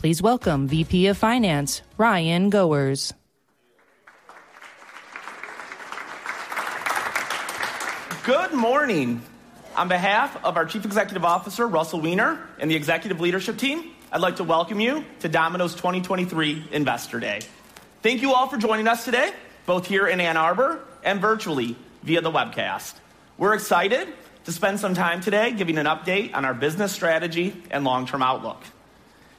Please welcome VP of Finance, Ryan Goers. Good morning! On behalf of our Chief Executive Officer, Russell Weiner, and the executive leadership team, I'd like to welcome you to Domino's 2023 Investor Day. Thank you all for joining us today, both here in Ann Arbor and virtually via the webcast. We're excited to spend some time today giving an update on our business strategy and long-term outlook.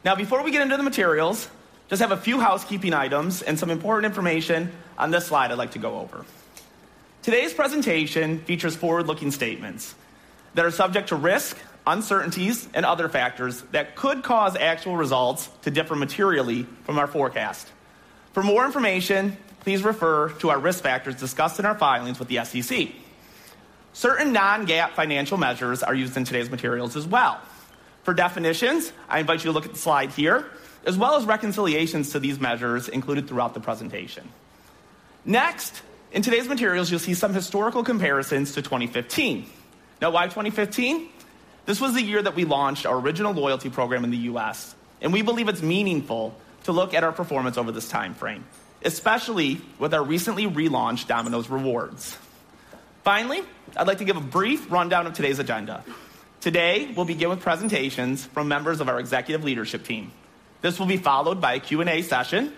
Now, before we get into the materials, just have a few housekeeping items and some important information on this slide I'd like to go over. Today's presentation features forward-looking statements that are subject to risk, uncertainties, and other factors that could cause actual results to differ materially from our forecast. For more information, please refer to our risk factors discussed in our filings with the SEC. Certain non-GAAP financial measures are used in today's materials as well. For definitions, I invite you to look at the slide here, as well as reconciliations to these measures included throughout the presentation. Next, in today's materials, you'll see some historical comparisons to 2015. Now, why 2015? This was the year that we launched our original loyalty program in the U.S., and we believe it's meaningful to look at our performance over this timeframe, especially with our recently relaunched Domino's Rewards. Finally, I'd like to give a brief rundown of today's agenda. Today, we'll begin with presentations from members of our executive leadership team. This will be followed by a Q&A session.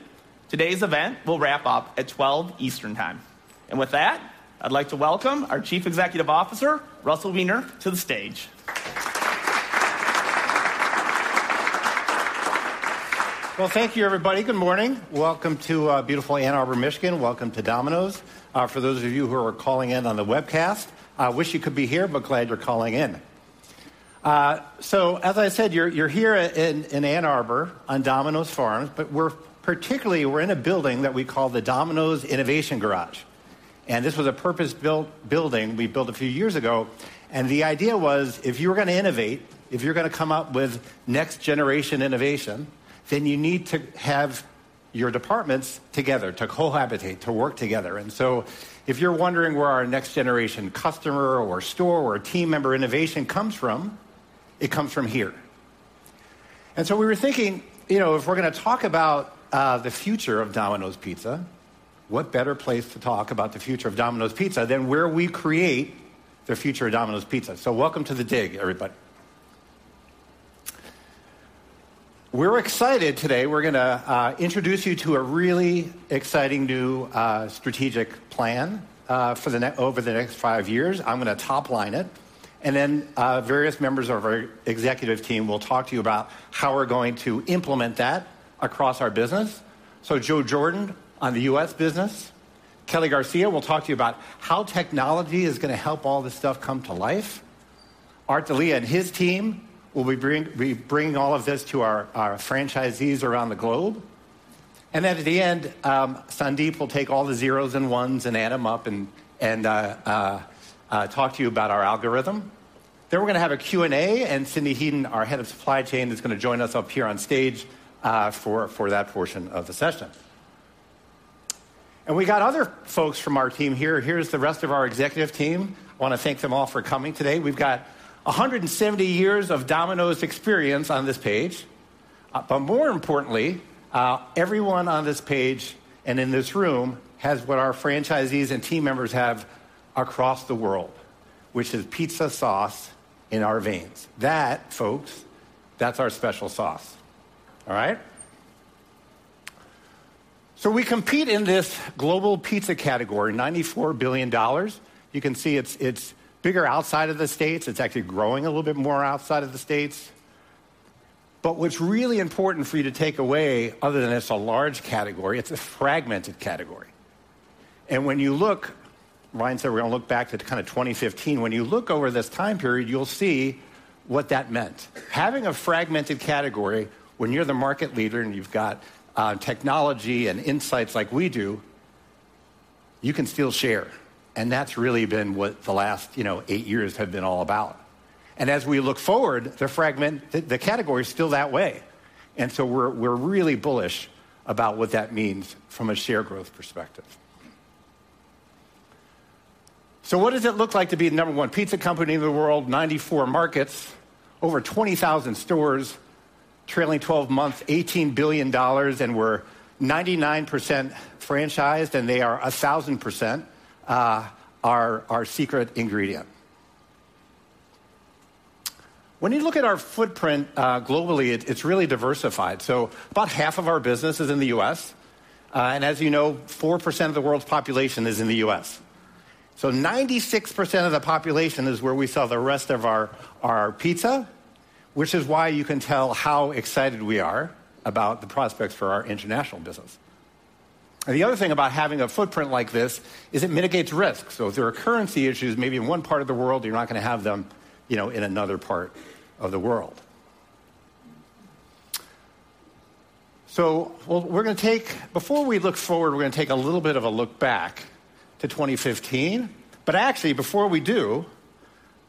Today's event will wrap up at 12:00 P.M. Eastern Time. And with that, I'd like to welcome our Chief Executive Officer, Russell Weiner, to the stage. Well, thank you, everybody. Good morning. Welcome to beautiful Ann Arbor, Michigan. Welcome to Domino's. For those of you who are calling in on the webcast, I wish you could be here, but glad you're calling in. So as I said, you're here in Ann Arbor on Domino's Farms, but we're particularly in a building that we call the Domino's Innovation Garage, and this was a purpose-built building we built a few years ago, and the idea was, if you were gonna innovate, if you're gonna come up with next-generation innovation, then you need to have your departments together to cohabitate, to work together. And so if you're wondering where our next-generation customer or store or team member innovation comes from, it comes from here. And so we were thinking, you know, if we're gonna talk about the future of Domino's Pizza, what better place to talk about the future of Domino's Pizza than where we create the future of Domino's Pizza? So welcome to The DIG, everybody. We're excited today. We're gonna introduce you to a really exciting new strategic plan for over the next five years. I'm gonna top line it, and then various members of our executive team will talk to you about how we're going to implement that across our business. So Joe Jordan, on the U.S. business, Kelly Garcia will talk to you about how technology is gonna help all this stuff come to life. Art D'Elia and his team will be bringing all of this to our franchisees around the globe. Then at the end, Sandeep will take all the zeros and ones and add them up and talk to you about our algorithm. Then we're gonna have a Q&A, and Cynthia Headen, our head of supply chain, is gonna join us up here on stage for that portion of the session. And we got other folks from our team here. Here's the rest of our executive team. I wanna thank them all for coming today. We've got 170 years of Domino's experience on this page. But more importantly, everyone on this page and in this room has what our franchisees and team members have across the world, which is pizza sauce in our veins. That, folks, that's our special sauce. All right? So we compete in this global pizza category, $94 billion. You can see it's bigger outside of the States. It's actually growing a little bit more outside of the States. But what's really important for you to take away, other than it's a large category, it's a fragmented category. And when you look, Ryan said we're gonna look back to kind of 2015. When you look over this time period, you'll see what that meant. Having a fragmented category when you're the market leader, and you've got technology and insights like we do, you can still share, and that's really been what the last, you know, eight years have been all about. And as we look forward, the category is still that way, and so we're really bullish about what that means from a share growth perspective. So what does it look like to be the number one pizza company in the world? 94 markets, over 20,000 stores, TTM $18 billion, and we're 99% franchised, and they are 1000%, our secret ingredient. When you look at our footprint globally, it's really diversified. So about half of our business is in the U.S. And as you know, 4% of the world's population is in the U.S. So 96% of the population is where we sell the rest of our pizza, which is why you can tell how excited we are about the prospects for our international business. And the other thing about having a footprint like this is it mitigates risk. So if there are currency issues, maybe in one part of the world, you're not gonna have them, you know, in another part of the world. So we're gonna take a little bit of a look back to 2015 before we look forward. But actually, before we do,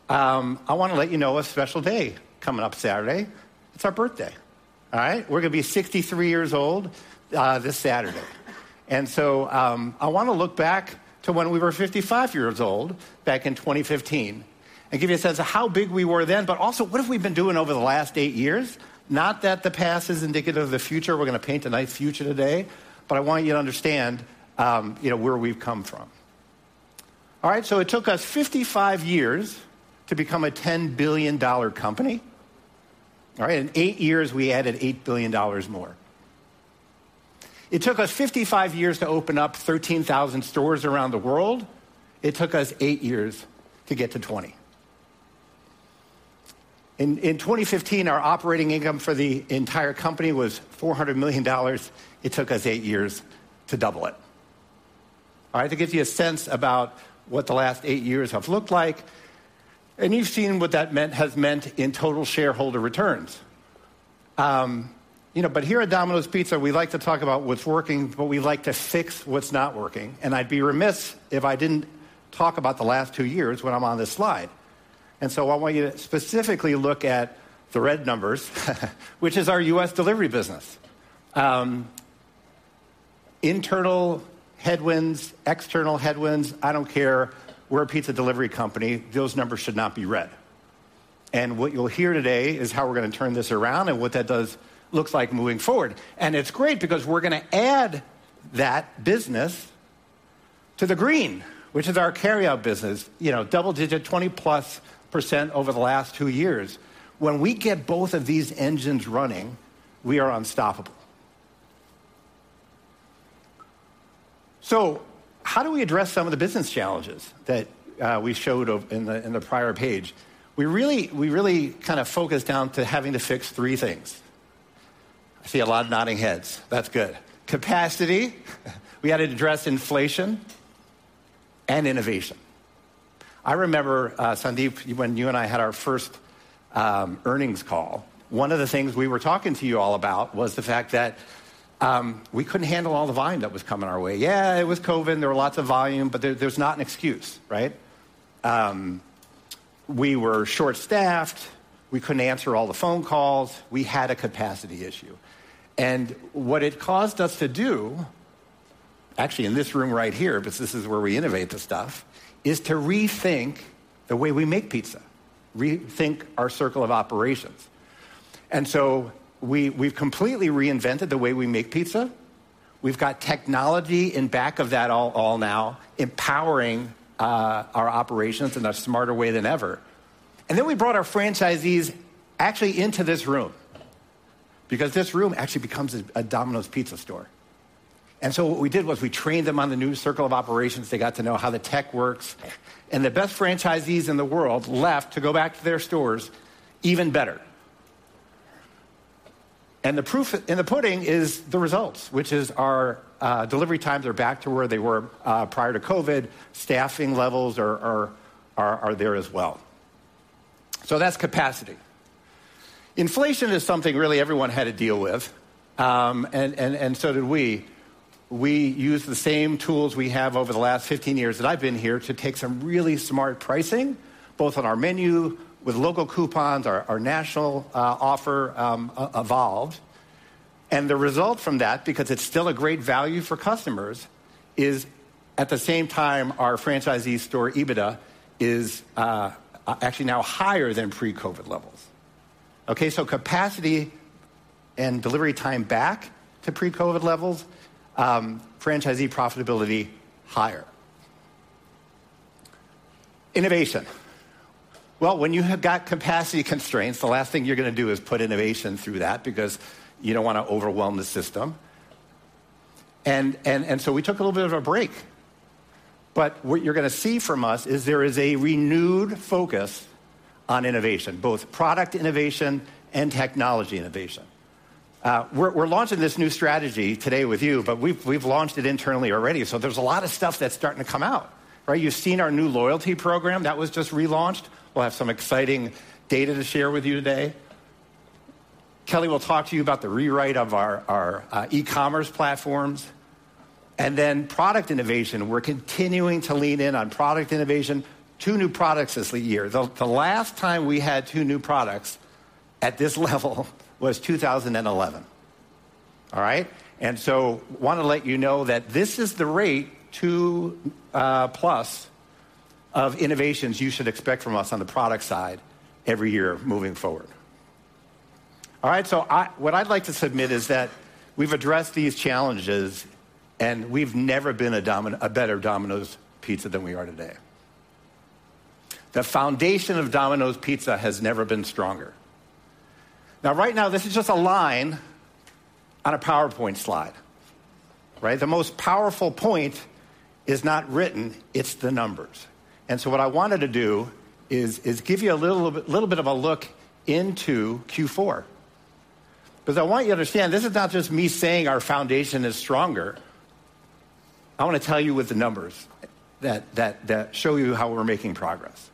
I wanna let you know a special day coming up Saturday. It's our birthday. All right? We're gonna be 63 years old, this Saturday. And so, I wanna look back to when we were 55 years old, back in 2015, and give you a sense of how big we were then, but also what have we been doing over the last eight years? Not that the past is indicative of the future, we're gonna paint a nice future today, but I want you to understand, you know, where we've come from. All right, so it took us 55 years to become a $10 billion company. All right, in eight years, we added $8 billion more. It took us 55 years to open up 13,000 stores around the world. It took us eight years to get to 20,000. In 2015, our operating income for the entire company was $400 million. It took us eight years to double it. All right, to give you a sense about what the last eight years have looked like, and you've seen what that has meant in total shareholder returns. You know, but here at Domino's Pizza, we like to talk about what's working, but we like to fix what's not working. And I'd be remiss if I didn't talk about the last two years when I'm on this slide. And so I want you to specifically look at the red numbers, which is our U.S. delivery business. Internal headwinds, external headwinds, I don't care. We're a pizza delivery company, those numbers should not be red. What you'll hear today is how we're gonna turn this around and what that looks like moving forward. It's great because we're gonna add that business to the green, which is our carryout business. You know, double-digit, 20%+ over the last two years. When we get both of these engines running, we are unstoppable. So how do we address some of the business challenges that we showed off in the prior page? We really kinda focused down to having to fix three things. I see a lot of nodding heads. That's good. Capacity, we had to address inflation and innovation. I remember, Sandeep, when you and I had our first earnings call, one of the things we were talking to you all about was the fact that we couldn't handle all the volume that was coming our way. Yeah, it was COVID. There was lots of volume, but there, there's not an excuse, right? We were short-staffed, we couldn't answer all the phone calls, we had a capacity issue. And what it caused us to do, actually, in this room right here, because this is where we innovate the stuff, is to rethink the way we make pizza, rethink our Circle of Operations. And so we, we've completely reinvented the way we make pizza. We've got technology in back of that all now, empowering our operations in a smarter way than ever. And then we brought our franchisees actually into this room, because this room actually becomes a Domino's Pizza store. And so what we did was we trained them on the new Circle of Operations. They got to know how the tech works, and the best franchisees in the world left to go back to their stores even better. And the proof in the pudding is the results, which is our delivery times are back to where they were prior to COVID. Staffing levels are there as well. So that's capacity. Inflation is something really everyone had to deal with, and so did we. We used the same tools we have over the last 15 years that I've been here to take some really smart pricing, both on our menu, with local coupons, our national offer, evolved. The result from that, because it's still a great value for customers, is, at the same time, our franchisee store EBITDA is actually now higher than pre-COVID levels. Okay, so capacity and delivery time back to pre-COVID levels, franchisee profitability, higher. Innovation. Well, when you have got capacity constraints, the last thing you're gonna do is put innovation through that, because you don't wanna overwhelm the system. And so we took a little bit of a break, but what you're gonna see from us is there is a renewed focus on innovation, both product innovation and technology innovation. We're launching this new strategy today with you, but we've launched it internally already, so there's a lot of stuff that's starting to come out, right? You've seen our new loyalty program that was just relaunched. We'll have some exciting data to share with you today. Kelly will talk to you about the rewrite of our e-commerce platforms. Then product innovation, we're continuing to lean in on product innovation. Two new products this year. The last time we had two new products at this level was 2011. All right? So wanna let you know that this is the rate of 2+ innovations you should expect from us on the product side every year moving forward. All right, so what I'd like to submit is that we've addressed these challenges, and we've never been a better Domino's Pizza than we are today. The foundation of Domino's Pizza has never been stronger. Now, right now, this is just a line on a PowerPoint slide, right? The most powerful point is not written, it's the numbers. What I wanted to do is give you a little bit of a look into Q4, because I want you to understand this is not just me saying our foundation is stronger. I wanna tell you with the numbers that show you how we're making progress.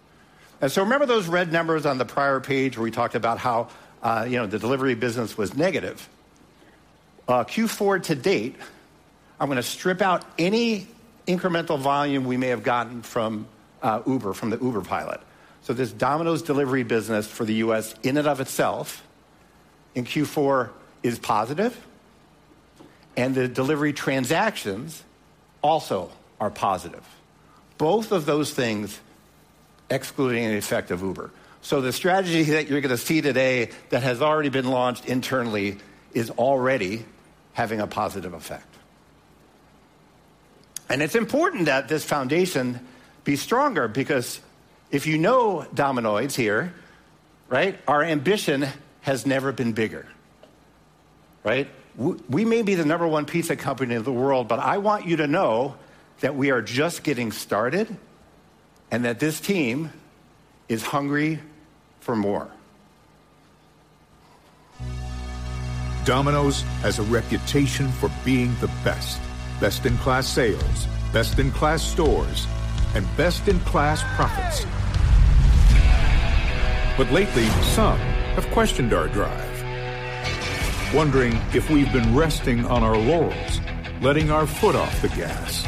And so remember those red numbers on the prior page, where we talked about how, you know, the delivery business was negative? Q4 to date, I'm gonna strip out any incremental volume we may have gotten from Uber, from the Uber pilot. So this Domino's delivery business for the U.S., in and of itself, in Q4 is positive, and the delivery transactions also are positive. Both of those things excluding the effect of Uber. So the strategy that you're gonna see today that has already been launched internally, is already having a positive effect. And it's important that this foundation be stronger, because if you know Domino's here, right? Our ambition has never been bigger. Right? We may be the number one pizza company in the world, but I want you to know that we are just getting started, and that this team is hungry for more. Domino's has a reputation for being the best. Best-in-class sales, best-in-class stores, and best-in-class profits. But lately, some have questioned our drive, wondering if we've been resting on our laurels, letting our foot off the gas.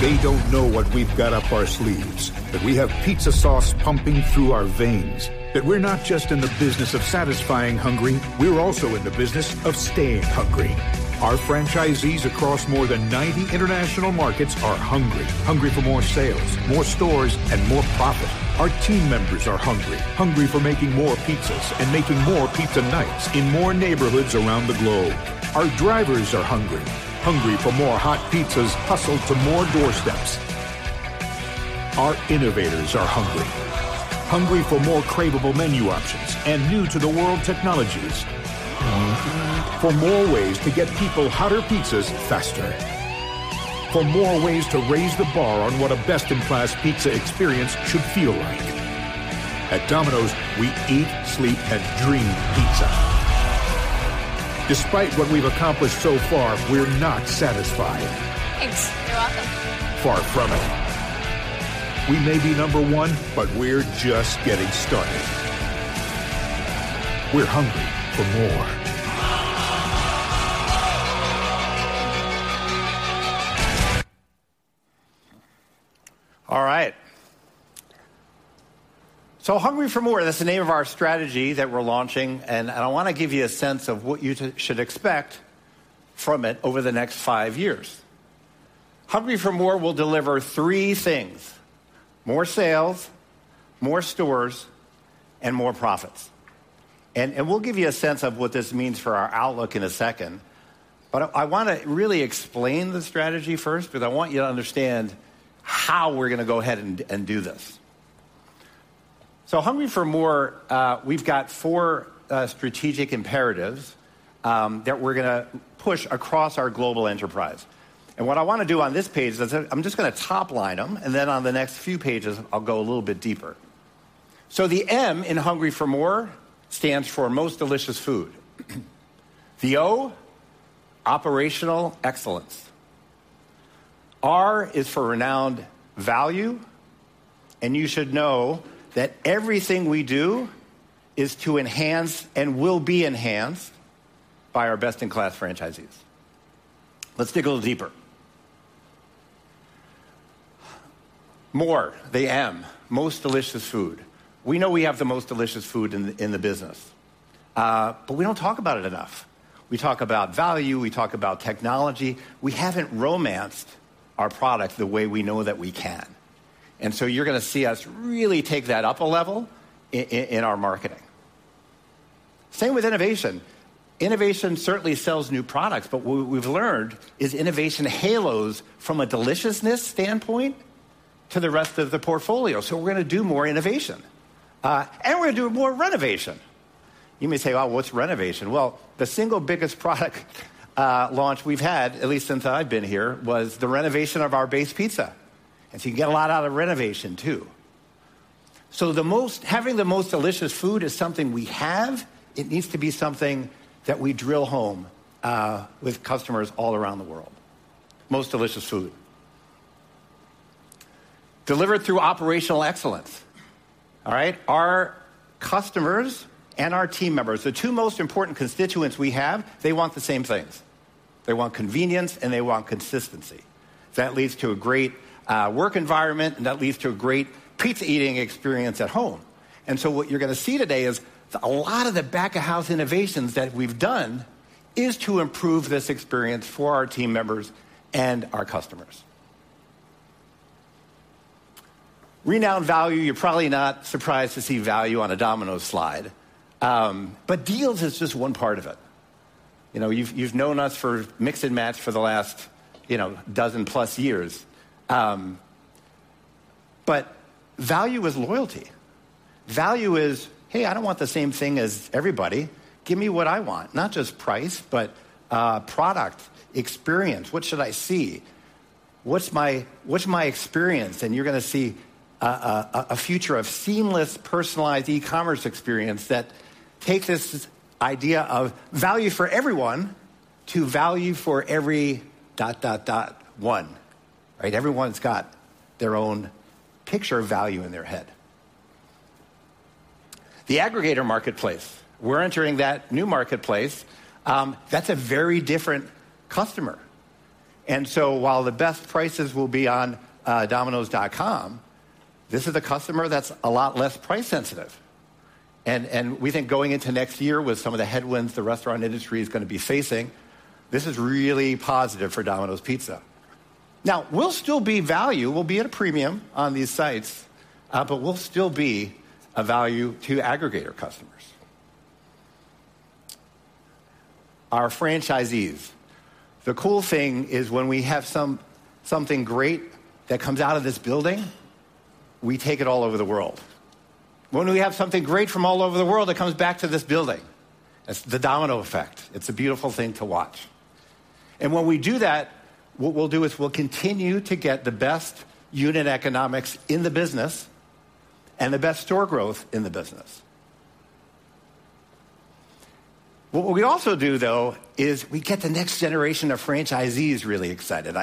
They don't know what we've got up our sleeves, that we have pizza sauce pumping through our veins, that we're not just in the business of satisfying hungry, we're also in the business of staying hungry. Our franchisees across more than 90 international markets are hungry. Hungry for more sales, more stores, and more profit. Our team members are hungry. Hungry for making more pizzas and making more pizza nights in more neighborhoods around the globe. Our drivers are hungry. Hungry for more hot pizzas hustled to more doorsteps. Our innovators are hungry. Hungry for more craveable menu options and new-to-the-world technologies. For more ways to get people hotter pizzas faster. For more ways to raise the bar on what a best-in-class pizza experience should feel like. At Domino's, we eat, sleep, and dream pizza. Despite what we've accomplished so far, we're not satisfied. Far from it. We may be number one, but we're just getting started. We're hungry for MORE. All right. So Hungry for MORE, that's the name of our strategy that we're launching, and I wanna give you a sense of what you should expect from it over the next five years. Hungry for MORE will deliver three things: more sales, more stores, and more profits. And we'll give you a sense of what this means for our outlook in a second. But I wanna really explain the strategy first, because I want you to understand how we're gonna go ahead and do this. So Hungry for MORE, we've got four strategic imperatives that we're gonna push across our global enterprise. And what I wanna do on this page is I'm just gonna top line them, and then on the next few pages, I'll go a little bit deeper. So the M in Hungry for MORE stands for Most Delicious Food. The O, Operational Excellence. R is for Renowned Value, and you should know that everything we do is to enhance and will be enhanced by our best-in-class franchisees. Let's dig a little deeper. MORE, the M, Most Delicious Food. We know we have the most delicious food in the business, but we don't talk about it enough. We talk about value, we talk about technology. We haven't romanced our product the way we know that we can. And so you're gonna see us really take that up a level in our marketing. Same with innovation. Innovation certainly sells new products, but what we've learned is innovation halos from a deliciousness standpoint to the rest of the portfolio. So we're gonna do more innovation, and we're gonna do more renovation. You may say, "Well, what's renovation?" Well, the single biggest product launch we've had, at least since I've been here, was the renovation of our base pizza. And so you can get a lot out of renovation, too. So having the most delicious food is something we have. It needs to be something that we drill home with customers all around the world. Most Delicious Food. Delivered through Operational Excellence. All right? Our customers and our team members, the two most important constituents we have, they want the same things. They want convenience, and they want consistency. That leads to a great work environment, and that leads to a great pizza-eating experience at home. And so what you're gonna see today is a lot of the back-of-house innovations that we've done is to improve this experience for our team members and our customers. Renowned value, you're probably not surprised to see value on a Domino's slide, but deals is just one part of it. You know, you've, you've known us for Mix and Match for the last, you know, 12+years. But value is loyalty. Value is, "Hey, I don't want the same thing as everybody. Give me what I want." Not just price, but, product, experience. What should I see? What's my, what's my experience? And you're gonna see a future of seamless, personalized e-commerce experience that take this idea of value for everyone to value for every..., one, right? Everyone's got their own picture of value in their head. The aggregator marketplace, we're entering that new marketplace. That's a very different customer.... And so while the best prices will be on dominos.com, this is a customer that's a lot less price sensitive. And we think going into next year with some of the headwinds the restaurant industry is gonna be facing, this is really positive for Domino's Pizza. Now, we'll still be value. We'll be at a premium on these sites, but we'll still be a value to aggregator customers. Our franchisees. The cool thing is, when we have something great that comes out of this building, we take it all over the world. When we have something great from all over the world, it comes back to this building. That's the domino effect. It's a beautiful thing to watch. And when we do that, what we'll do is we'll continue to get the best unit economics in the business and the best store growth in the business. What we also do, though, is we get the next generation of franchisees really excited.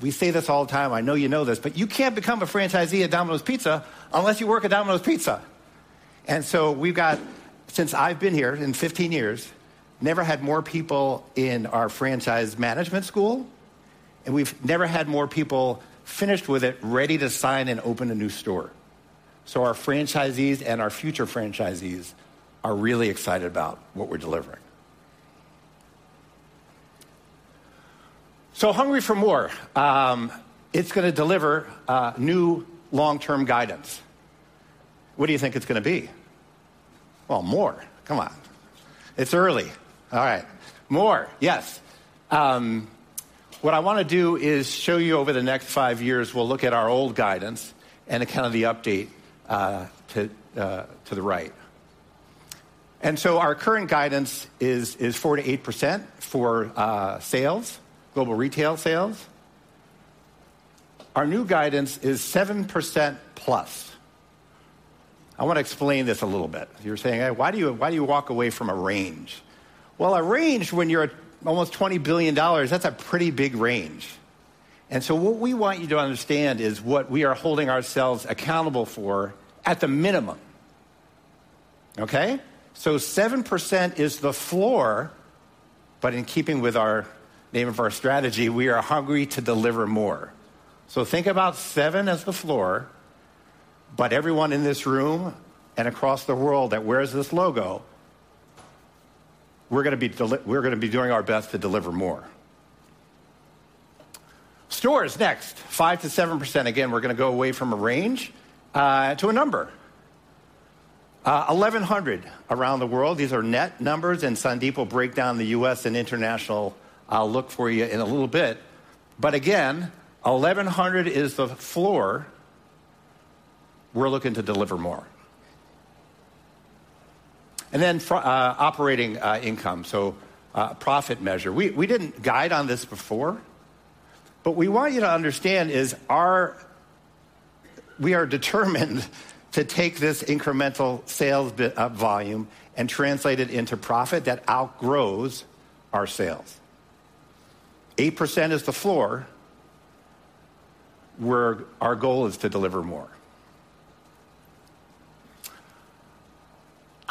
We say this all the time, I know you know this, but you can't become a franchisee at Domino's Pizza unless you work at Domino's Pizza. And so we've got, since I've been here, in 15 years, never had more people in our franchise management school, and we've never had more people finished with it, ready to sign and open a new store. So our franchisees and our future franchisees are really excited about what we're delivering. So Hungry for MORE. It's gonna deliver new long-term guidance. What do you think it's gonna be? Well, more. Come on. It's early. All right. More, yes. What I wanna do is show you over the next five years, we'll look at our old guidance and a kind of the update to the right. And so our current guidance is 4%-8% for sales, global retail sales. Our new guidance is 7%+. I wanna explain this a little bit. You're saying, "Why do you, why do you walk away from a range?" Well, a range, when you're at almost $20 billion, that's a pretty big range. And so what we want you to understand is what we are holding ourselves accountable for at the minimum, okay? So 7% is the floor, but in keeping with our name of our strategy, we are hungry to deliver more. So think about 7% as the floor, but everyone in this room and across the world that wears this logo, we're gonna be doing our best to deliver more. Stores, next. 5%-7%. Again, we're gonna go away from a range to a number. 1,100 around the world. These are net numbers, and Sandeep will break down the U.S. and international look for you in a little bit. But again, 1,100 is the floor. We're looking to deliver more. And then operating income, so, profit measure. We didn't guide on this before, but we want you to understand is our... We are determined to take this incremental sales volume and translate it into profit that outgrows our sales. 8% is the floor, where our goal is to deliver more.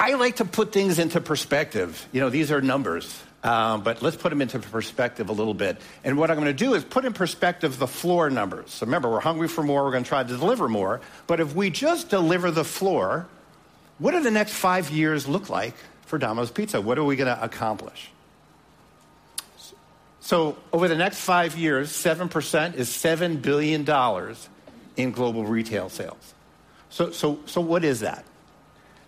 I like to put things into perspective. You know, these are numbers, but let's put them into perspective a little bit. What I'm gonna do is put in perspective the floor numbers. So remember, we're hungry for more. We're gonna try to deliver more, but if we just deliver the floor, what do the next five years look like for Domino's Pizza? What are we gonna accomplish? So over the next five years, 7% is $7 billion in global retail sales. So, so, so what is that?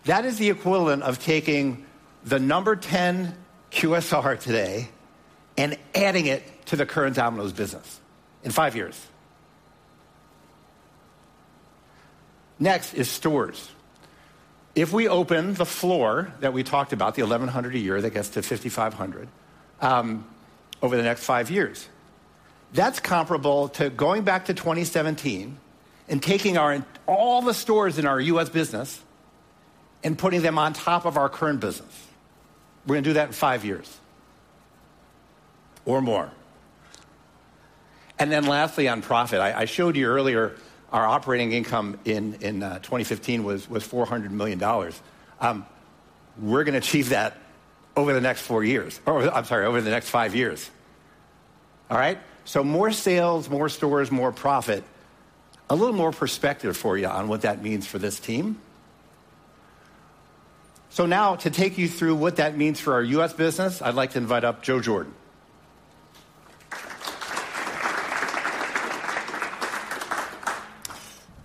That is the equivalent of taking the number 10 QSR today and adding it to the current Domino's business in five years. Next is stores. If we open the floor that we talked about, the 1,100 a year, that gets to 5,500 over the next five years, that's comparable to going back to 2017 and taking our... all the stores in our U.S. business and putting them on top of our current business. We're gonna do that in five years or more. And then lastly, on profit, I, I showed you earlier, our operating income in, in, 2015 was, was $400 million. We're gonna achieve that over the next four years, or I'm sorry, over the next five years. All right? So more sales, more stores, more profit. A little more perspective for you on what that means for this team. So now, to take you through what that means for our U.S. business, I'd like to invite up Joe Jordan.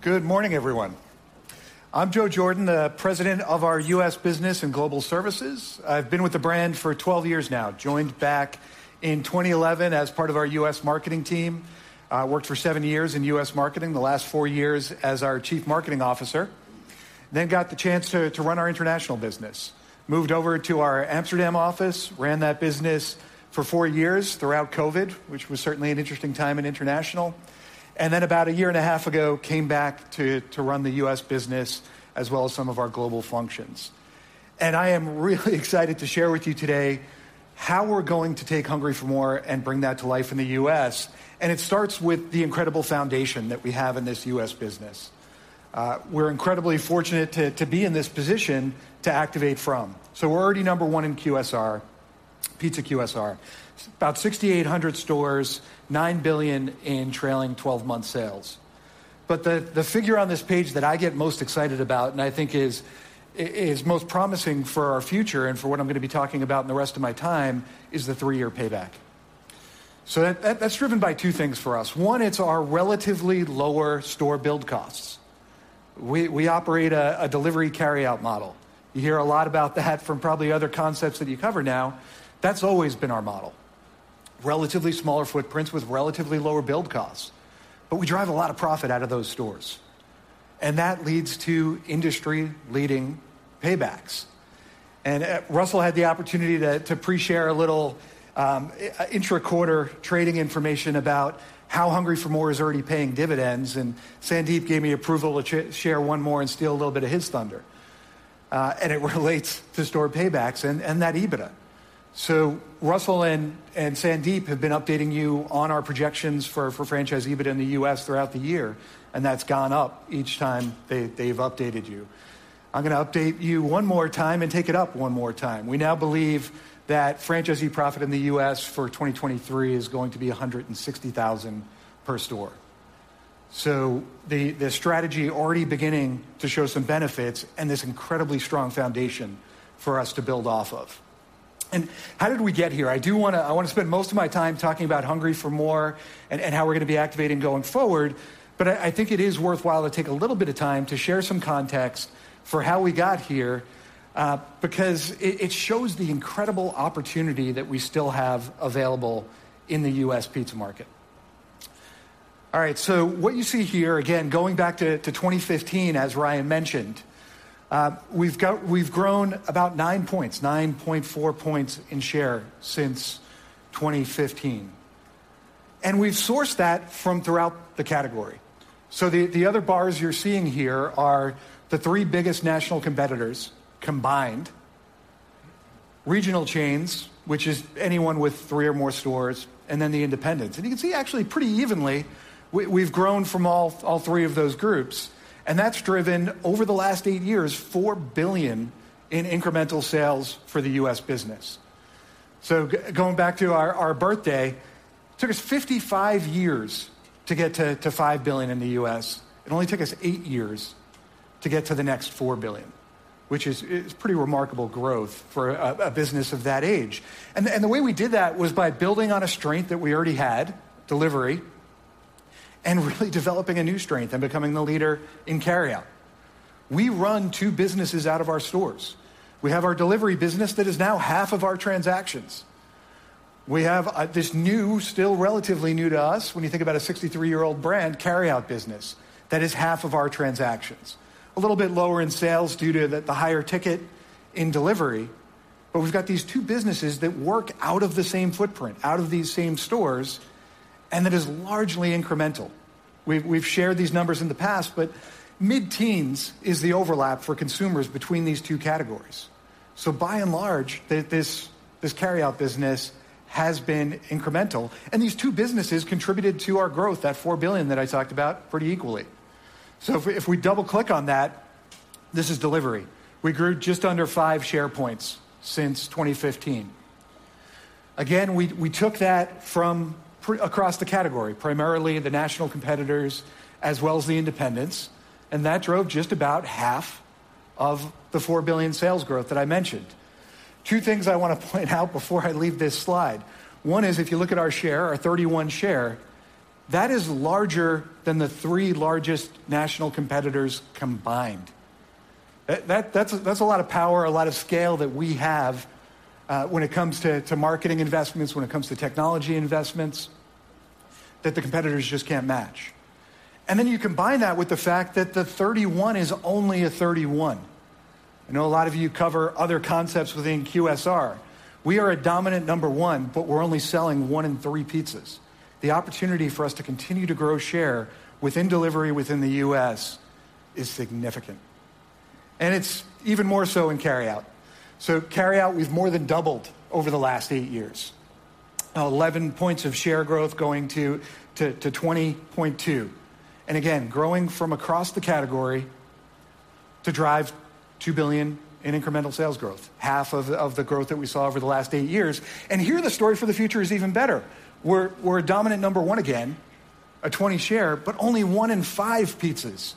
Good morning, everyone. I'm Joe Jordan, the President of our U.S. Business and Global Services. I've been with the brand for 12 years now. Joined back in 2011 as part of our U.S. marketing team. Worked for seven years in U.S. marketing, the last four years as our Chief Marketing Officer, then got the chance to run our international business. Moved over to our Amsterdam office, ran that business for four years throughout COVID, which was certainly an interesting time in international, and then about a year and a half ago, came back to run the U.S. business, as well as some of our global functions. I am really excited to share with you today how we're going to take Hungry for MORE and bring that to life in the U.S., and it starts with the incredible foundation that we have in this U.S. business.... We're incredibly fortunate to be in this position to activate from. So we're already number one in QSR, pizza QSR. About 6,800 stores, $9 billion in trailing twelve-month sales. But the figure on this page that I get most excited about, and I think is most promising for our future and for what I'm gonna be talking about in the rest of my time, is the three-year payback. So that's driven by two things for us. One, it's our relatively lower store build costs. We operate a delivery carryout model. You hear a lot about that from probably other concepts that you cover now. That's always been our model. Relatively smaller footprints with relatively lower build costs. But we drive a lot of profit out of those stores, and that leads to industry-leading paybacks. Russell had the opportunity to pre-share a little intra-quarter trading information about how HungryforMore is already paying dividends, and Sandeep gave me approval to share one more and steal a little bit of his thunder. It relates to store paybacks and that EBITDA. Russell and Sandeep have been updating you on our projections for franchise EBITDA in the U.S. throughout the year, and that's gone up each time they've updated you. I'm gonna update you one more time and take it up one more time. We now believe that franchisee profit in the U.S. for 2023 is going to be $160,000 per store. The strategy already beginning to show some benefits and this incredibly strong foundation for us to build off of. How did we get here? I wanna spend most of my time talking about Hungry for MORE and how we're gonna be activating going forward, but I think it is worthwhile to take a little bit of time to share some context for how we got here, because it shows the incredible opportunity that we still have available in the U.S. pizza market. All right, so what you see here, again, going back to 2015, as Ryan mentioned, we've grown about 9 points, 9.4 points in share since 2015. And we've sourced that from throughout the category. So the other bars you're seeing here are the three biggest national competitors combined, regional chains, which is anyone with three or more stores, and then the independents. And you can see, actually, pretty evenly, we, we've grown from all three of those groups, and that's driven, over the last eight years, $4 billion in incremental sales for the U.S. business. So going back to our birthday, took us 55 years to get to $5 billion in the U.S. It only took us eight years to get to the next $4 billion, which is pretty remarkable growth for a business of that age. And the way we did that was by building on a strength that we already had, delivery, and really developing a new strength and becoming the leader in carryout. We run two businesses out of our stores. We have our delivery business that is now half of our transactions. We have this new, still relatively new to us, when you think about a 63-year-old brand, carryout business that is half of our transactions. A little bit lower in sales due to the higher ticket in delivery, but we've got these two businesses that work out of the same footprint, out of these same stores, and that is largely incremental. We've shared these numbers in the past, but mid-teens is the overlap for consumers between these two categories. So by and large, this carryout business has been incremental, and these two businesses contributed to our growth, that $4 billion that I talked about, pretty equally. So if we double-click on that, this is delivery. We grew just under 5 share points since 2015. Again, we took that from across the category, primarily the national competitors as well as the independents, and that drove just about half of the $4 billion sales growth that I mentioned. Two things I wanna point out before I leave this slide. One is, if you look at our share, our 31% share, that is larger than the three largest national competitors combined. That's a lot of power, a lot of scale that we have when it comes to marketing investments, when it comes to technology investments, that the competitors just can't match. And then you combine that with the fact that the 31% is only a 31%. I know a lot of you cover other concepts within QSR. We are a dominant number one, but we're only selling one in three pizzas. The opportunity for us to continue to grow share within delivery within the U.S. is significant, and it's even more so in carryout. So carryout, we've more than doubled over the last eight years. 11 points of share growth, going to 20.2. And again, growing from across the category to drive $2 billion in incremental sales growth, half of the growth that we saw over the last eight years. And here, the story for the future is even better. We're a dominant number one again, a 20 share, but only one in five pizzas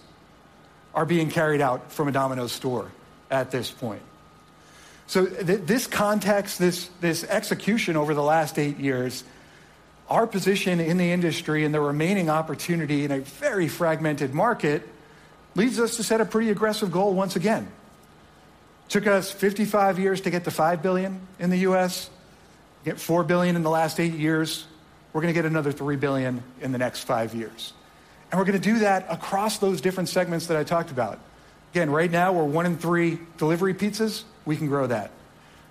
are being carried out from a Domino's store at this point. So this context, this execution over the last eight years, our position in the industry and the remaining opportunity in a very fragmented market, leads us to set a pretty aggressive goal once again. Took us 55 years to get to $5 billion in the U.S., get $4 billion in the last eight years. We're gonna get another $3 billion in the next five years, and we're gonna do that across those different segments that I talked about. Again, right now, we're one in three delivery pizzas. We can grow that.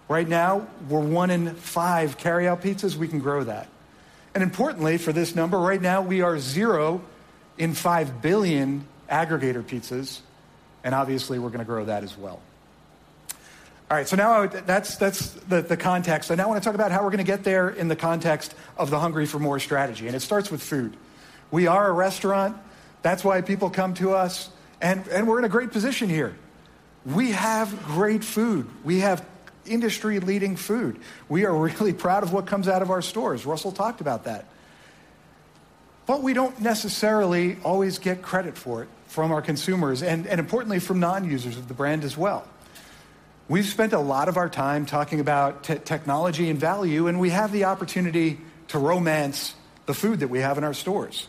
Right now, we're one in five carryout pizzas. We can grow that. And importantly, for this number, right now, we are zero in $5 billion aggregator pizzas, and obviously, we're gonna grow that as well. All right, so now, that's the context. So now I want to talk about how we're going to get there in the context of the Hungry for MORE strategy, and it starts with food. We are a restaurant. That's why people come to us, and we're in a great position here. We have great food. We have industry-leading food. We are really proud of what comes out of our stores. Russell talked about that. But we don't necessarily always get credit for it from our consumers, and importantly, from non-users of the brand as well. We've spent a lot of our time talking about technology and value, and we have the opportunity to romance the food that we have in our stores.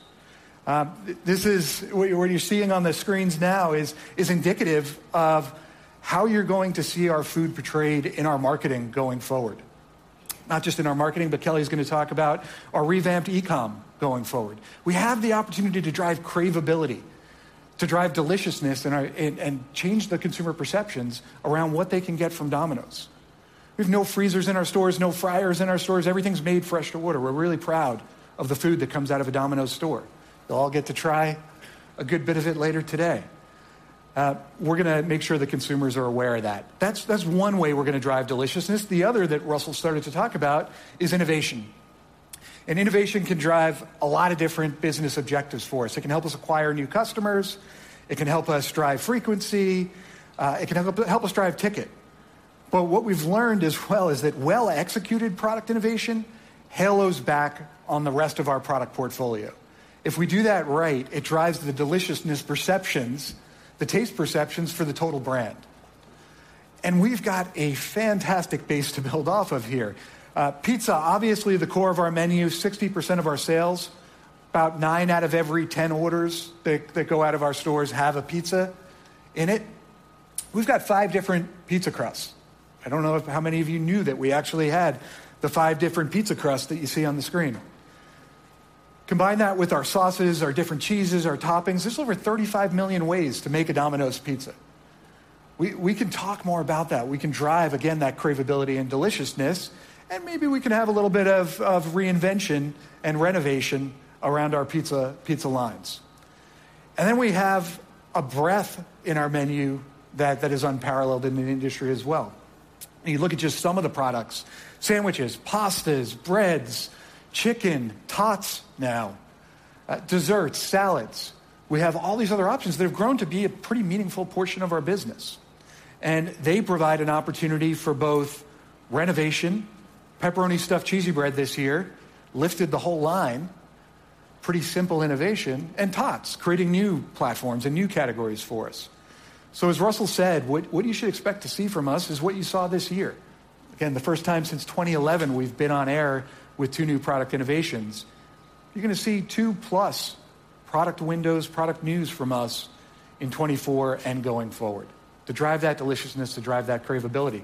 This is what you're seeing on the screens now is indicative of how you're going to see our food portrayed in our marketing going forward. Not just in our marketing, but Kelly's gonna talk about our revamped e-com going forward. We have the opportunity to drive craveability, to drive deliciousness in our and change the consumer perceptions around what they can get from Domino's. We have no freezers in our stores, no fryers in our stores. Everything's made fresh to order. We're really proud of the food that comes out of a Domino's store. You'll all get to try a good bit of it later today. We're gonna make sure the consumers are aware of that. That's, that's one way we're gonna drive deliciousness. The other, that Russell started to talk about, is innovation. And innovation can drive a lot of different business objectives for us. It can help us acquire new customers, it can help us drive frequency, it can help us drive ticket. But what we've learned as well is that well-executed product innovation halos back on the rest of our product portfolio. If we do that right, it drives the deliciousness perceptions, the taste perceptions for the total brand. And we've got a fantastic base to build off of here. Pizza, obviously, the core of our menu, 60% of our sales, about nine out of every ten orders that go out of our stores have a pizza in it. We've got five different pizza crusts. I don't know if how many of you knew that we actually had the five different pizza crusts that you see on the screen? Combine that with our sauces, our different cheeses, our toppings, there's over 35 million ways to make a Domino's Pizza. We can talk more about that. We can drive, again, that craveability and deliciousness, and maybe we can have a little bit of reinvention and renovation around our pizza lines. And then we have a breadth in our menu that is unparalleled in the industry as well. You look at just some of the products: sandwiches, pastas, breads, chicken, Tots now, desserts, salads. We have all these other options that have grown to be a pretty meaningful portion of our business, and they provide an opportunity for both renovation. Pepperoni Stuffed Cheesy Bread this year lifted the whole line, pretty simple innovation, and Tots, creating new platforms and new categories for us. So as Russell said, what you should expect to see from us is what you saw this year. Again, the first time since 2011, we've been on air with two new product innovations. You're gonna see two-plus product windows, product news from us in 2024 and going forward, to drive that deliciousness, to drive that craveability.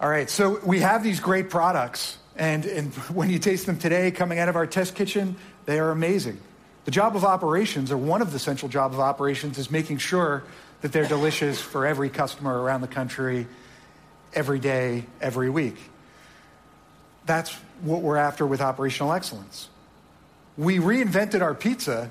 All right, so we have these great products, and when you taste them today, coming out of our test kitchen, they are amazing. The job of operations, or one of the central jobs of operations, is making sure that they're delicious for every customer around the country, every day, every week. That's what we're after with Operational Excellence. We reinvented our pizza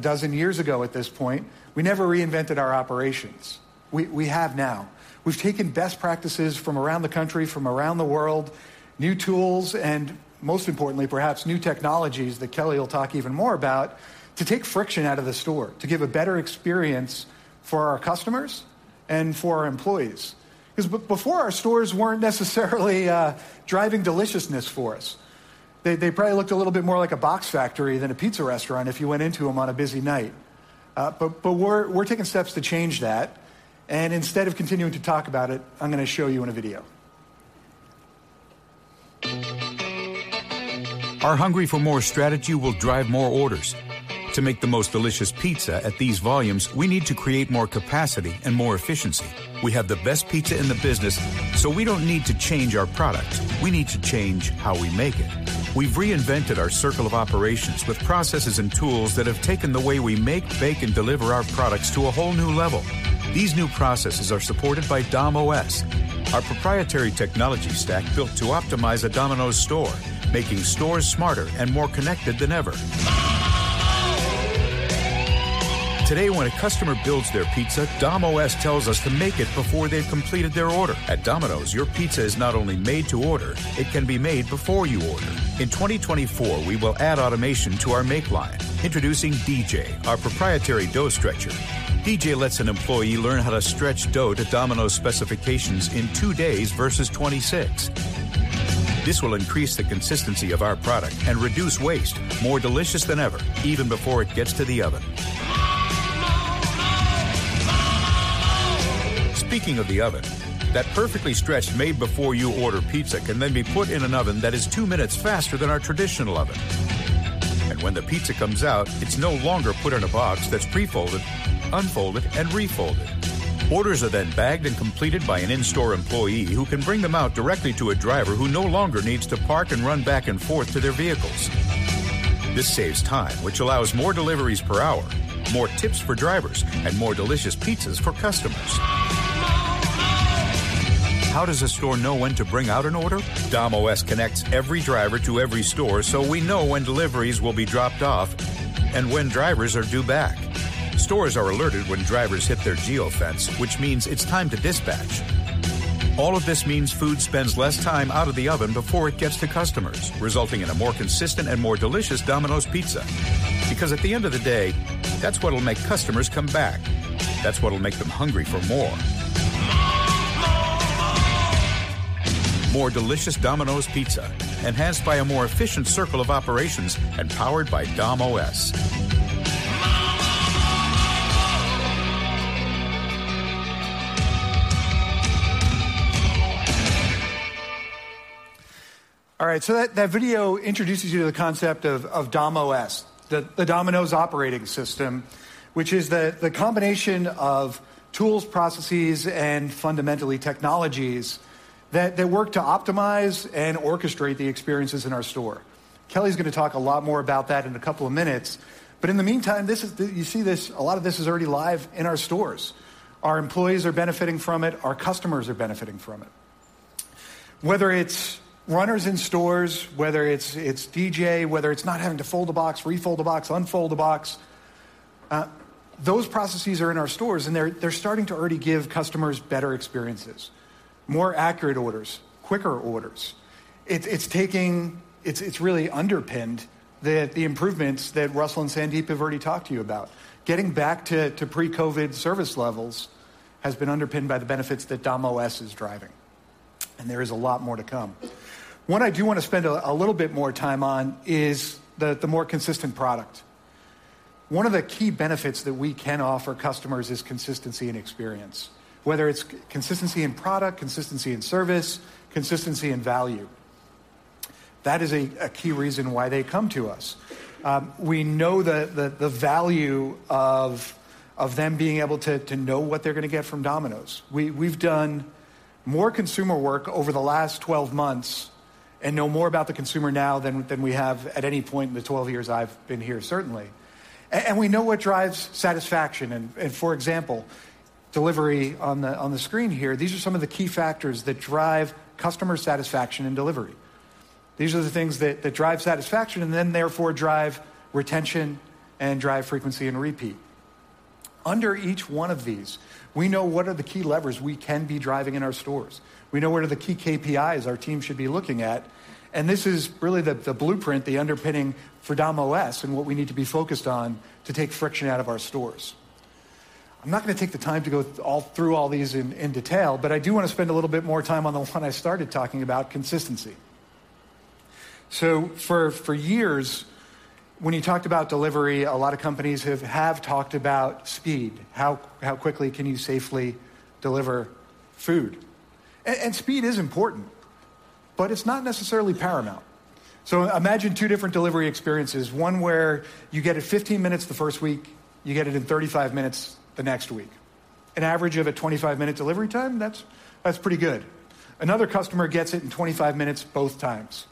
12 years ago at this point. We never reinvented our operations. We, we have now. We've taken best practices from around the country, from around the world, new tools, and most importantly, perhaps, new technologies, that Kelly will talk even more about, to take friction out of the store, to give a better experience for our customers and for our employees. Because before, our stores weren't necessarily driving deliciousness for us. They, they probably looked a little bit more like a box factory than a pizza restaurant if you went into them on a busy night. But we're taking steps to change that, and instead of continuing to talk about it, I'm gonna show you in a video. Our Hungry for MORE strategy will drive more orders. To make the most delicious pizza at these volumes, we need to create more capacity and more efficiency. We have the best pizza in the business, so we don't need to change our product. We need to change how we make it. We've reinvented our Circle of Operations with processes and tools that have taken the way we make, bake, and deliver our products to a whole new level. These new processes are supported by Dom.OS, our proprietary technology stack, built to optimize a Domino's store, making stores smarter and more connected than ever. More! Today, when a customer builds their pizza, Dom.OS tells us to make it before they've completed their order. At Domino's, your pizza is not only made to order, it can be made before you order. In 2024, we will add automation to our make line. Introducing DJ, our proprietary dough stretcher. DJ lets an employee learn how to stretch dough to Domino's specifications in two days versus 26. This will increase the consistency of our product and reduce waste. More delicious than ever, even before it gets to the oven. More, more, more. More, more, more! Speaking of the oven, that perfectly stretched, made before you order pizza can then be put in an oven that is two minutes faster than our traditional oven. And when the pizza comes out, it's no longer put in a box that's pre-folded, unfolded, and refolded. Orders are then bagged and completed by an in-store employee, who can bring them out directly to a driver, who no longer needs to park and run back and forth to their vehicles. This saves time, which allows more deliveries per hour, more tips for drivers, and more delicious pizzas for customers. ... How does a store know when to bring out an order? Dom.OS connects every driver to every store, so we know when deliveries will be dropped off and when drivers are due back. Stores are alerted when drivers hit their geofence, which means it's time to dispatch. All of this means food spends less time out of the oven before it gets to customers, resulting in a more consistent and more delicious Domino's Pizza. Because at the end of the day, that's what will make customers come back. That's what will make them hungry for more. More delicious Domino's Pizza, enhanced by a more efficient Circle of Operations and powered by Dom.OS. More, more, more, more! All right, so that video introduces you to the concept of Dom.OS, the Domino's operating system, which is the combination of tools, processes, and fundamentally, technologies that work to optimize and orchestrate the experiences in our store. Kelly's gonna talk a lot more about that in a couple of minutes, but in the meantime, this is, you see this, a lot of this is already live in our stores. Our employees are benefiting from it, our customers are benefiting from it. Whether it's runners in stores, whether it's DJ, whether it's not having to fold a box, refold a box, unfold a box, those processes are in our stores, and they're starting to already give customers better experiences, more accurate orders, quicker orders. It's really underpinned the improvements that Russell and Sandeep have already talked to you about. Getting back to pre-COVID service levels has been underpinned by the benefits that Dom.OS is driving, and there is a lot more to come. What I do wanna spend a little bit more time on is the more consistent product. One of the key benefits that we can offer customers is consistency in experience, whether it's consistency in product, consistency in service, consistency in value. That is a key reason why they come to us. We know the value of them being able to know what they're gonna get from Domino's. We’ve done more consumer work over the last 12 months and know more about the consumer now than we have at any point in the 12 years I’ve been here, certainly. And we know what drives satisfaction, and for example, delivery on the screen here, these are some of the key factors that drive customer satisfaction and delivery. These are the things that drive satisfaction and then therefore drive retention and drive frequency and repeat. Under each one of these, we know what are the key levers we can be driving in our stores. We know what are the key KPIs our team should be looking at, and this is really the blueprint, the underpinning for Dom.OS and what we need to be focused on to take friction out of our stores. I'm not gonna take the time to go all through all these in detail, but I do wanna spend a little bit more time on the one I started talking about, consistency. So for years, when you talked about delivery, a lot of companies have talked about speed. How quickly can you safely deliver food? And speed is important, but it's not necessarily paramount. So imagine two different delivery experiences, one where you get it 15 minutes the first week, you get it in 35 minutes the next week. An average of a 25-minute delivery time, that's pretty good. Another customer gets it in 25 minutes both times.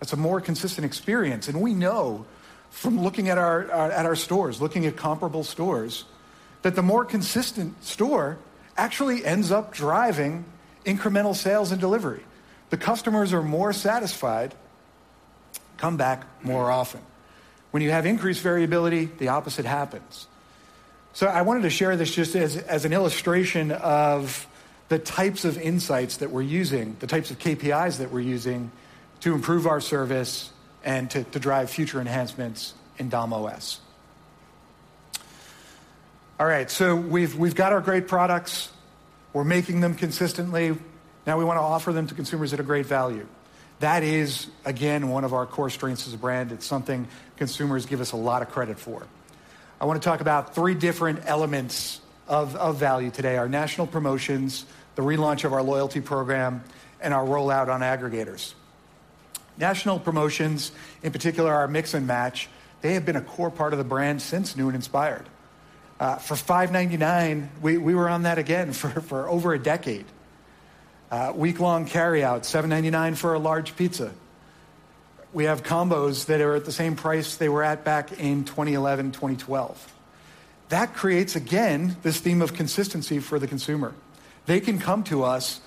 That's a more consistent experience, and we know from looking at our stores, looking at comparable stores, that the more consistent store actually ends up driving incremental sales and delivery. The customers are more satisfied, come back more often. When you have increased variability, the opposite happens. So I wanted to share this just as an illustration of the types of insights that we're using, the types of KPIs that we're using to improve our service and to drive future enhancements in Dom.OS. All right, so we've got our great products. We're making them consistently. Now we wanna offer them to consumers at a great value. That is, again, one of our core strengths as a brand. It's something consumers give us a lot of credit for. I wanna talk about three different elements of value today: our national promotions, the relaunch of our loyalty program, and our rollout on aggregators. National promotions, in particular, our Mix and Match, they have been a core part of the brand since New and Inspired. For $5.99, we were on that again for over a decade. Weeklong Carryout, $7.99 for a large pizza. We have combos that are at the same price they were at back in 2011, 2012. That creates, again, this theme of consistency for the consumer. They can come to us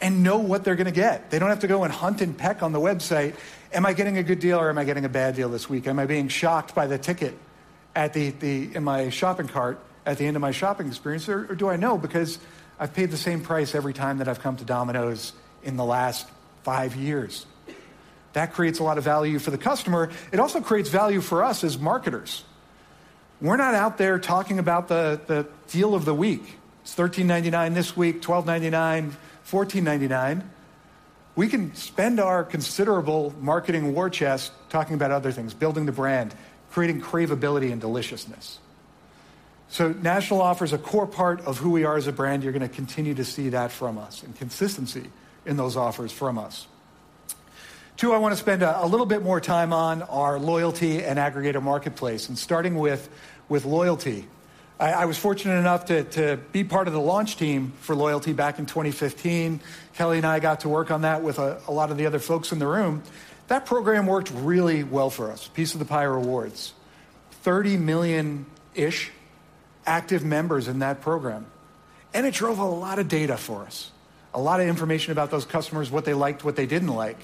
and know what they're gonna get. They don't have to go and hunt and peck on the website, "Am I getting a good deal, or am I getting a bad deal this week? Am I being shocked by the ticket in my shopping cart at the end of my shopping experience? Or do I know because I've paid the same price every time that I've come to Domino's in the last five years?" That creates a lot of value for the customer. It also creates value for us as marketers. We're not out there talking about the deal of the week. It's $13.99 this week, $12.99, $14.99. We can spend our considerable marketing war chest talking about other things, building the brand, creating cravability and deliciousness. So national offer is a core part of who we are as a brand. You're gonna continue to see that from us and consistency in those offers from us. Two, I wanna spend a little bit more time on our loyalty and aggregator marketplace, and starting with loyalty. I was fortunate enough to be part of the launch team for loyalty back in 2015. Kelly and I got to work on that with a lot of the other folks in the room. That program worked really well for us, Piece of the Pie Rewards. 30 million-ish-... active members in that program, and it drove a lot of data for us, a lot of information about those customers, what they liked, what they didn't like.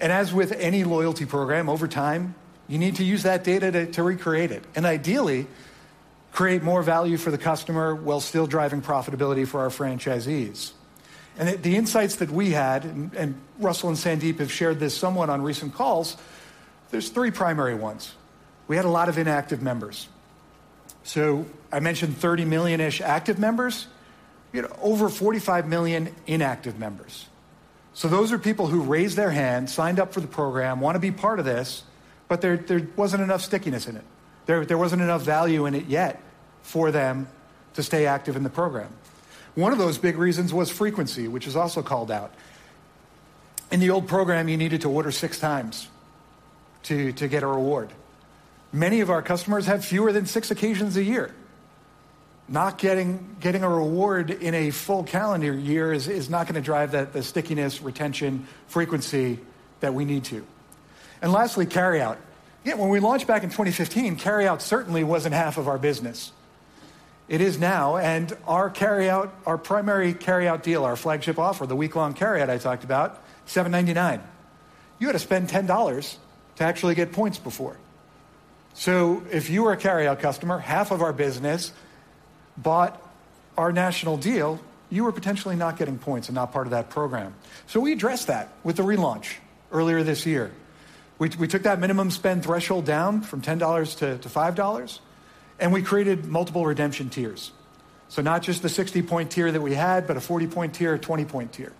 And as with any loyalty program, over time, you need to use that data to, to recreate it, and ideally, create more value for the customer while still driving profitability for our franchisees. And it, the insights that we had, and, and Russell and Sandeep have shared this somewhat on recent calls, there's three primary ones. We had a lot of inactive members. So I mentioned 30 million-ish active members, we had over 45 million inactive members. So those are people who raised their hand, signed up for the program, want to be part of this, but there, there wasn't enough stickiness in it. There, there wasn't enough value in it yet for them to stay active in the program. One of those big reasons was frequency, which is also called out. In the old program, you needed to order six times to get a reward. Many of our customers had fewer than six occasions a year. Not getting a reward in a full calendar year is not gonna drive that the stickiness, retention, frequency that we need to. And lastly, carryout. Yet when we launched back in 2015, carryout certainly wasn't half of our business. It is now, and our carryout, our primary carryout deal, our flagship offer, the Weeklong Carryout I talked about, $7.99. You had to spend $10 to actually get points before. So if you were a carryout customer, half of our business bought our national deal, you were potentially not getting points and not part of that program. So we addressed that with the relaunch earlier this year. We took that minimum spend threshold down from $10 to $5, and we created multiple redemption tiers. So not just the 60-point tier that we had, but a 40-point tier, a 20-point tier,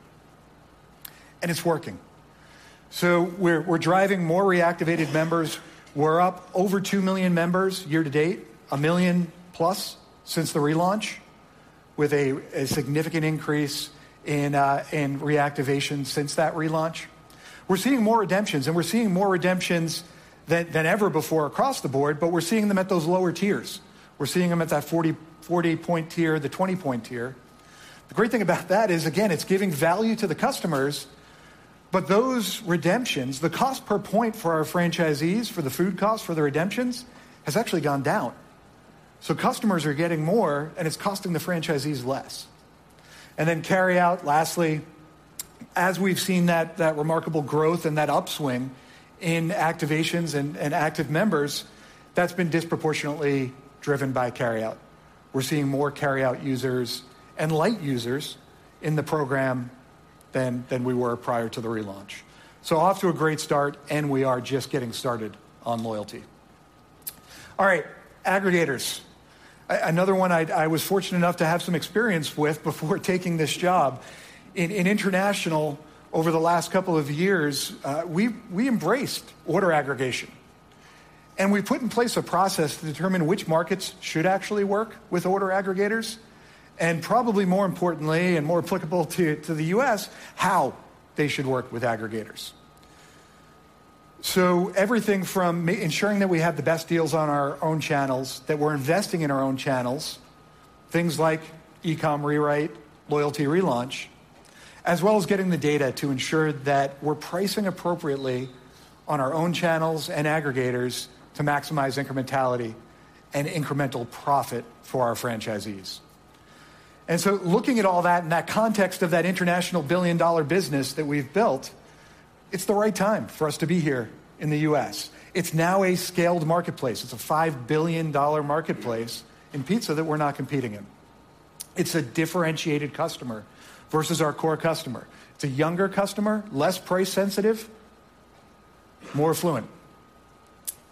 and it's working. So we're driving more reactivated members. We're up over two million members year to date, a million plus since the relaunch, with a significant increase in reactivation since that relaunch. We're seeing more redemptions, and we're seeing more redemptions than ever before across the board, but we're seeing them at those lower tiers. We're seeing them at that 40-point tier, the 20-point tier. The great thing about that is, again, it's giving value to the customers, but those redemptions, the cost per point for our franchisees, for the food cost, for the redemptions, has actually gone down. So customers are getting more, and it's costing the franchisees less. And then carryout, lastly, as we've seen that remarkable growth and that upswing in activations and active members, that's been disproportionately driven by carryout. We're seeing more carryout users and light users in the program than we were prior to the relaunch. So off to a great start, and we are just getting started on loyalty. All right, aggregators. Another one I was fortunate enough to have some experience with before taking this job. In international, over the last couple of years, we embraced order aggregation, and we put in place a process to determine which markets should actually work with order aggregators, and probably more importantly and more applicable to the U.S., how they should work with aggregators. So everything from ensuring that we have the best deals on our own channels, that we're investing in our own channels, things like e-com rewrite, loyalty relaunch, as well as getting the data to ensure that we're pricing appropriately on our own channels and aggregators to maximize incrementality and incremental profit for our franchisees. And so looking at all that in that context of that international billion-dollar business that we've built, it's the right time for us to be here in the U.S. It's now a scaled marketplace. It's a $5 billion marketplace in pizza that we're now competing in. It's a differentiated customer versus our core customer. It's a younger customer, less price sensitive, more affluent,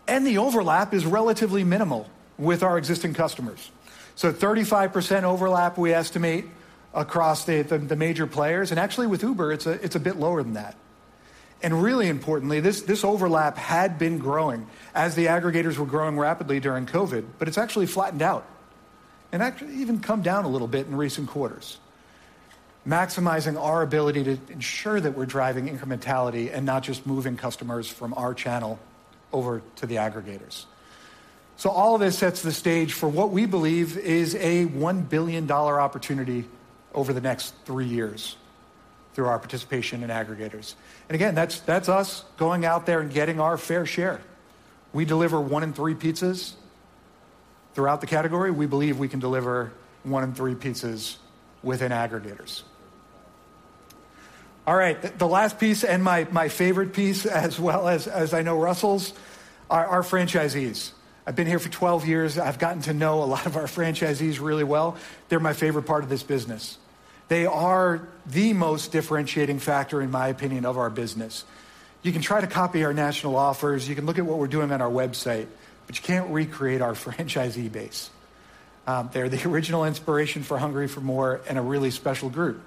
and the overlap is relatively minimal with our existing customers. So 35% overlap, we estimate, across the major players, and actually with Uber, it's a bit lower than that. And really importantly, this overlap had been growing as the aggregators were growing rapidly during COVID, but it's actually flattened out and actually even come down a little bit in recent quarters, maximizing our ability to ensure that we're driving incrementality and not just moving customers from our channel over to the aggregators. So all of this sets the stage for what we believe is a $1 billion opportunity over the next three years through our participation in aggregators. And again, that's us going out there and getting our fair share. We deliver one in three pizzas throughout the category. We believe we can deliver one in three pizzas within aggregators. All right, the last piece and my favorite piece as well as, as I know Russell's, are our franchisees. I've been here for 12 years. I've gotten to know a lot of our franchisees really well. They're my favorite part of this business. They are the most differentiating factor, in my opinion, of our business. You can try to copy our national offers, you can look at what we're doing on our website, but you can't recreate our franchisee base. They're the original inspiration for Hungry for MORE and a really special group.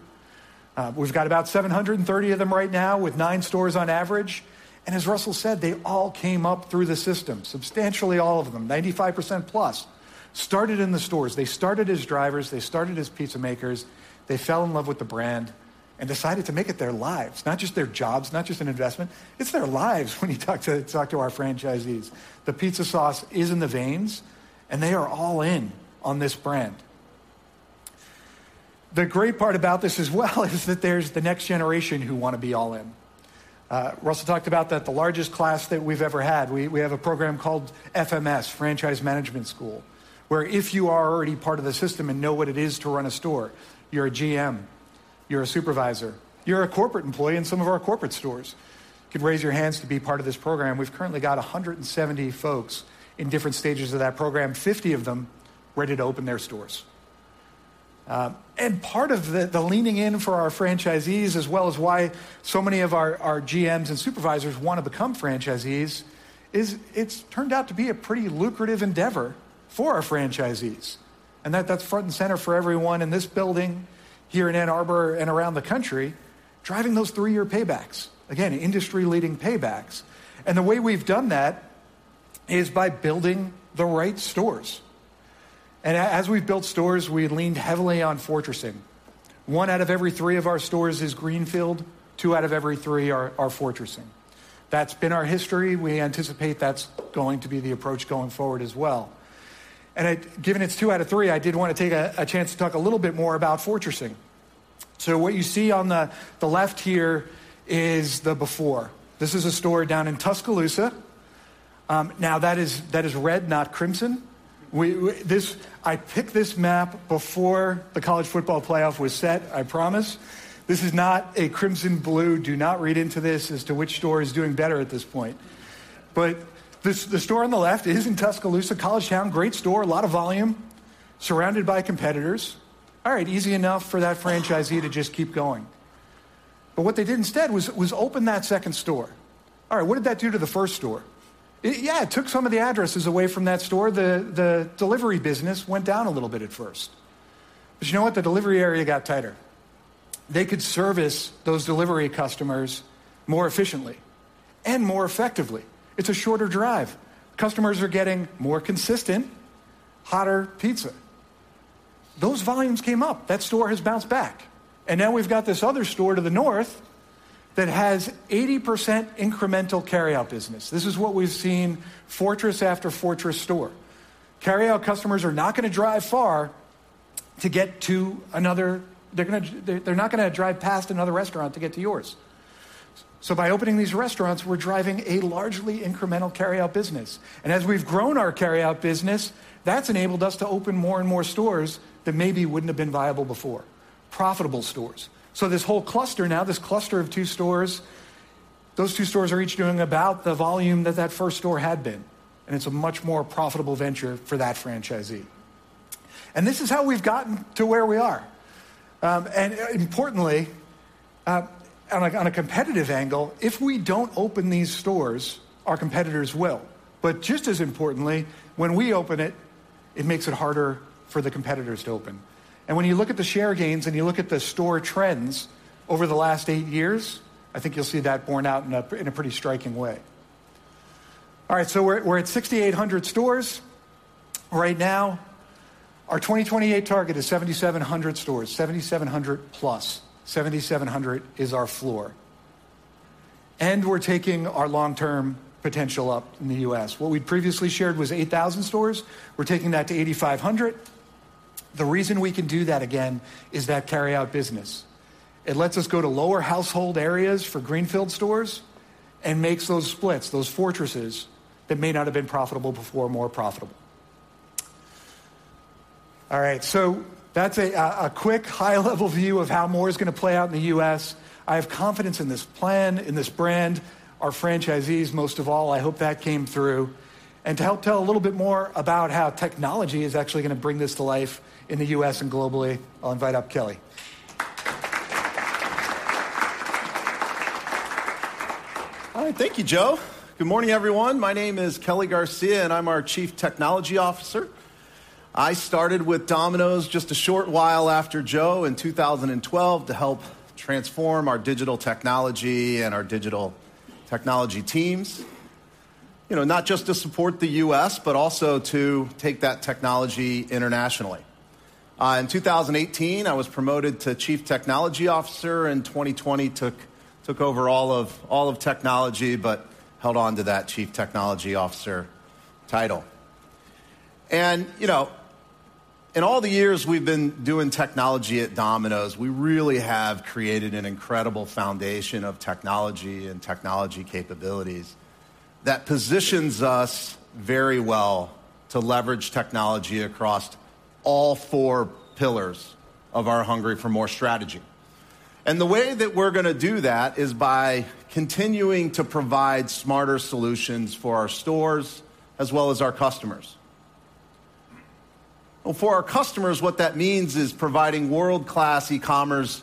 We've got about 730 of them right now, with nine stores on average, and as Russell said, they all came up through the system, substantially all of them. 95%+ started in the stores. They started as drivers, they started as pizza makers, they fell in love with the brand and decided to make it their lives, not just their jobs, not just an investment. It's their lives when you talk to, talk to our franchisees. The pizza sauce is in the veins, and they are all in on this brand. The great part about this as well is that there's the next generation who wanna be all in. Russell talked about that the largest class that we've ever had. We have a program called FMS, Franchise Management School, where if you are already part of the system and know what it is to run a store, you're a GM, you're a supervisor, you're a corporate employee in some of our corporate stores, you could raise your hands to be part of this program. We've currently got 170 folks in different stages of that program, 50 of them ready to open their stores. And part of the leaning in for our franchisees, as well as why so many of our GMs and supervisors wanna become franchisees, is it's turned out to be a pretty lucrative endeavor for our franchisees. And that's front and center for everyone in this building, here in Ann Arbor and around the country, driving those three-year paybacks. Again, industry-leading paybacks. And the way we've done that is by building the right stores. And as we've built stores, we've leaned heavily on fortressing. One out of every three of our stores is greenfield, two out of every three are fortressing. That's been our history. We anticipate that's going to be the approach going forward as well. And I, given it's two out of three, I did wanna take a chance to talk a little bit more about Fortressing. What you see on the left here is the before. This is a store down in Tuscaloosa. Now, that is red, not crimson. I picked this map before the college football playoff was set, I promise. This is not a crimson blue. Do not read into this as to which store is doing better at this point. But this, the store on the left is in Tuscaloosa, college town, great store, a lot of volume, surrounded by competitors. All right, easy enough for that franchisee to just keep going. But what they did instead was open that second store. All right, what did that do to the first store? It, yeah, it took some of the addresses away from that store. The delivery business went down a little bit at first. But you know what? The delivery area got tighter. They could service those delivery customers more efficiently and more effectively. It's a shorter drive. Customers are getting more consistent, hotter pizza. Those volumes came up. That store has bounced back. And now we've got this other store to the north that has 80% incremental carryout business. This is what we've seen, fortress after fortress store. Carryout customers are not gonna drive far to get to another. They're gonna, they're not gonna drive past another restaurant to get to yours. So by opening these restaurants, we're driving a largely incremental carryout business. As we've grown our carryout business, that's enabled us to open more and more stores that maybe wouldn't have been viable before, profitable stores. This whole cluster now, this cluster of two stores, those two stores are each doing about the volume that that first store had been, and it's a much more profitable venture for that franchisee. This is how we've gotten to where we are. Importantly, on a competitive angle, if we don't open these stores, our competitors will. Just as importantly, when we open it, it makes it harder for the competitors to open. When you look at the share gains and you look at the store trends over the last eight years, I think you'll see that borne out in a pretty striking way. All right, so we're at 6,800 stores right now. Our 2028 target is 7,700 stores, 7,700 plus. 7,700 is our floor. We're taking our long-term potential up in the US. What we'd previously shared was 8,000 stores, we're taking that to 8,500. The reason we can do that again is that carryout business. It lets us go to lower household areas for greenfield stores and makes those splits, those fortresses, that may not have been profitable before, more profitable. All right, so that's a quick, high-level view of how more is gonna play out in the U.S. I have confidence in this plan, in this brand, our franchisees, most of all. I hope that came through. To help tell a little bit more about how technology is actually gonna bring this to life in the U.S. and globally, I'll invite up Kelly. All right, thank you, Joe. Good morning, everyone. My name is Kelly Garcia, and I'm our Chief Technology Officer. I started with Domino's just a short while after Joe in 2012 to help transform our digital technology and our digital technology teams. You know, not just to support the U.S., but also to take that technology internationally. In 2018, I was promoted to Chief Technology Officer. In 2020, took over all of, all of technology, but held on to that Chief Technology Officer title. You know, in all the years we've been doing technology at Domino's, we really have created an incredible foundation of technology and technology capabilities that positions us very well to leverage technology across all four pillars of our Hungry for MORE strategy. The way that we're gonna do that is by continuing to provide smarter solutions for our stores as well as our customers. Well, for our customers, what that means is providing world-class e-commerce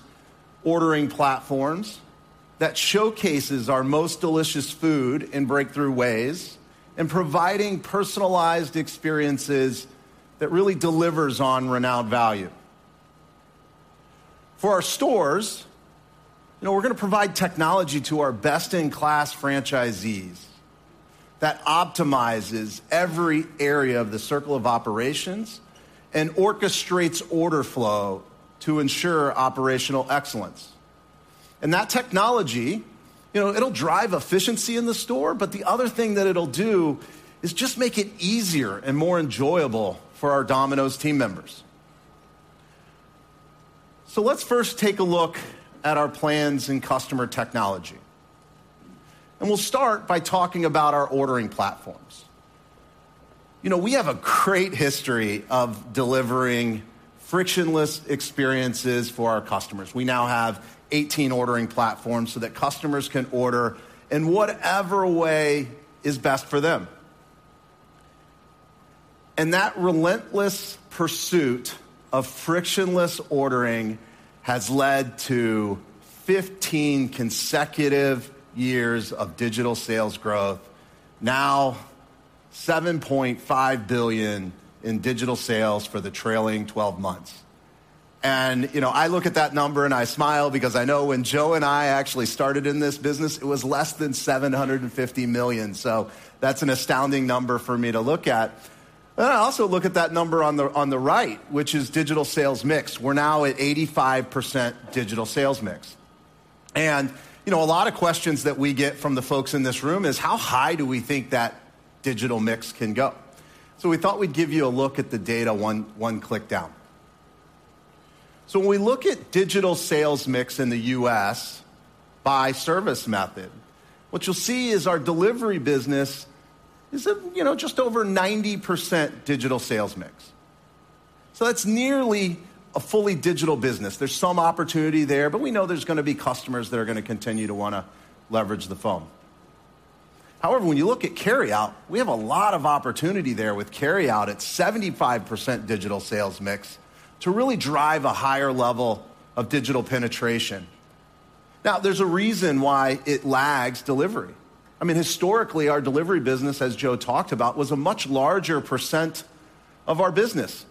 ordering platforms that showcases our Most Delicious Food in breakthrough ways, and providing personalized experiences that really delivers on Renowned Value. For our stores, you know, we're gonna provide technology to our best-in-class franchisees that optimizes every area of the Circle of Operations and orchestrates order flow to ensure Operational Excellence... and that technology, you know, it'll drive efficiency in the store, but the other thing that it'll do is just make it easier and more enjoyable for our Domino's team members. So let's first take a look at our plans in customer technology, and we'll start by talking about our ordering platforms. You know, we have a great history of delivering frictionless experiences for our customers. We now have 18 ordering platforms so that customers can order in whatever way is best for them. And that relentless pursuit of frictionless ordering has led to 15 consecutive years of digital sales growth, now $7.5 billion in digital sales for the trailing twelve months. And, you know, I look at that number and I smile because I know when Joe and I actually started in this business, it was less than $750 million. So that's an astounding number for me to look at. And then I also look at that number on the right, which is digital sales mix. We're now at 85% digital sales mix. You know, a lot of questions that we get from the folks in this room is, how high do we think that digital mix can go? So we thought we'd give you a look at the data one click down. So when we look at digital sales mix in the U.S. by service method, what you'll see is our delivery business is at, you know, just over 90% digital sales mix. So that's nearly a fully digital business. There's some opportunity there, but we know there's gonna be customers that are gonna continue to wanna leverage the phone. However, when you look at carryout, we have a lot of opportunity there with carryout at 75% digital sales mix to really drive a higher level of digital penetration. Now, there's a reason why it lags delivery. I mean, historically, our delivery business, as Joe talked about, was a much larger percent of our business.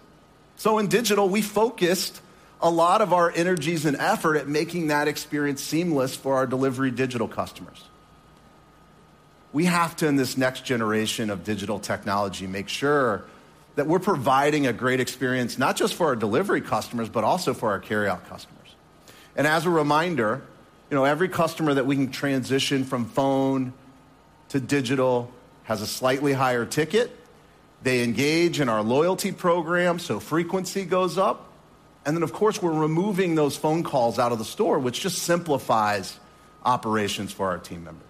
So in digital, we focused a lot of our energies and effort at making that experience seamless for our delivery digital customers. We have to, in this next generation of digital technology, make sure that we're providing a great experience, not just for our delivery customers, but also for our carryout customers. And as a reminder, you know, every customer that we can transition from phone to digital has a slightly higher ticket. They engage in our loyalty program, so frequency goes up. And then, of course, we're removing those phone calls out of the store, which just simplifies operations for our team members.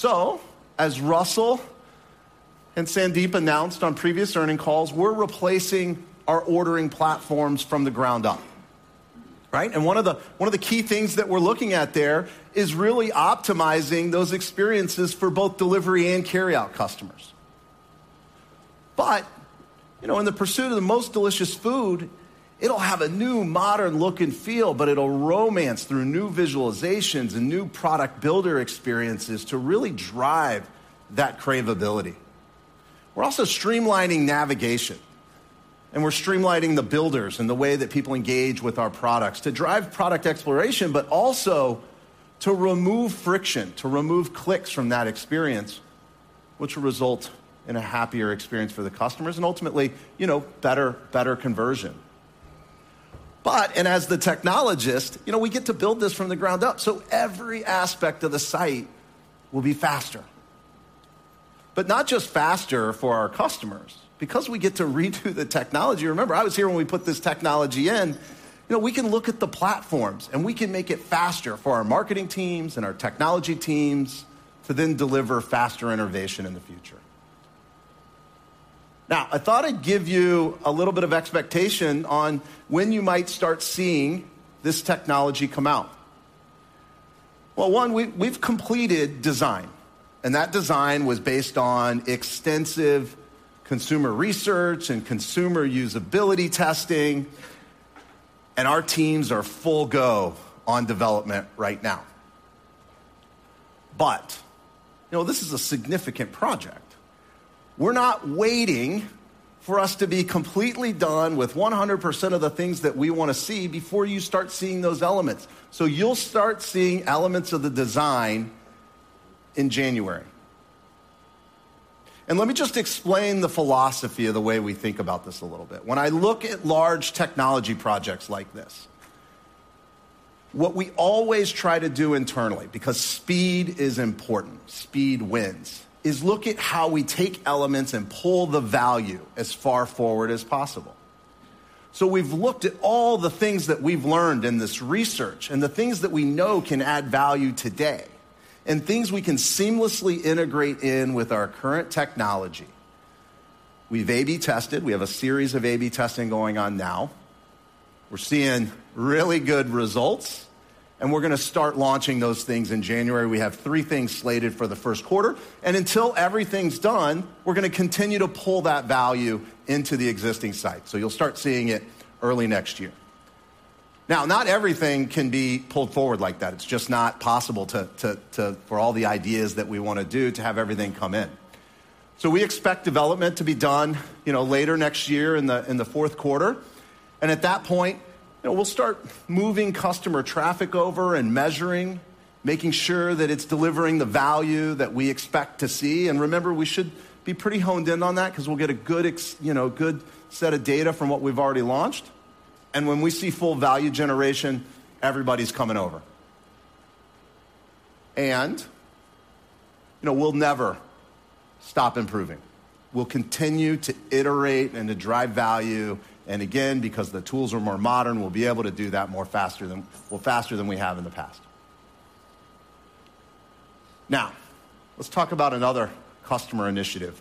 So as Russell and Sandeep announced on previous earnings calls, we're replacing our ordering platforms from the ground up, right? And one of the, one of the key things that we're looking at there is really optimizing those experiences for both delivery and carryout customers. But, you know, in the pursuit of the most delicious food, it'll have a new, modern look and feel, but it'll romance through new visualizations and new product builder experiences to really drive that cravability. We're also streamlining navigation, and we're streamlining the builders and the way that people engage with our products to drive product exploration, but also to remove friction, to remove clicks from that experience, which will result in a happier experience for the customers and ultimately, you know, better, better conversion. But, and as the technologist, you know, we get to build this from the ground up, so every aspect of the site will be faster. But not just faster for our customers, because we get to redo the technology. Remember, I was here when we put this technology in. You know, we can look at the platforms, and we can make it faster for our marketing teams and our technology teams to then deliver faster innovation in the future. Now, I thought I'd give you a little bit of expectation on when you might start seeing this technology come out. Well, one, we've completed design, and that design was based on extensive consumer research and consumer usability testing, and our teams are full go on development right now. But, you know, this is a significant project. We're not waiting for us to be completely done with 100% of the things that we wanna see before you start seeing those elements. So you'll start seeing elements of the design in January. Let me just explain the philosophy of the way we think about this a little bit. When I look at large technology projects like this, what we always try to do internally, because speed is important, speed wins, is look at how we take elements and pull the value as far forward as possible. We've looked at all the things that we've learned in this research and the things that we know can add value today, and things we can seamlessly integrate in with our current technology. We've A/B tested. We have a series of A/B testing going on now. We're seeing really good results, and we're gonna start launching those things in January. We have three things slated for the first quarter, and until everything's done, we're gonna continue to pull that value into the existing site. You'll start seeing it early next year. Now, not everything can be pulled forward like that. It's just not possible to—for all the ideas that we wanna do, to have everything come in. So we expect development to be done, you know, later next year in the fourth quarter, and at that point, you know, we'll start moving customer traffic over and measuring, making sure that it's delivering the value that we expect to see. And remember, we should be pretty honed in on that 'cause we'll get a good, you know, good set of data from what we've already launched. And when we see full value generation, everybody's coming over. And, you know, we'll never stop improving. We'll continue to iterate and to drive value, and again, because the tools are more modern, we'll be able to do that more faster than, well, faster than we have in the past. Now, let's talk about another customer initiative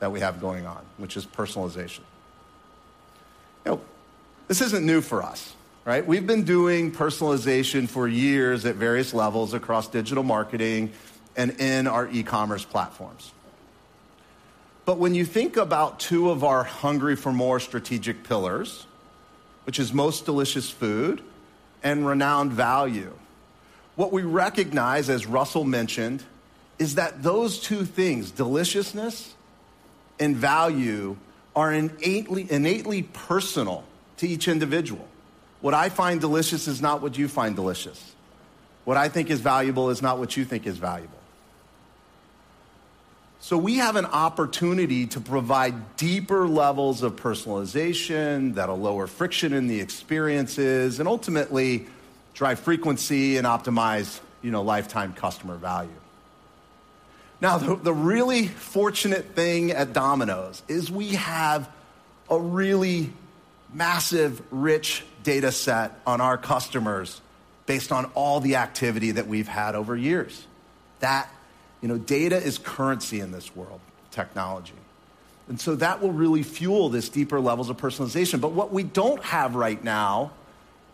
that we have going on, which is personalization. You know, this isn't new for us, right? We've been doing personalization for years at various levels across digital marketing and in our e-commerce platforms. But when you think about two of our Hungry for MORE strategic pillars, which is Most Delicious Food and Renowned Value, what we recognize, as Russell mentioned, is that those two things, deliciousness and value, are innately, innately personal to each individual. What I find delicious is not what you find delicious. What I think is valuable is not what you think is valuable. So we have an opportunity to provide deeper levels of personalization that will lower friction in the experiences and ultimately drive frequency and optimize, you know, lifetime customer value. Now, the really fortunate thing at Domino's is we have a really massive, rich dataset on our customers based on all the activity that we've had over years, that, you know, data is currency in this world, technology. And so that will really fuel this deeper levels of personalization. But what we don't have right now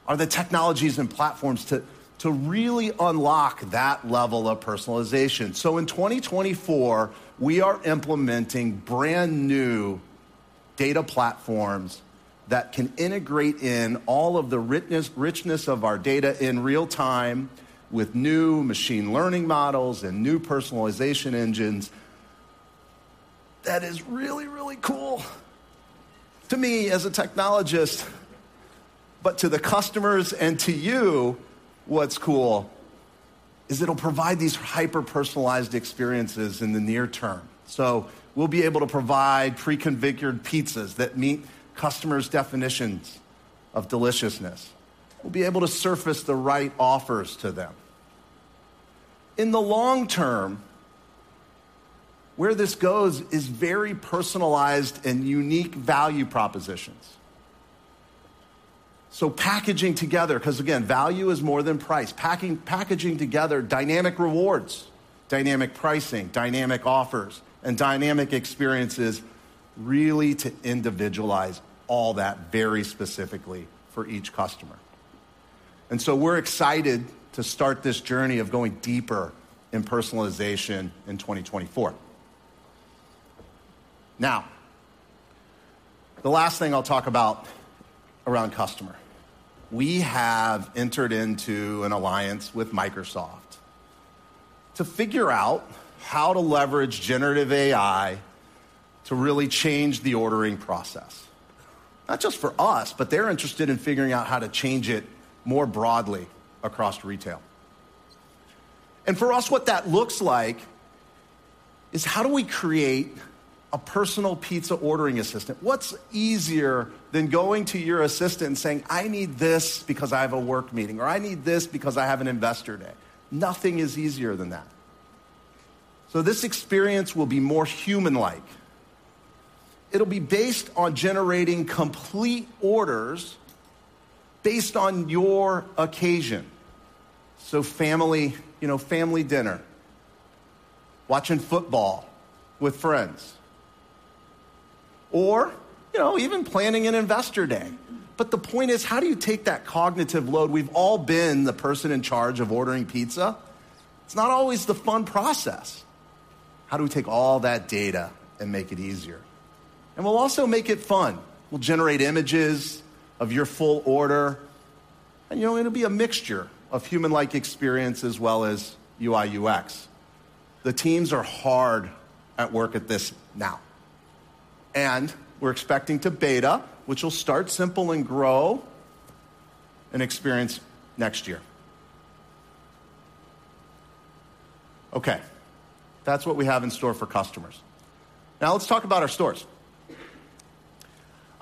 are the technologies and platforms to really unlock that level of personalization. So in 2024, we are implementing brand-new data platforms that can integrate in all of the richness of our data in real time with new machine learning models and new personalization engines. That is really, really cool to me as a technologist, but to the customers and to you, what's cool is it'll provide these hyper-personalized experiences in the near term. So we'll be able to provide pre-configured pizzas that meet customers' definitions of deliciousness. We'll be able to surface the right offers to them. In the long term, where this goes is very personalized and unique value propositions. So packaging together, 'cause again, value is more than price. Packaging together dynamic rewards, dynamic pricing, dynamic offers, and dynamic experiences, really to individualize all that very specifically for each customer. And so we're excited to start this journey of going deeper in personalization in 2024. Now, the last thing I'll talk about around customer. We have entered into an alliance with Microsoft to figure out how to leverage generative AI to really change the ordering process, not just for us, but they're interested in figuring out how to change it more broadly across retail. And for us, what that looks like is: how do we create a personal pizza ordering assistant? What's easier than going to your assistant and saying, "I need this because I have a work meeting," or, "I need this because I have an investor day?" Nothing is easier than that. So this experience will be more human-like. It'll be based on generating complete orders based on your occasion. So family, you know, family dinner, watching football with friends, or, you know, even planning an investor day. But the point is, how do you take that cognitive load? We've all been the person in charge of ordering pizza. It's not always the fun process. How do we take all that data and make it easier? And we'll also make it fun. We'll generate images of your full order, and, you know, it'll be a mixture of human-like experience as well as UI, UX. The teams are hard at work at this now, and we're expecting to beta, which will start simple and grow in experience next year. Okay, that's what we have in store for customers. Now, let's talk about our stores.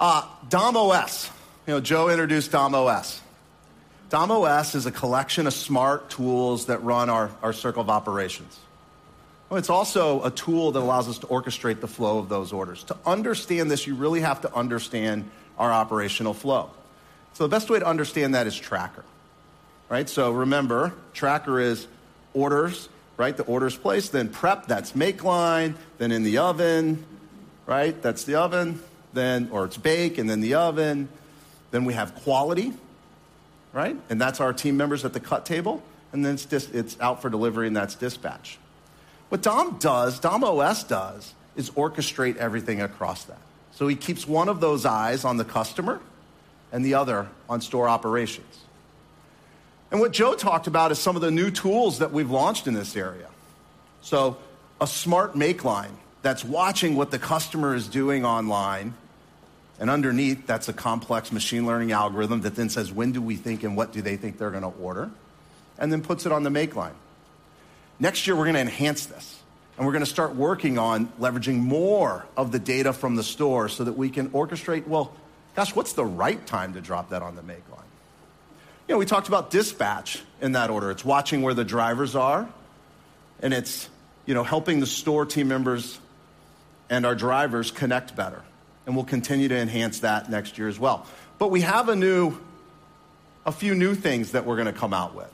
Dom.OS. You know, Joe introduced Dom.OS. Dom.OS is a collection of smart tools that run our Circle of Operations. Well, it's also a tool that allows us to orchestrate the flow of those orders. To understand this, you really have to understand our operational flow. So the best way to understand that is Tracker, right? So remember, Tracker is orders, right? The order is placed, then prep, that's make line, then in the oven, right? That's the oven. Then or it's bake and then the oven, then we have quality, right? That's our team members at the cut table, and then it's just, it's out for delivery, and that's dispatch. What Dom.OS does, Dom.OS does, is orchestrate everything across that. So he keeps one of those eyes on the customer and the other on store operations. And what Joe talked about is some of the new tools that we've launched in this area. So a smart make line that's watching what the customer is doing online, and underneath, that's a complex machine learning algorithm that then says, "When do we think and what do they think they're gonna order?" And then puts it on the make line. Next year, we're gonna enhance this, and we're gonna start working on leveraging more of the data from the store so that we can orchestrate, "Well, gosh, what's the right time to drop that on the make line?" You know, we talked about dispatch in that order. It's watching where the drivers are, and it's, you know, helping the store team members and our drivers connect better, and we'll continue to enhance that next year as well. But we have a new, a few new things that we're gonna come out with.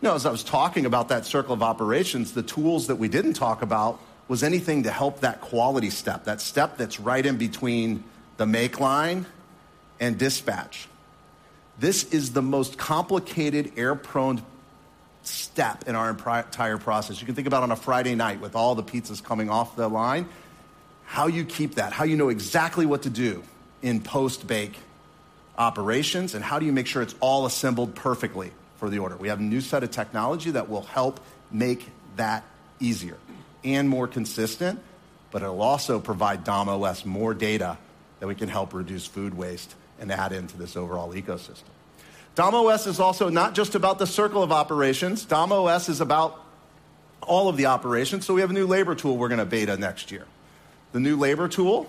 Now, as I was talking about that Circle of Operations, the tools that we didn't talk about was anything to help that quality step, that step that's right in between the make line and dispatch. This is the most complicated, error-prone step in our entire process. You can think about on a Friday night, with all the pizzas coming off the line, how you keep that, how you know exactly what to do in post-bake operations, and how do you make sure it's all assembled perfectly for the order? We have a new set of technology that will help make that easier and more consistent, but it'll also provide Dom.OS more data that we can help reduce food waste and add into this overall ecosystem. Dom.OS is also not just about the Circle of Operations, Dom.OS is about all of the operations, so we have a new labor tool we're gonna beta next year. The new labor tool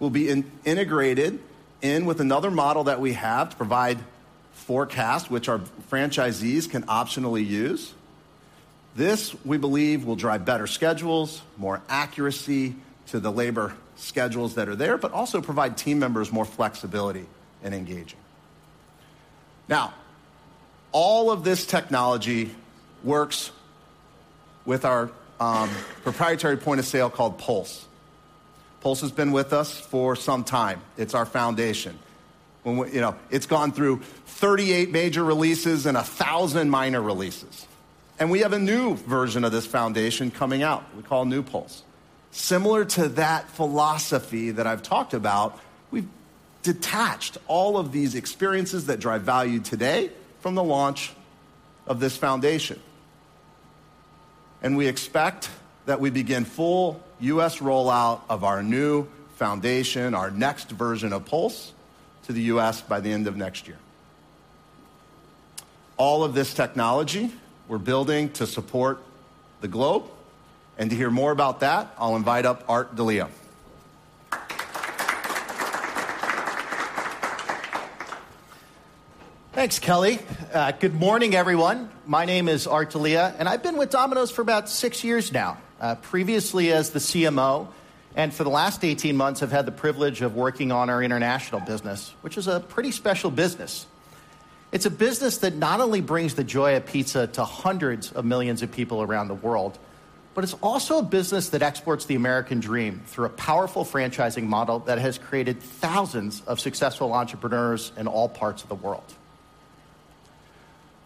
will be integrated in with another model that we have to provide forecasts, which our franchisees can optionally use. This, we believe, will drive better schedules, more accuracy to the labor schedules that are there, but also provide team members more flexibility in engaging. Now, all of this technology works with our proprietary point of sale called Pulse. Pulse has been with us for some time. It's our foundation. You know, it's gone through 38 major releases and 1,000 minor releases, and we have a new version of this foundation coming out we call New Pulse. Similar to that philosophy that I've talked about, we've detached all of these experiences that drive value today from the launch of this foundation, and we expect that we begin full U.S. rollout of our new foundation, our next version of Pulse, to the U.S. by the end of next year. All of this technology we're building to support the globe, and to hear more about that, I'll invite up Art D'Elia. Thanks, Kelly. Good morning, everyone. My name is Art D'Elia, and I've been with Domino's for about six years now, previously as the CMO, and for the last 18 months, I've had the privilege of working on our international business, which is a pretty special business. It's a business that not only brings the joy of pizza to hundreds of millions of people around the world, but it's also a business that exports the American dream through a powerful franchising model that has created thousands of successful entrepreneurs in all parts of the world.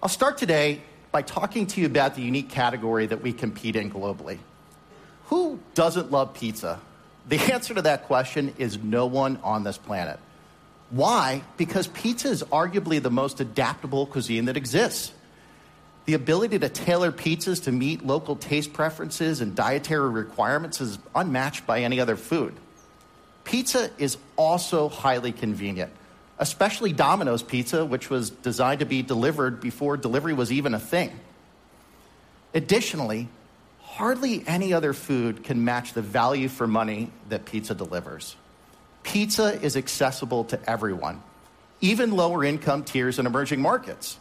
I'll start today by talking to you about the unique category that we compete in globally. Who doesn't love pizza? The answer to that question is no one on this planet. Why? Because pizza is arguably the most adaptable cuisine that exists. The ability to tailor pizzas to meet local taste preferences and dietary requirements is unmatched by any other food. Pizza is also highly convenient, especially Domino's Pizza, which was designed to be delivered before delivery was even a thing. Additionally, hardly any other food can match the value for money that pizza delivers. Pizza is accessible to everyone, even lower-income tiers in emerging markets.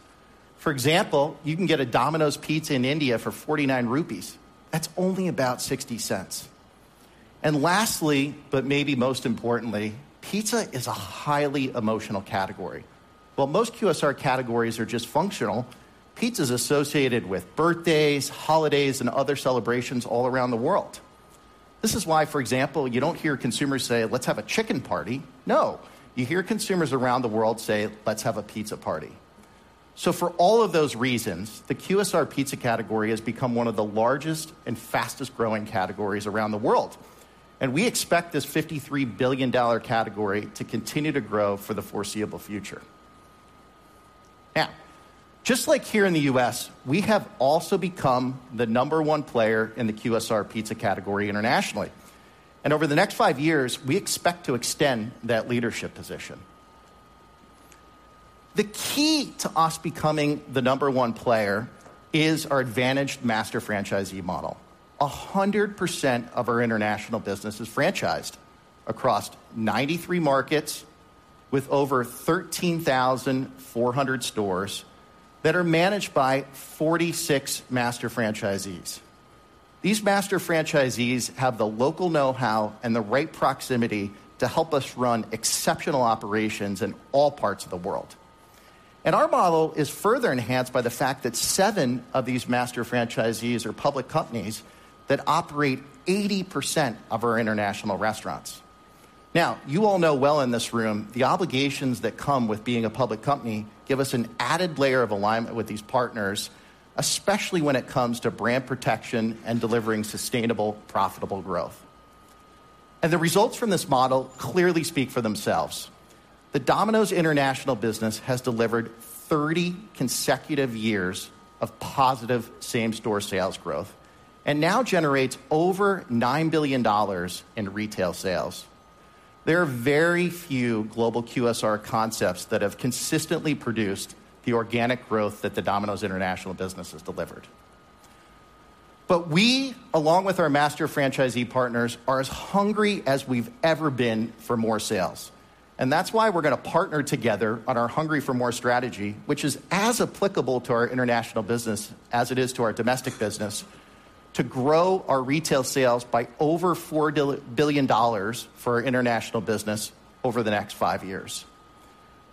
For example, you can get a Domino's pizza in India for 49 rupees. That's only about $0.60. And lastly, but maybe most importantly, pizza is a highly emotional category. While most QSR categories are just functional, pizza is associated with birthdays, holidays, and other celebrations all around the world. This is why, for example, you don't hear consumers say, "Let's have a chicken party." No, you hear consumers around the world say, "Let's have a pizza party." So for all of those reasons, the QSR pizza category has become one of the largest and fastest-growing categories around the world, and we expect this $53 billion category to continue to grow for the foreseeable future. Now, just like here in the U.S., we have also become the number one player in the QSR pizza category internationally, and over the next 5 years, we expect to extend that leadership position. The key to us becoming the number one player is our advantaged master franchisee model. 100% of our international business is franchised across 93 markets with over 13,400 stores that are managed by 46 master franchisees. These master franchisees have the local know-how and the right proximity to help us run exceptional operations in all parts of the world. Our model is further enhanced by the fact that seven of these master franchisees are public companies that operate 80% of our international restaurants. Now, you all know well in this room, the obligations that come with being a public company give us an added layer of alignment with these partners, especially when it comes to brand protection and delivering sustainable, profitable growth. The results from this model clearly speak for themselves... The Domino's International business has delivered 30 consecutive years of positive same-store sales growth and now generates over $9 billion in retail sales. There are very few global QSR concepts that have consistently produced the organic growth that the Domino's International business has delivered. But we, along with our master franchisee partners, are as hungry as we've ever been for more sales, and that's why we're going to partner together on our Hungry for MORE strategy, which is as applicable to our international business as it is to our domestic business, to grow our retail sales by over $4 billion for our international business over the next five years.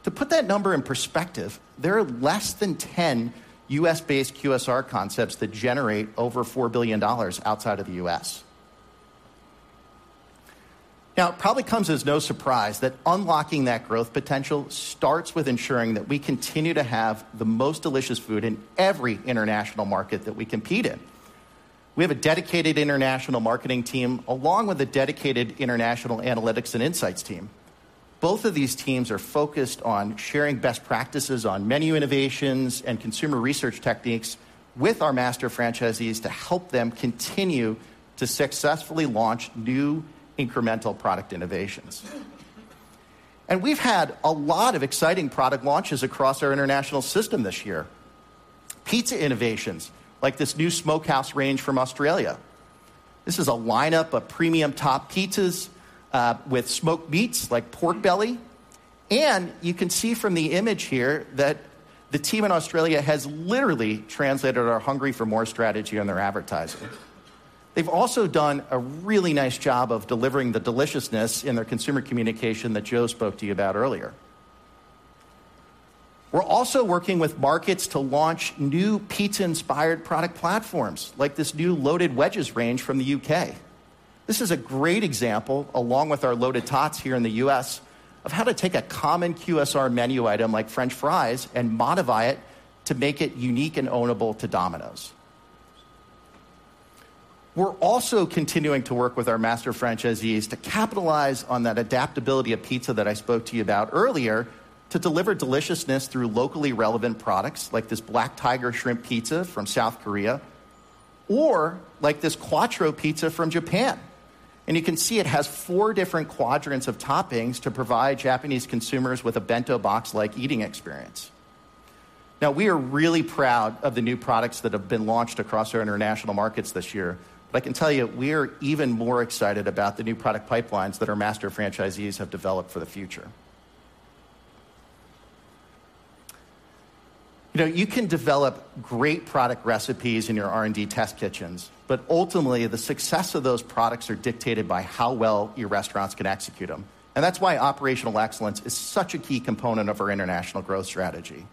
To put that number in perspective, there are less than 10 U.S.-based QSR concepts that generate over $4 billion outside of the U.S. Now, it probably comes as no surprise that unlocking that growth potential starts with ensuring that we continue to have the most delicious food in every international market that we compete in. We have a dedicated international marketing team, along with a dedicated international analytics and insights team. Both of these teams are focused on sharing best practices on menu innovations and consumer research techniques with our master franchisees to help them continue to successfully launch new incremental product innovations. We've had a lot of exciting product launches across our international system this year. Pizza innovations, like this new Smokehouse range from Australia. This is a lineup of premium top pizzas with smoked meats like pork belly, and you can see from the image here that the team in Australia has literally translated our Hungry for MORE strategy on their advertising. They've also done a really nice job of delivering the deliciousness in their consumer communication that Joe spoke to you about earlier. We're also working with markets to launch new pizza-inspired product platforms, like this new Loaded Wedges range from the U.K. This is a great example, along with our Loaded Tots here in the U.S., of how to take a common QSR menu item like french fries and modify it to make it unique and ownable to Domino's. We're also continuing to work with our master franchisees to capitalize on that adaptability of pizza that I spoke to you about earlier, to deliver deliciousness through locally relevant products like this Black Tiger Shrimp Pizza from South Korea, or like this Quattro pizza from Japan. You can see it has four different quadrants of toppings to provide Japanese consumers with a bento box-like eating experience. Now, we are really proud of the new products that have been launched across our international markets this year, but I can tell you, we are even more excited about the new product pipelines that our master franchisees have developed for the future. You know, you can develop great product recipes in your R&D test kitchens, but ultimately, the success of those products are dictated by how well your restaurants can execute them. And that's why Operational Excellence is such a key component of our international growth strategy.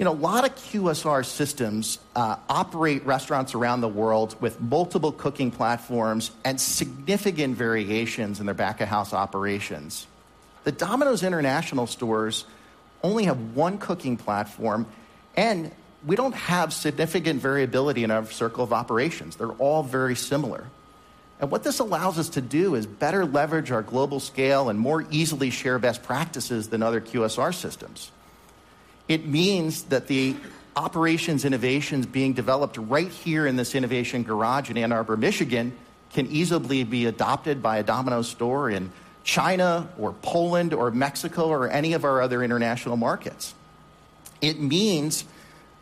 You know, a lot of QSR systems operate restaurants around the world with multiple cooking platforms and significant variations in their back-of-house operations. The Domino's International stores only have one cooking platform, and we don't have significant variability in our Circle of Operations. They're all very similar. And what this allows us to do is better leverage our global scale and more easily share best practices than other QSR systems. It means that the operations innovations being developed right here in this innovation garage in Ann Arbor, Michigan, can easily be adopted by a Domino's store in China or Poland or Mexico, or any of our other international markets. It means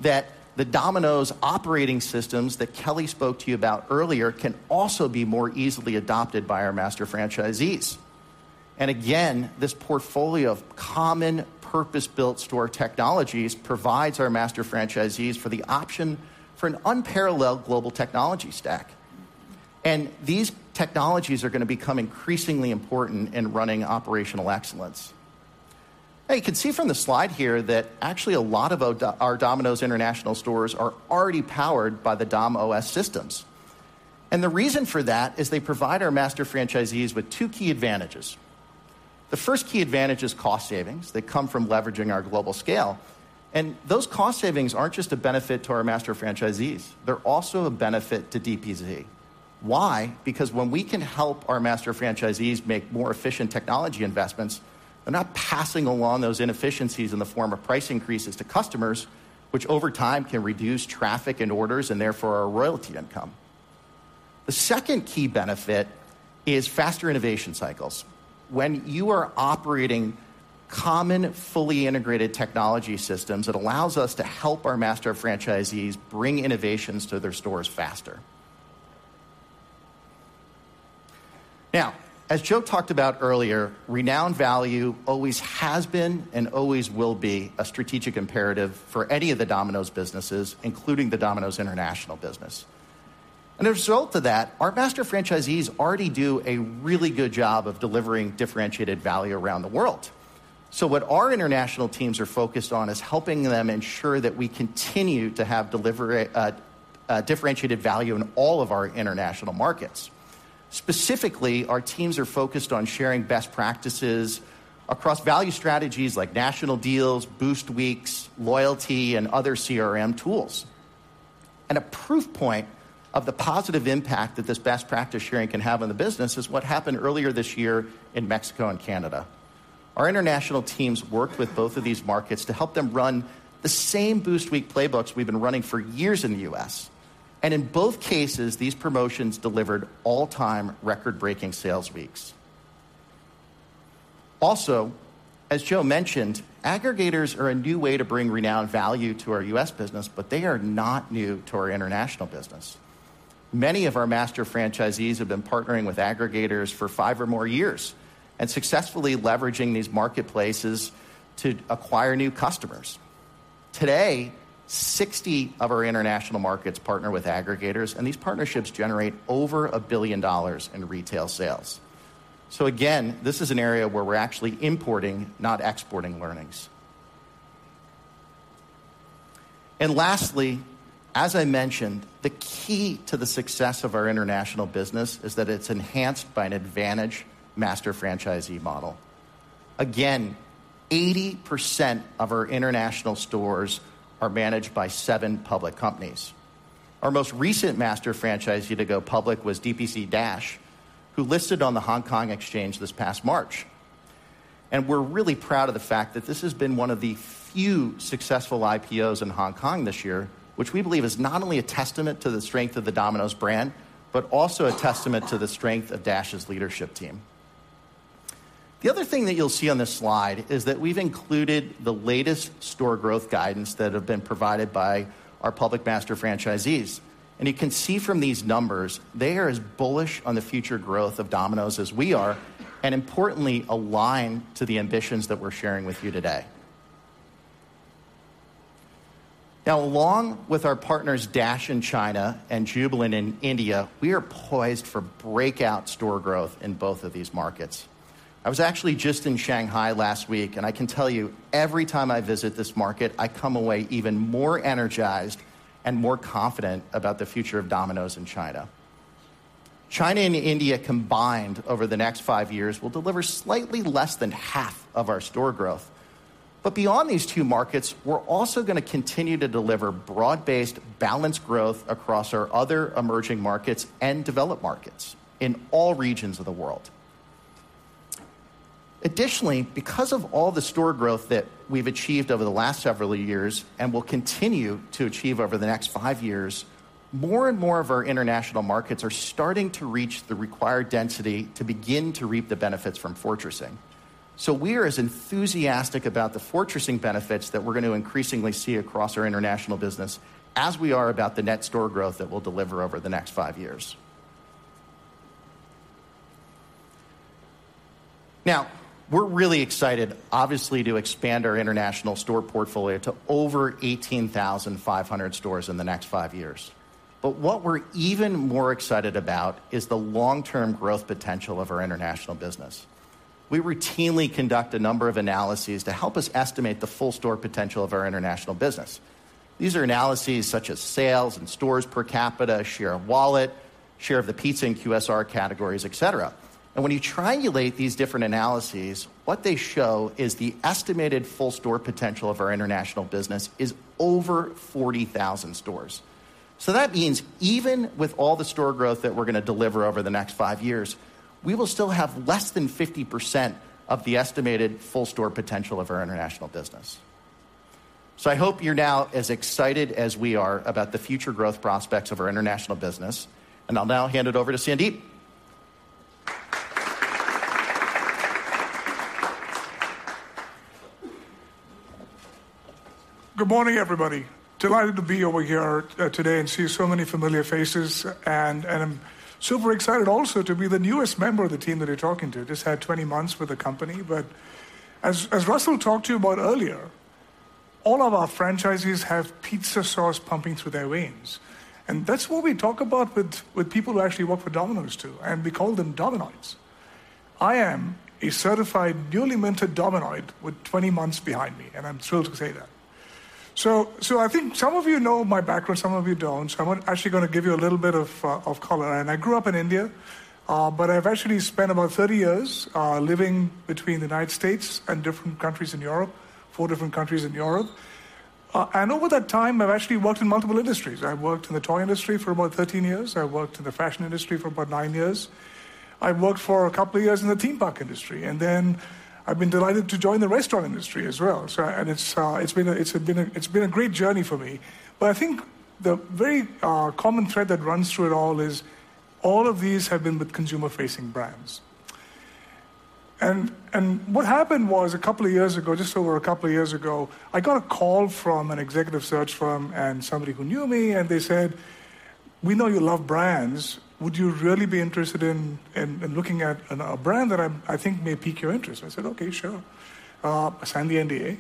that the Domino's operating systems that Kelly spoke to you about earlier can also be more easily adopted by our master franchisees. And again, this portfolio of common purpose-built store technologies provides our master franchisees for the option for an unparalleled global technology stack. And these technologies are going to become increasingly important in running Operational Excellence. Now, you can see from the slide here that actually a lot of our Domino's International stores are already powered by the Dom.OS systems. And the reason for that is they provide our master franchisees with two key advantages. The first key advantage is cost savings that come from leveraging our global scale, and those cost savings aren't just a benefit to our master franchisees, they're also a benefit to DPZ. Why? Because when we can help our master franchisees make more efficient technology investments, they're not passing along those inefficiencies in the form of price increases to customers, which over time can reduce traffic and orders and therefore our royalty income. The second key benefit is faster innovation cycles. When you are operating common, fully integrated technology systems, it allows us to help our master franchisees bring innovations to their stores faster. Now, as Joe talked about earlier, Renowned Value always has been and always will be a strategic imperative for any of the Domino's businesses, including the Domino's International business. As a result of that, our master franchisees already do a really good job of delivering differentiated value around the world. So what our international teams are focused on is helping them ensure that we continue to have deliver a a differentiated value in all of our international markets. Specifically, our teams are focused on sharing best practices across value strategies like National Deals, Boost Weeks, loyalty, and other CRM tools. As a proof point of the positive impact that this best practice sharing can have on the business is what happened earlier this year in Mexico and Canada. Our international teams worked with both of these markets to help them run the same Boost Week playbooks we've been running for years in the U.S., and in both cases, these promotions delivered all-time record-breaking sales weeks. Also, as Joe mentioned, aggregators are a new way to bring Renowned Value to our U.S. business, but they are not new to our international business. Many of our master franchisees have been partnering with aggregators for five or more years and successfully leveraging these marketplaces to acquire new customers. Today, 60 of our international markets partner with aggregators, and these partnerships generate over $1 billion in retail sales. So again, this is an area where we're actually importing, not exporting learnings. And lastly, as I mentioned, the key to the success of our international business is that it's enhanced by an advantage master franchisee model. Again, 80% of our international stores are managed by seven public companies. Our most recent master franchisee to go public was DPC Dash, who listed on the Hong Kong Exchange this past March. We're really proud of the fact that this has been one of the few successful IPOs in Hong Kong this year, which we believe is not only a testament to the strength of the Domino's brand, but also a testament to the strength of Dash's leadership team. The other thing that you'll see on this slide is that we've included the latest store growth guidance that have been provided by our public master franchisees. You can see from these numbers, they are as bullish on the future growth of Domino's as we are, and importantly, aligned to the ambitions that we're sharing with you today. Now, along with our partners, Dash in China and Jubilant in India, we are poised for breakout store growth in both of these markets. I was actually just in Shanghai last week, and I can tell you, every time I visit this market, I come away even more energized and more confident about the future of Domino's in China. China and India combined over the next five years will deliver slightly less than half of our store growth. But beyond these two markets, we're also going to continue to deliver broad-based, balanced growth across our other emerging markets and developed markets in all regions of the world. Additionally, because of all the store growth that we've achieved over the last several years and will continue to achieve over the next 5 years, more and more of our international markets are starting to reach the required density to begin to reap the benefits from fortressing. We are as enthusiastic about the fortressing benefits that we're going to increasingly see across our international business as we are about the net store growth that we'll deliver over the next five years. Now, we're really excited, obviously, to expand our international store portfolio to over 18,500 stores in the next five years. But what we're even more excited about is the long-term growth potential of our international business. We routinely conduct a number of analyses to help us estimate the full store potential of our international business. These are analyses such as sales and stores per capita, share of wallet, share of the pizza and QSR categories, et cetera. When you triangulate these different analyses, what they show is the estimated full store potential of our international business is over 40,000 stores. That means even with all the store growth that we're going to deliver over the next five years, we will still have less than 50% of the estimated full store potential of our international business. I hope you're now as excited as we are about the future growth prospects of our international business, and I'll now hand it over to Sandeep. Good morning, everybody. Delighted to be over here today and see so many familiar faces, and I'm super excited also to be the newest member of the team that you're talking to. Just had 20 months with the company, but as Russell talked to you about earlier, all of our franchisees have pizza sauce pumping through their veins, and that's what we talk about with people who actually work for Domino's, too, and we call them Dominoids. I am a certified, newly minted Dominoid with 20 months behind me, and I'm thrilled to say that. So I think some of you know my background, some of you don't, so I'm actually going to give you a little bit of color. I grew up in India, but I've actually spent about 30 years living between the United States and different countries in Europe, four different countries in Europe. Over that time, I've actually worked in multiple industries. I worked in the toy industry for about 13 years. I worked in the fashion industry for about nine years. I worked for a couple of years in the theme park industry, and then I've been delighted to join the restaurant industry as well. It's been a great journey for me. But I think the very common thread that runs through it all is, all of these have been with consumer-facing brands. What happened was, a couple of years ago, just over a couple of years ago, I got a call from an executive search firm and somebody who knew me, and they said, "We know you love brands. Would you really be interested in looking at a brand that I think may pique your interest?" I said, "Okay, sure." I signed the NDA,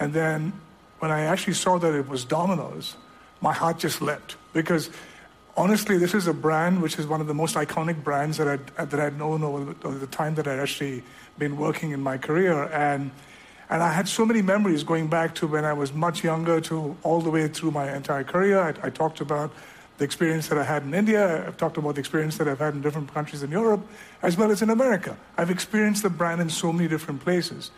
and then when I actually saw that it was Domino's, my heart just leapt because honestly, this is a brand which is one of the most iconic brands that I'd known over the time that I'd actually been working in my career. I had so many memories going back to when I was much younger to all the way through my entire career. I talked about... The experience that I had in India, I've talked about the experience that I've had in different countries in Europe, as well as in America. I've experienced the brand in so many different places.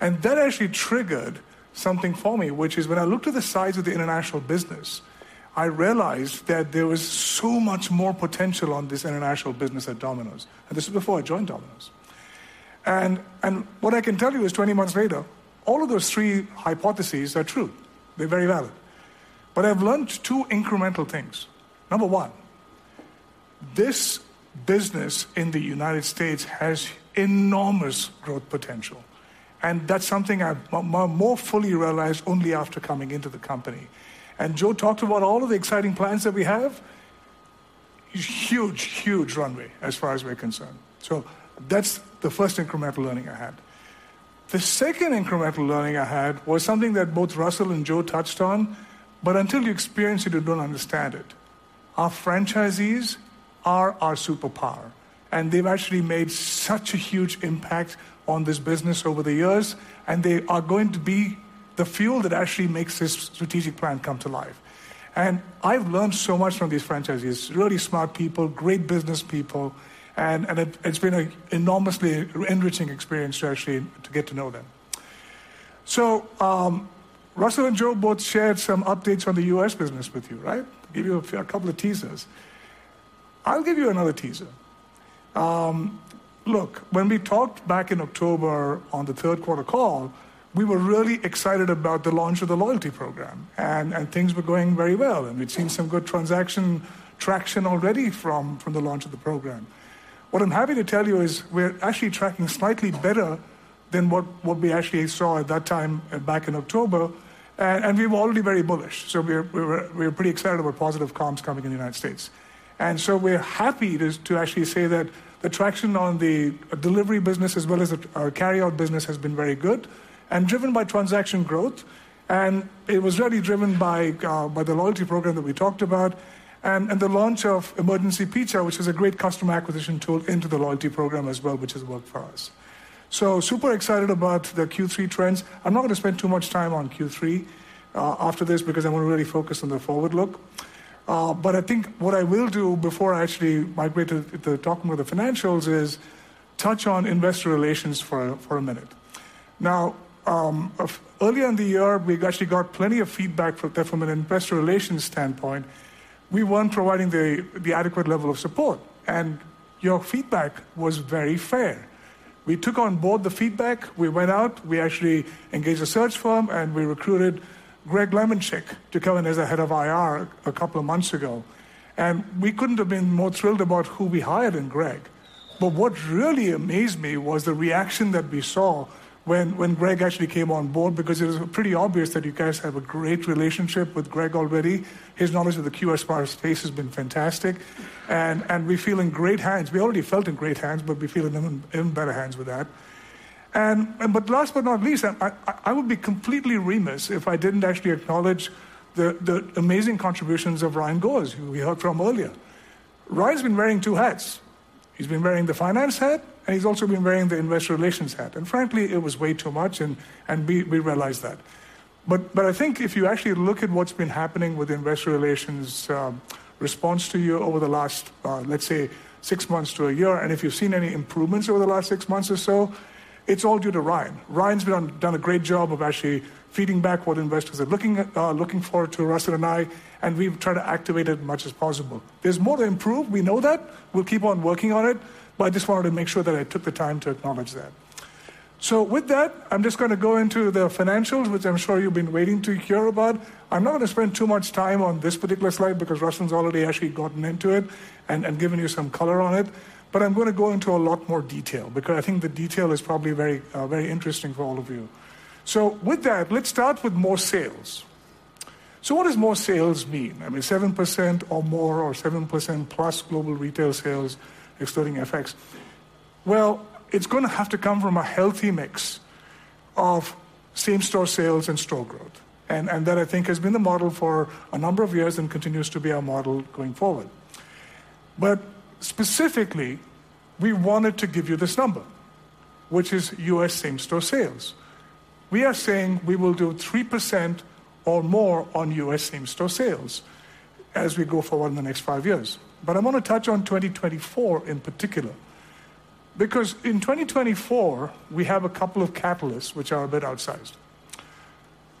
And that actually triggered something for me, which is when I looked at the size of the international business, I realized that there was so much more potential on this international business at Domino's, and this is before I joined Domino's. What I can tell you is 20 months later, all of those three hypotheses are true. They're very valid. But I've learned two incremental things. Number one, this business in the United States has enormous growth potential, and that's something I've more fully realized only after coming into the company. Joe talked about all of the exciting plans that we have. Huge, huge runway, as far as we're concerned. So that's the first incremental learning I had. The second incremental learning I had was something that both Russell and Joe touched on, but until you experience it, you don't understand it. Our franchisees are our superpower, and they've actually made such a huge impact on this business over the years, and they are going to be the fuel that actually makes this strategic plan come to life. And I've learned so much from these franchisees, really smart people, great business people, and it’s been an enormously enriching experience to actually get to know them. So, Russell and Joe both shared some updates on the U.S. business with you, right? Give you a few, a couple of teasers. I'll give you another teaser. Look, when we talked back in October on the third quarter call, we were really excited about the launch of the loyalty program, and things were going very well, and we'd seen some good transaction traction already from the launch of the program. What I'm happy to tell you is we're actually tracking slightly better than what we actually saw at that time back in October, and we were already very bullish. So we're pretty excited about positive comps coming in the United States. We're happy this, to actually say that the traction on the delivery business as well as the, our carryout business has been very good and driven by transaction growth, and it was really driven by, by the loyalty program that we talked about and, and the launch of Emergency Pizza, which is a great customer acquisition tool into the loyalty program as well, which has worked for us. So super excited about the Q3 trends. I'm not going to spend too much time on Q3 after this because I want to really focus on the forward look. But I think what I will do before I actually migrate to, to talking about the financials is touch on investor relations for a, for a minute. Now, earlier in the year, we actually got plenty of feedback from, from an investor relations standpoint. We weren't providing the adequate level of support, and your feedback was very fair. We took on board the feedback, we went out, we actually engaged a search firm, and we recruited Greg Lemenchick to come in as the head of IR a couple of months ago, and we couldn't have been more thrilled about who we hired in Greg. But what really amazed me was the reaction that we saw when Greg actually came on board, because it was pretty obvious that you guys have a great relationship with Greg already. His knowledge of the QSR space has been fantastic, and we feel in great hands. We already felt in great hands, but we feel in even better hands with that. Last but not least, I would be completely remiss if I didn't actually acknowledge the amazing contributions of Ryan Goers, who we heard from earlier. Ryan's been wearing two hats. He's been wearing the finance hat, and he's also been wearing the investor relations hat, and frankly, it was way too much, and we realize that. But I think if you actually look at what's been happening with investor relations response to you over the last, let's say, six months to a year, and if you've seen any improvements over the last six months or so, it's all due to Ryan. Ryan's been done a great job of actually feeding back what investors are looking at, looking forward to Russell and I, and we've tried to activate as much as possible. There's more to improve, we know that. We'll keep on working on it, but I just wanted to make sure that I took the time to acknowledge that. So with that, I'm just gonna go into the financials, which I'm sure you've been waiting to hear about. I'm not going to spend too much time on this particular slide because Russell's already actually gotten into it and and given you some color on it, but I'm going to go into a lot more detail because I think the detail is probably very, very interesting for all of you. So with that, let's start with more sales. So what does more sales mean? I mean, 7% or more or 7% plus global retail sales excluding FX. Well, it's going to have to come from a healthy mix of same-store sales and store growth, and, and that, I think, has been the model for a number of years and continues to be our model going forward. But specifically, we wanted to give you this number, which is U.S. same-store sales. We are saying we will do 3% or more on U.S. same-store sales as we go forward in the next five years. But I want to touch on 2024 in particular, because in 2024, we have a couple of catalysts, which are a bit outsized.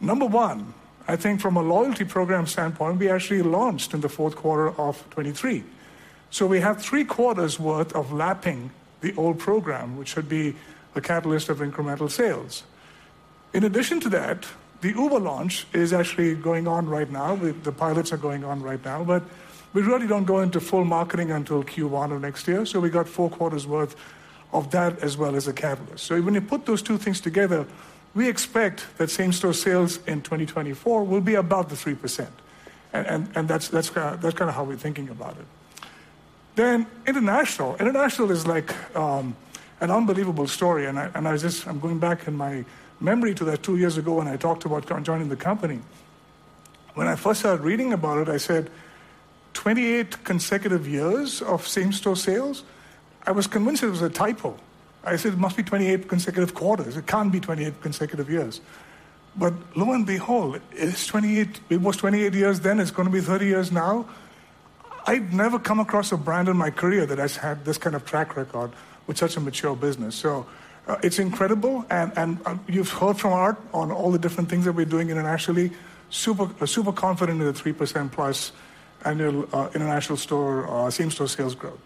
Number one, I think from a loyalty program standpoint, we actually launched in the fourth quarter of 2023. So we have three quarters worth of lapping the old program, which should be the catalyst of incremental sales. In addition to that, the Uber launch is actually going on right now. The pilots are going on right now, but we really don't go into full marketing until Q1 of next year, so we got four quarters worth of that as well as a catalyst. So when you put those two things together, we expect that same-store sales in 2024 will be about the 3%, and that's kinda how we're thinking about it. Then international. International is like an unbelievable story, and I was just going back in my memory to that two years ago when I talked about joining the company. When I first started reading about it, I said, "28 consecutive years of same-store sales?" I was convinced it was a typo.... I said it must be 28 consecutive quarters. It can't be 28 consecutive years. But lo and behold, it is 28. It was 28 years then, it's gonna be 30 years now. I've never come across a brand in my career that has had this kind of track record with such a mature business. So, it's incredible, and, and, you've heard from Art on all the different things that we're doing internationally. Super, super confident in the 3%+ annual, international store, same-store sales growth.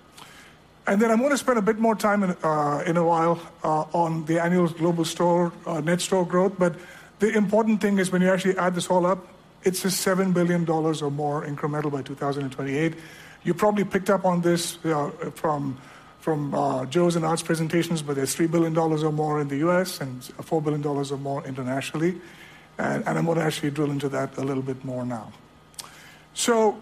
And then I'm gonna spend a bit more time in, in a while, on the annual global store, net store growth. But the important thing is when you actually add this all up, it's just $7 billion or more incremental by 2028. You probably picked up on this, from Joe's and Art's presentations, but there's $3 billion or more in the U.S. and $4 billion or more internationally. And I'm gonna actually drill into that a little bit more now. So,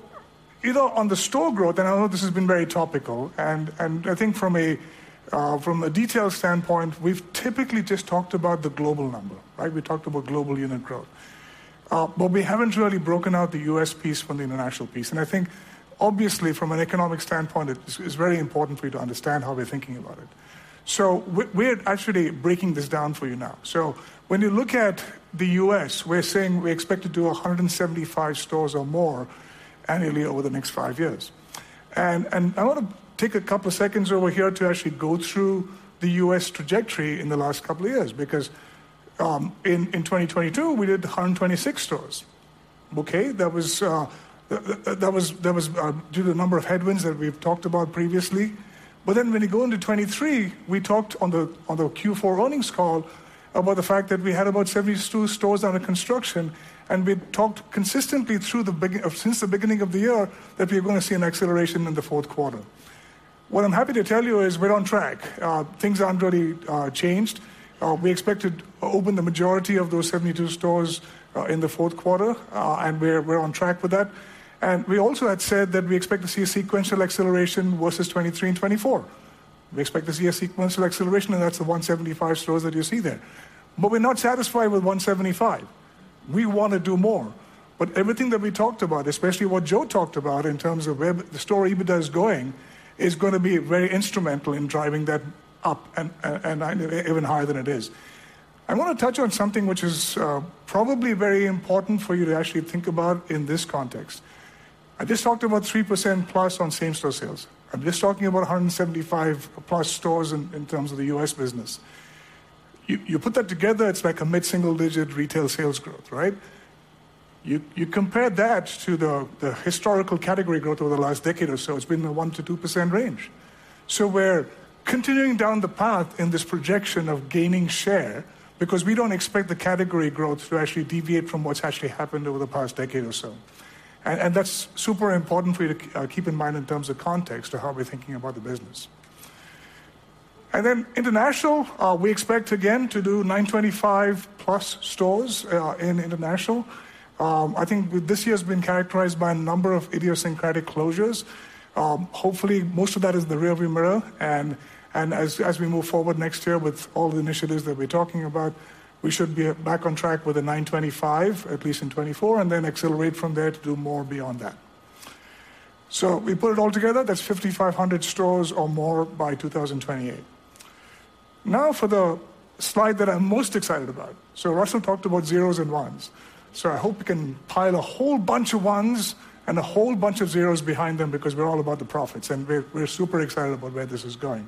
you know, on the store growth, and I know this has been very topical, and I think from a detail standpoint, we've typically just talked about the global number, right? We talked about global unit growth. But we haven't really broken out the U.S. piece from the international piece. And I think obviously from an economic standpoint, it's very important for you to understand how we're thinking about it. So we're actually breaking this down for you now. So when you look at the U.S., we're saying we expect to do 175 stores or more annually over the next five years. And I want to take a couple of seconds over here to actually go through the U.S. trajectory in the last couple of years, because in 2022, we did 126 stores, okay? That was due to the number of headwinds that we've talked about previously. But then when you go into 2023, we talked on the Q4 earnings call about the fact that we had about 72 stores under construction, and we talked consistently through the beginning of the year that we were gonna see an acceleration in the fourth quarter. What I'm happy to tell you is we're on track. Things aren't really changed. We expect to open the majority of those 72 stores in the fourth quarter, and we're on track with that. We also had said that we expect to see a sequential acceleration versus 2023 and 2024. We expect to see a sequential acceleration, and that's the 175 stores that you see there. But we're not satisfied with 175. We want to do more. But everything that we talked about, especially what Joe talked about in terms of where the store EBITDA is going, is gonna be very instrumental in driving that up and even higher than it is. I wanna touch on something which is probably very important for you to actually think about in this context. I just talked about 3%+ on same-store sales. I'm just talking about 175+ stores in terms of the U.S. business. You put that together, it's like a mid-single-digit retail sales growth, right? You compare that to the historical category growth over the last decade or so, it's been in the 1%-2% range. So we're continuing down the path in this projection of gaining share because we don't expect the category growth to actually deviate from what's actually happened over the past decade or so. That's super important for you to keep in mind in terms of context to how we're thinking about the business. And then international, we expect again to do 925+ stores in international. I think this year has been characterized by a number of idiosyncratic closures. Hopefully, most of that is in the rearview mirror, and as we move forward next year with all the initiatives that we're talking about, we should be back on track with the 925, at least in 2024, and then accelerate from there to do more beyond that. So we put it all together, that's 5,500 stores or more by 2028. Now for the slide that I'm most excited about. So Russell talked about zeros and ones. So I hope we can pile a whole bunch of ones and a whole bunch of zeros behind them because we're all about the profits, and we're super excited about where this is going.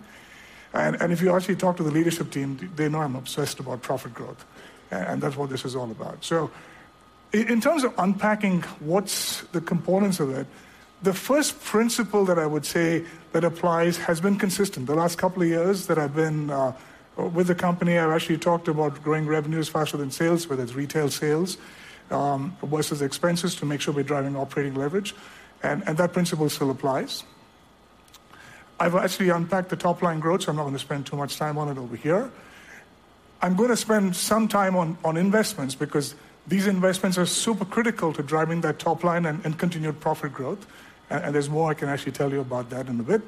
And if you actually talk to the leadership team, they know I'm obsessed about profit growth, and that's what this is all about. So in terms of unpacking what's the components of it, the first principle that I would say that applies has been consistent. The last couple of years that I've been with the company, I've actually talked about growing revenues faster than sales, whether it's retail sales versus expenses, to make sure we're driving operating leverage, and, and that principle still applies. I've actually unpacked the top-line growth, so I'm not going to spend too much time on it over here. I'm gonna spend some time on investments because these investments are super critical to driving that top line and, and continued profit growth, and, and there's more I can actually tell you about that in a bit.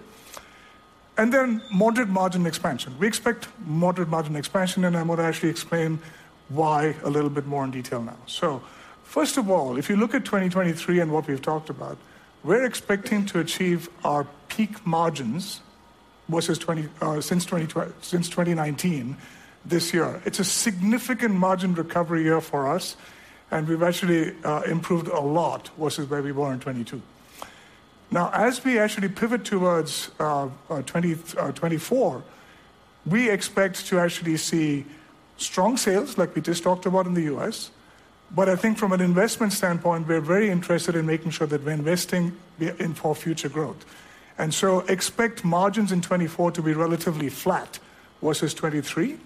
And then moderate margin expansion. We expect moderate margin expansion, and I want to actually explain why a little bit more in detail now. So first of all, if you look at 2023 and what we've talked about, we're expecting to achieve our peak margins versus 2019, this year. It's a significant margin recovery year for us, and we've actually improved a lot versus where we were in 2022. Now, as we actually pivot towards 2024, we expect to actually see strong sales like we just talked about in the U.S. But I think from an investment standpoint, we're very interested in making sure that we're investing in for future growth. And so expect margins in 2024 to be relatively flat versus 2023,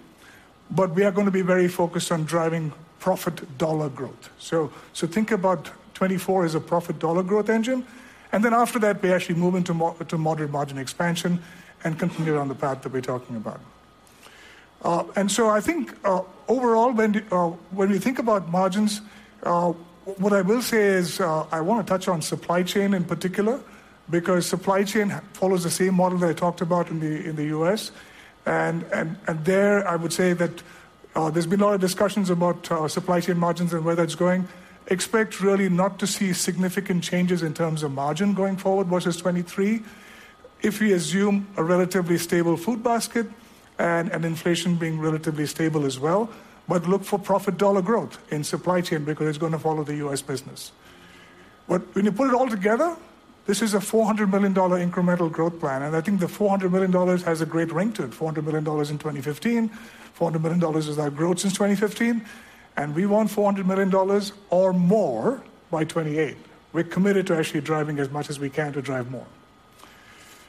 but we are gonna be very focused on driving profit dollar growth. So, think about 2024 as a profit dollar growth engine, and then after that, we actually move into to moderate margin expansion and continue on the path that we're talking about. And so I think, overall, when you think about margins, what I will say is, I want to touch on supply chain in particular, because supply chain follows the same model that I talked about in the U.S. And there, I would say that... There's been a lot of discussions about our supply chain margins and where that's going. Expect really not to see significant changes in terms of margin going forward versus 2023. If we assume a relatively stable food basket and inflation being relatively stable as well, but look for profit dollar growth in supply chain because it's going to follow the U.S. business. But when you put it all together, this is a $400 million incremental growth plan, and I think the $400 million has a great ring to it. $400 million in 2015, $400 million is our growth since 2015, and we want $400 million or more by 2028. We're committed to actually driving as much as we can to drive more.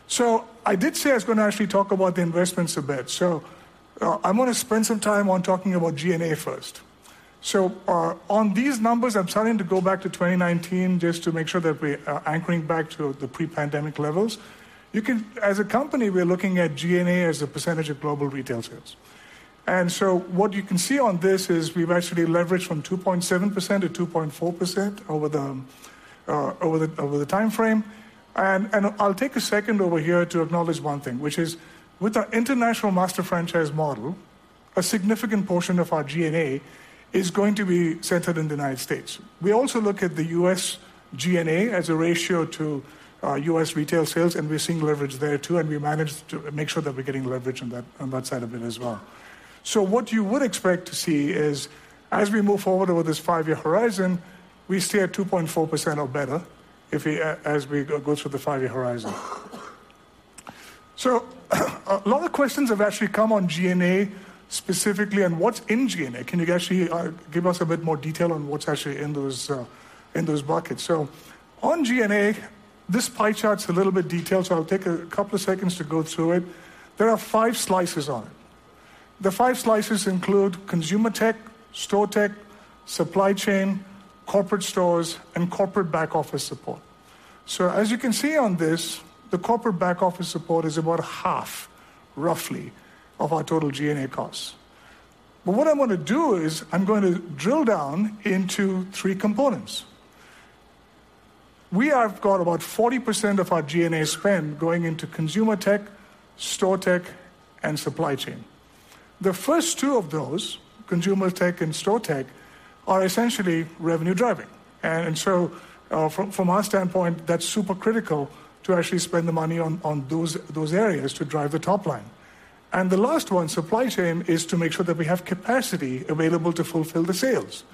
So I did say I was going to actually talk about the investments a bit. So, I'm gonna spend some time on talking about G&A first. So, on these numbers, I'm starting to go back to 2019 just to make sure that we are anchoring back to the pre-pandemic levels. You can—as a company, we're looking at G&A as a percentage of global retail sales. And so what you can see on this is we've actually leveraged from 2.7% to 2.4% over the time frame. And I'll take a second over here to acknowledge one thing, which is, with our international master franchise model, a significant portion of our G&A is going to be centered in the United States. We also look at the U.S. G&A as a ratio to U.S retail sales, and we're seeing leverage there, too, and we managed to make sure that we're getting leverage on that, on that side of it as well. So what you would expect to see is as we move forward over this five-year horizon, we stay at 2.4% or better, if we, as we go through the five-year horizon. So a lot of questions have actually come on G&A specifically and what's in G&A. Can you actually, give us a bit more detail on what's actually in those, in those buckets? So on G&A, this pie chart's a little bit detailed, so I'll take a couple of seconds to go through it. There are five slices on it. The five slices include consumer tech, store tech, supply chain, corporate stores, and corporate back office support. So as you can see on this, the corporate back office support is about half, roughly, of our total G&A costs. But what I want to do is I'm going to drill down into three components. We have got about 40% of our G&A spend going into consumer tech, store tech, and supply chain. The first two of those, consumer tech and store tech, are essentially revenue driving. And so from our standpoint, that's super critical to actually spend the money on those areas to drive the top line. And the last one, supply chain, is to make sure that we have capacity available to fulfill the sales.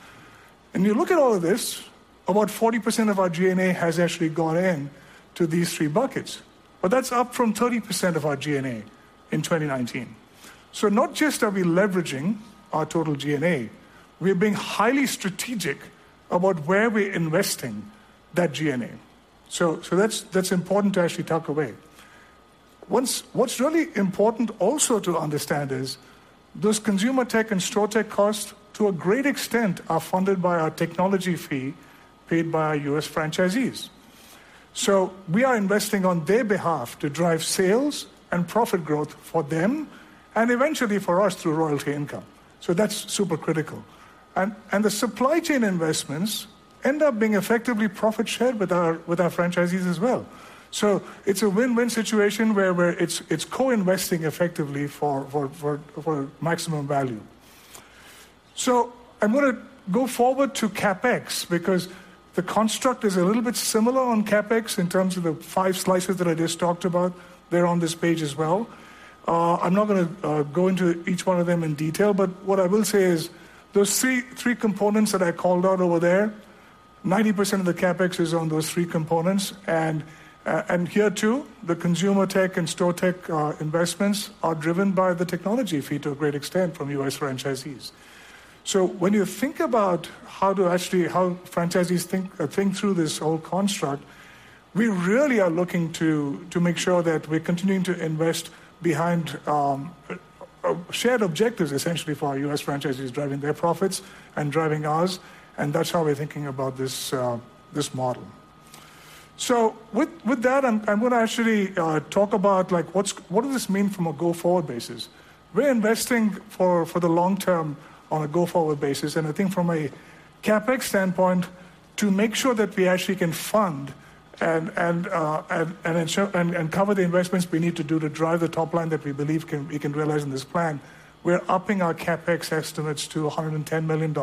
And you look at all of this, about 40% of our G&A has actually gone into these three buckets, but that's up from 30% of our G&A in 2019. So not just are we leveraging our total G&A, we are being highly strategic about where we're investing that G&A. So that's important to actually tuck away. What's really important also to understand is, those consumer tech and store tech costs, to a great extent, are funded by our technology fee paid by our U.S. franchisees. So we are investing on their behalf to drive sales and profit growth for them and eventually for us through royalty income. So that's super critical. And the supply chain investments end up being effectively profit shared with our franchisees as well. So it's a win-win situation where it's co-investing effectively for maximum value. So I'm gonna go forward to CapEx because the construct is a little bit similar on CapEx in terms of the five slices that I just talked about. They're on this page as well. I'm not gonna go into each one of them in detail, but what I will say is those three components that I called out over there, 90% of the CapEx is on those three components. And here, too, the consumer tech and store tech investments are driven by the technology fee to a great extent from U.S. franchisees. So when you think about how franchisees think through this whole construct, we really are looking to make sure that we're continuing to invest behind shared objectives, essentially, for our U.S. franchisees, driving their profits and driving ours, and that's how we're thinking about this model. So with that, I'm gonna actually talk about, like, what does this mean from a go-forward basis? We're investing for the long term on a go-forward basis, and I think from a CapEx standpoint, to make sure that we actually can fund and cover the investments we need to do to drive the top line that we believe we can realize in this plan, we're upping our CapEx estimates to $110 million.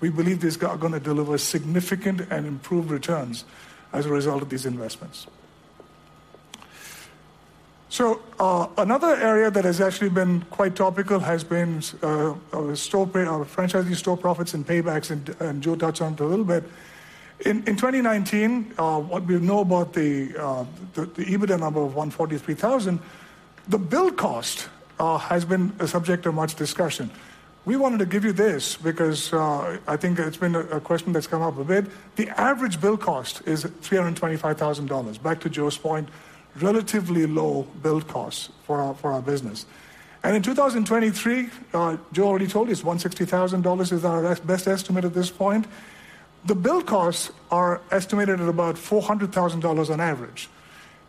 We believe these are gonna deliver significant and improved returns as a result of these investments. So, another area that has actually been quite topical has been our franchisee store profits and paybacks, and Joe touched on it a little bit. In 2019, what we know about the EBITDA number of 143,000, the build cost, has been a subject of much discussion. We wanted to give you this because I think it's been a question that's come up a bit. The average build cost is $325,000. Back to Joe's point, relatively low build costs for our business. And in 2023, Joe already told you, it's $160,000 is our best estimate at this point. The build costs are estimated at about $400,000 on average,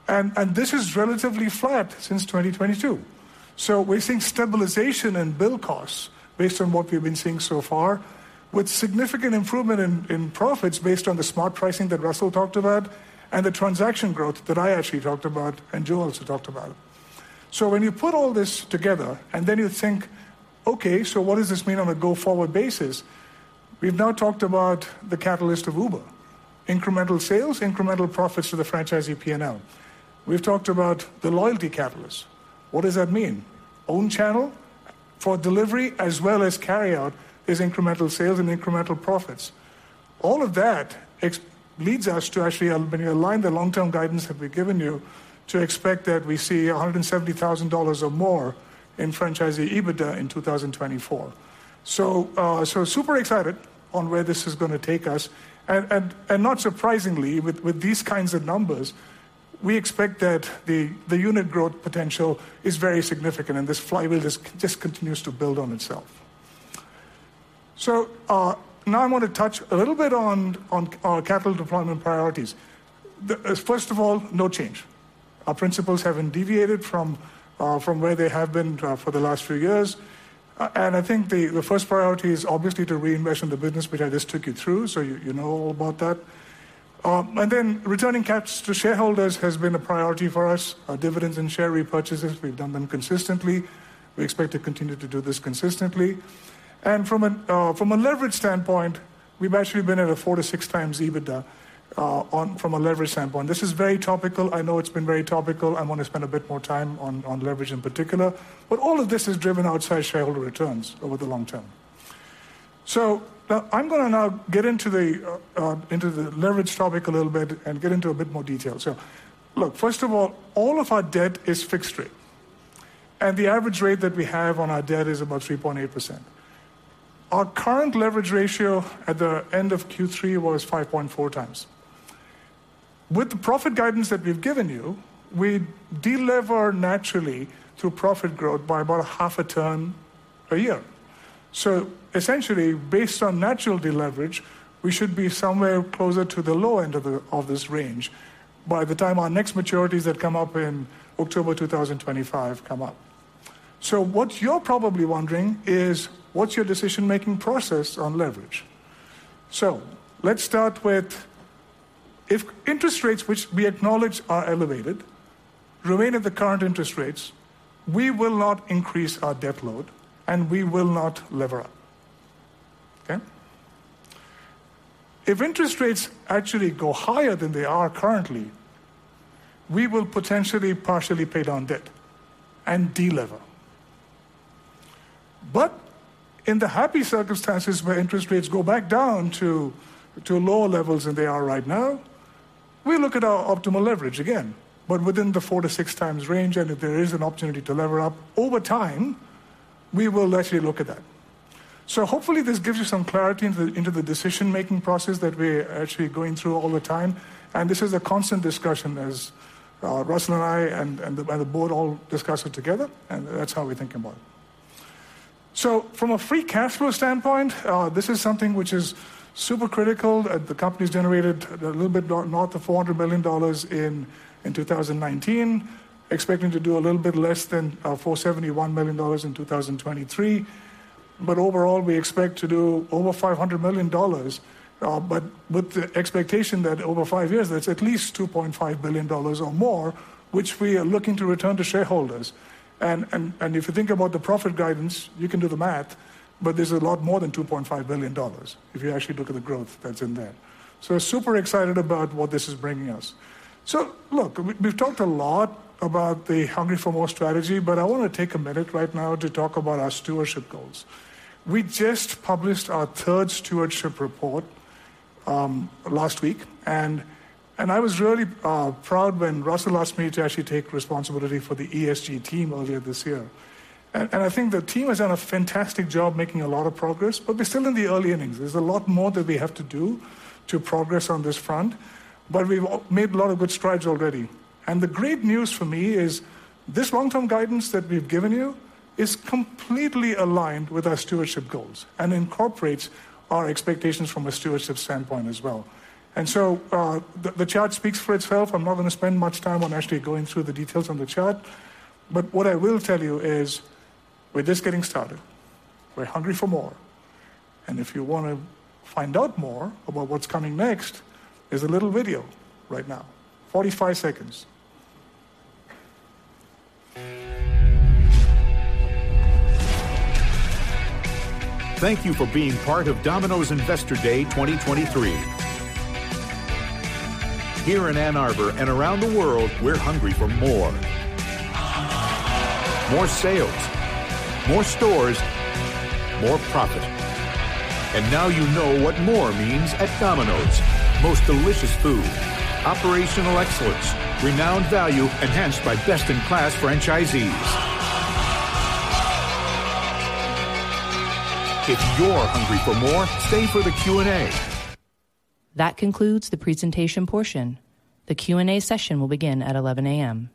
and this is relatively flat since 2022. So we're seeing stabilization in build costs based on what we've been seeing so far. With significant improvement in profits based on the smart pricing that Russell talked about and the transaction growth that I actually talked about, and Joe also talked about. So when you put all this together and then you think, "Okay, so what does this mean on a go-forward basis?" We've now talked about the catalyst of Uber, incremental sales, incremental profits to the franchisee P&L. We've talked about the loyalty catalyst. What does that mean? Own channel for delivery as well as carryout is incremental sales and incremental profits. All of that leads us to actually, when you align the long-term guidance that we've given you, to expect that we see $170,000 or more in franchisee EBITDA in 2024. So, so super excited on where this is gonna take us. And not surprisingly, with these kinds of numbers, we expect that the unit growth potential is very significant, and this flywheel just continues to build on itself. So, now I want to touch a little bit on our capital deployment priorities. First of all, no change. Our principles haven't deviated from where they have been for the last few years. And I think the first priority is obviously to reinvest in the business, which I just took you through, so you know all about that. And then returning cash to shareholders has been a priority for us. Our dividends and share repurchases, we've done them consistently. We expect to continue to do this consistently. And from a leverage standpoint, we've actually been at a 4x-6x EBITDA from a leverage standpoint. This is very topical. I know it's been very topical. I wanna spend a bit more time on, on leverage in particular, but all of this is driven outside shareholder returns over the long term. So now I'm gonna get into the leverage topic a little bit and get into a bit more detail. So look, first of all, all of our debt is fixed rate, and the average rate that we have on our debt is about 3.8%. Our current leverage ratio at the end of Q3 was 5.4x. With the profit guidance that we've given you, we delever naturally through profit growth by about a half a turn per year. So essentially, based on natural deleverage, we should be somewhere closer to the low end of this range by the time our next maturities that come up in October 2025 come up. So what you're probably wondering is, what's your decision-making process on leverage? So let's start with if interest rates, which we acknowledge are elevated, remain at the current interest rates, we will not increase our debt load, and we will not lever up. Okay? If interest rates actually go higher than they are currently, we will potentially partially pay down debt and de-lever. But in the happy circumstances where interest rates go back down to, to lower levels than they are right now, we look at our optimal leverage again, but within the 4x-6x range, and if there is an opportunity to lever up over time, we will actually look at that. So hopefully, this gives you some clarity into the decision-making process that we're actually going through all the time, and this is a constant discussion as Russell and I, and the board all discuss it together, and that's how we think about it. So from a free cash flow standpoint, this is something which is super critical. The company's generated a little bit north of $400 million in 2019. Expecting to do a little bit less than $471 million in 2023. But overall, we expect to do over $500 million, but with the expectation that over five years, that's at least $2.5 billion or more, which we are looking to return to shareholders. If you think about the profit guidance, you can do the math, but there's a lot more than $2.5 billion if you actually look at the growth that's in there. So super excited about what this is bringing us. So look, we've talked a lot about the Hungry for MORE strategy, but I wanna take a minute right now to talk about our stewardship goals. We just published our third stewardship report last week, and I was really proud when Russell asked me to actually take responsibility for the ESG team earlier this year. And I think the team has done a fantastic job making a lot of progress, but we're still in the early innings. There's a lot more that we have to do to progress on this front, but we've made a lot of good strides already. The great news for me is this long-term guidance that we've given you is completely aligned with our stewardship goals and incorporates our expectations from a stewardship standpoint as well. And so, the chart speaks for itself. I'm not gonna spend much time on actually going through the details on the chart, but what I will tell you is we're just getting started. We're hungry for more, and if you wanna find out more about what's coming next, there's a little video right now, 45 seconds. Thank you for being part of Domino's Investor Day 2023. Here in Ann Arbor and around the world, we're hungry for more. More. More sales, more stores, more profit. Now you know what MORE means at Domino's. Most Delicious Food, Operational Excellence, Renowned Value enhanced by best-in-class franchisees. More! If you're hungry for more, stay for the Q&A. That concludes the presentation portion. The Q&A session will begin at 11:00 A.M.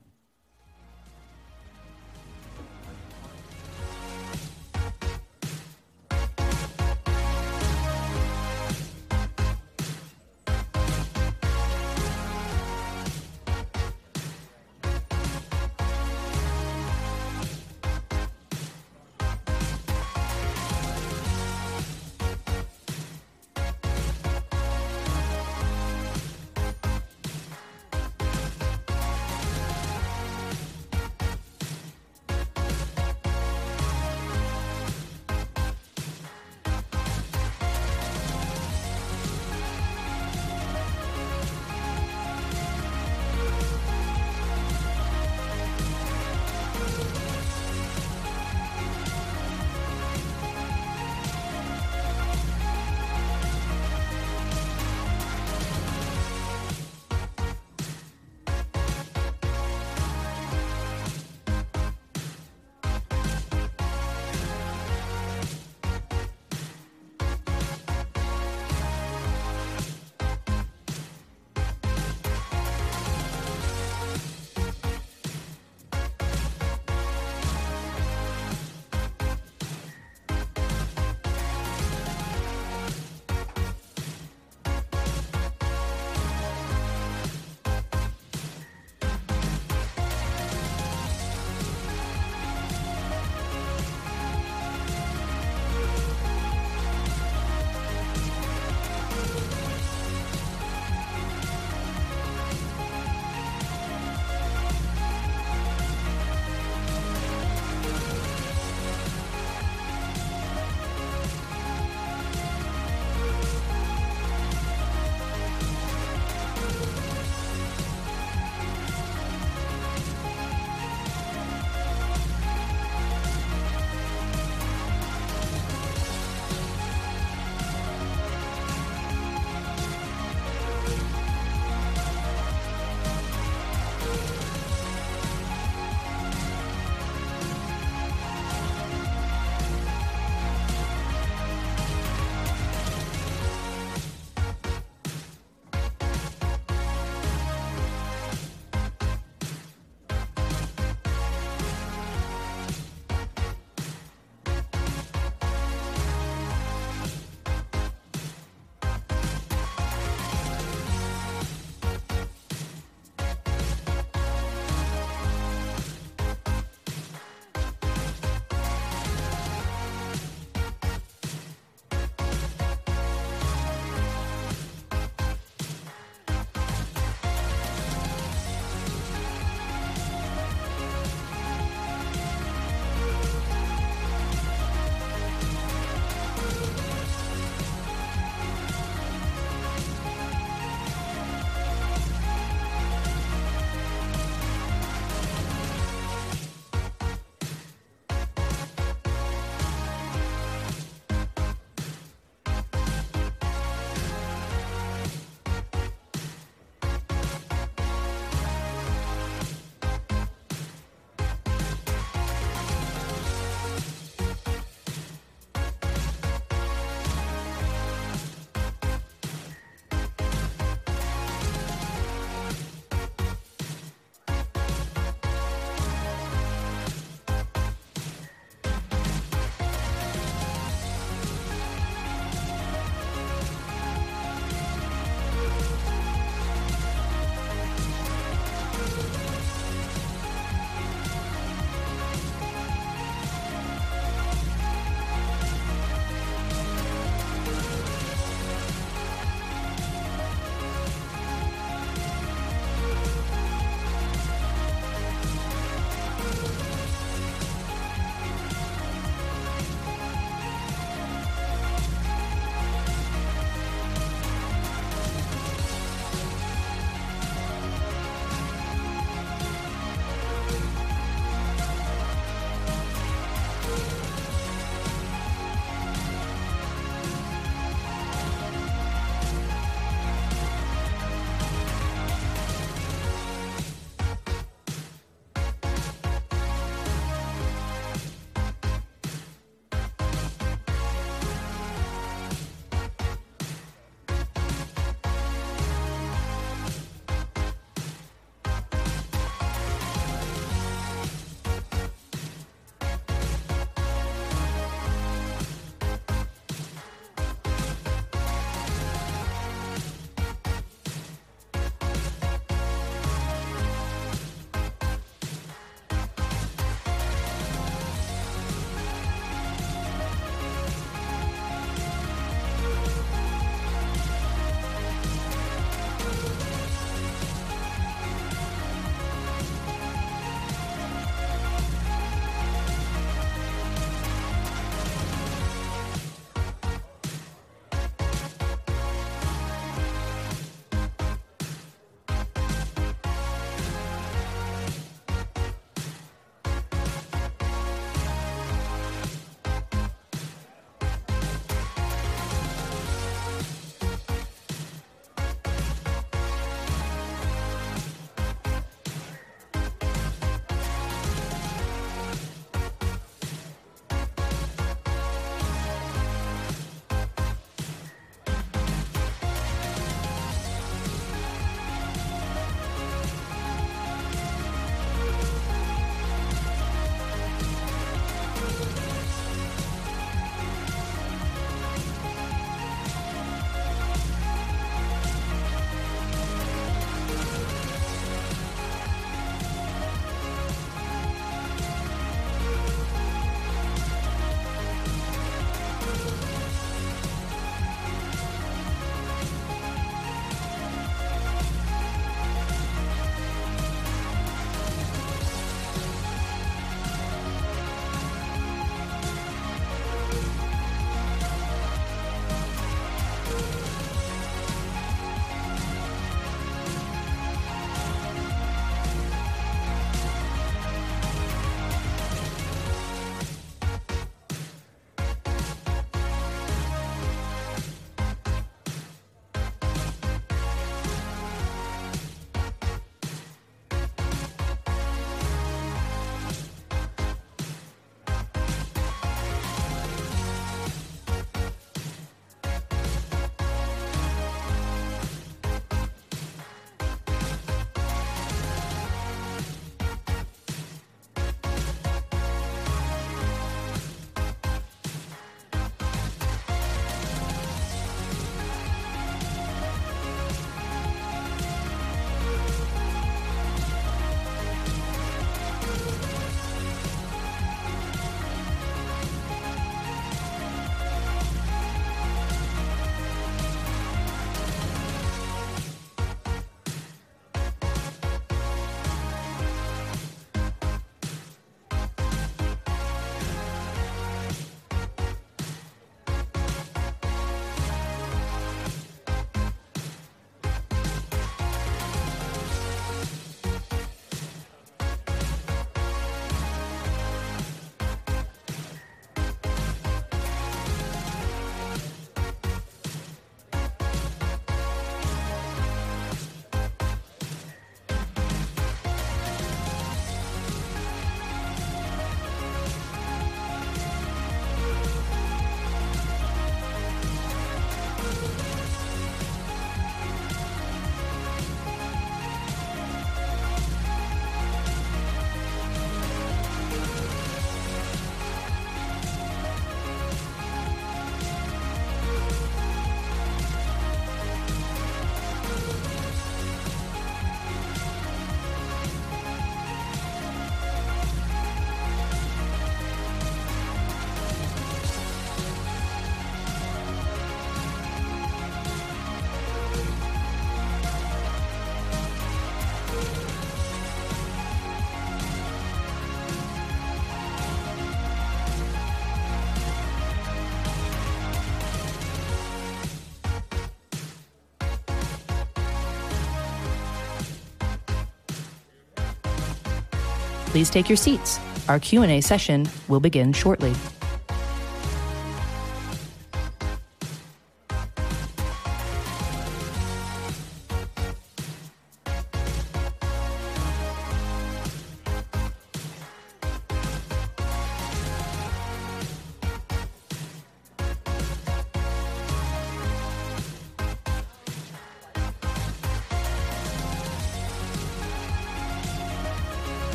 Please take your seats. Our Q&A session will begin shortly.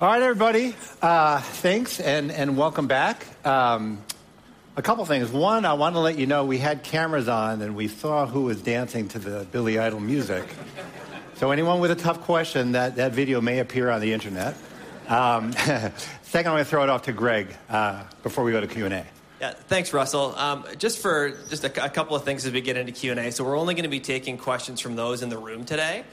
All right, everybody, thanks, and welcome back. A couple things. One, I want to let you know we had cameras on, and we saw who was dancing to the Billy Idol music. So anyone with a tough question, that video may appear on the internet. Second, I'm gonna throw it off to Greg before we go to Q&A. Yeah. Thanks, Russell. Just a couple of things as we get into Q&A. So we're only gonna be taking questions from those in the room today.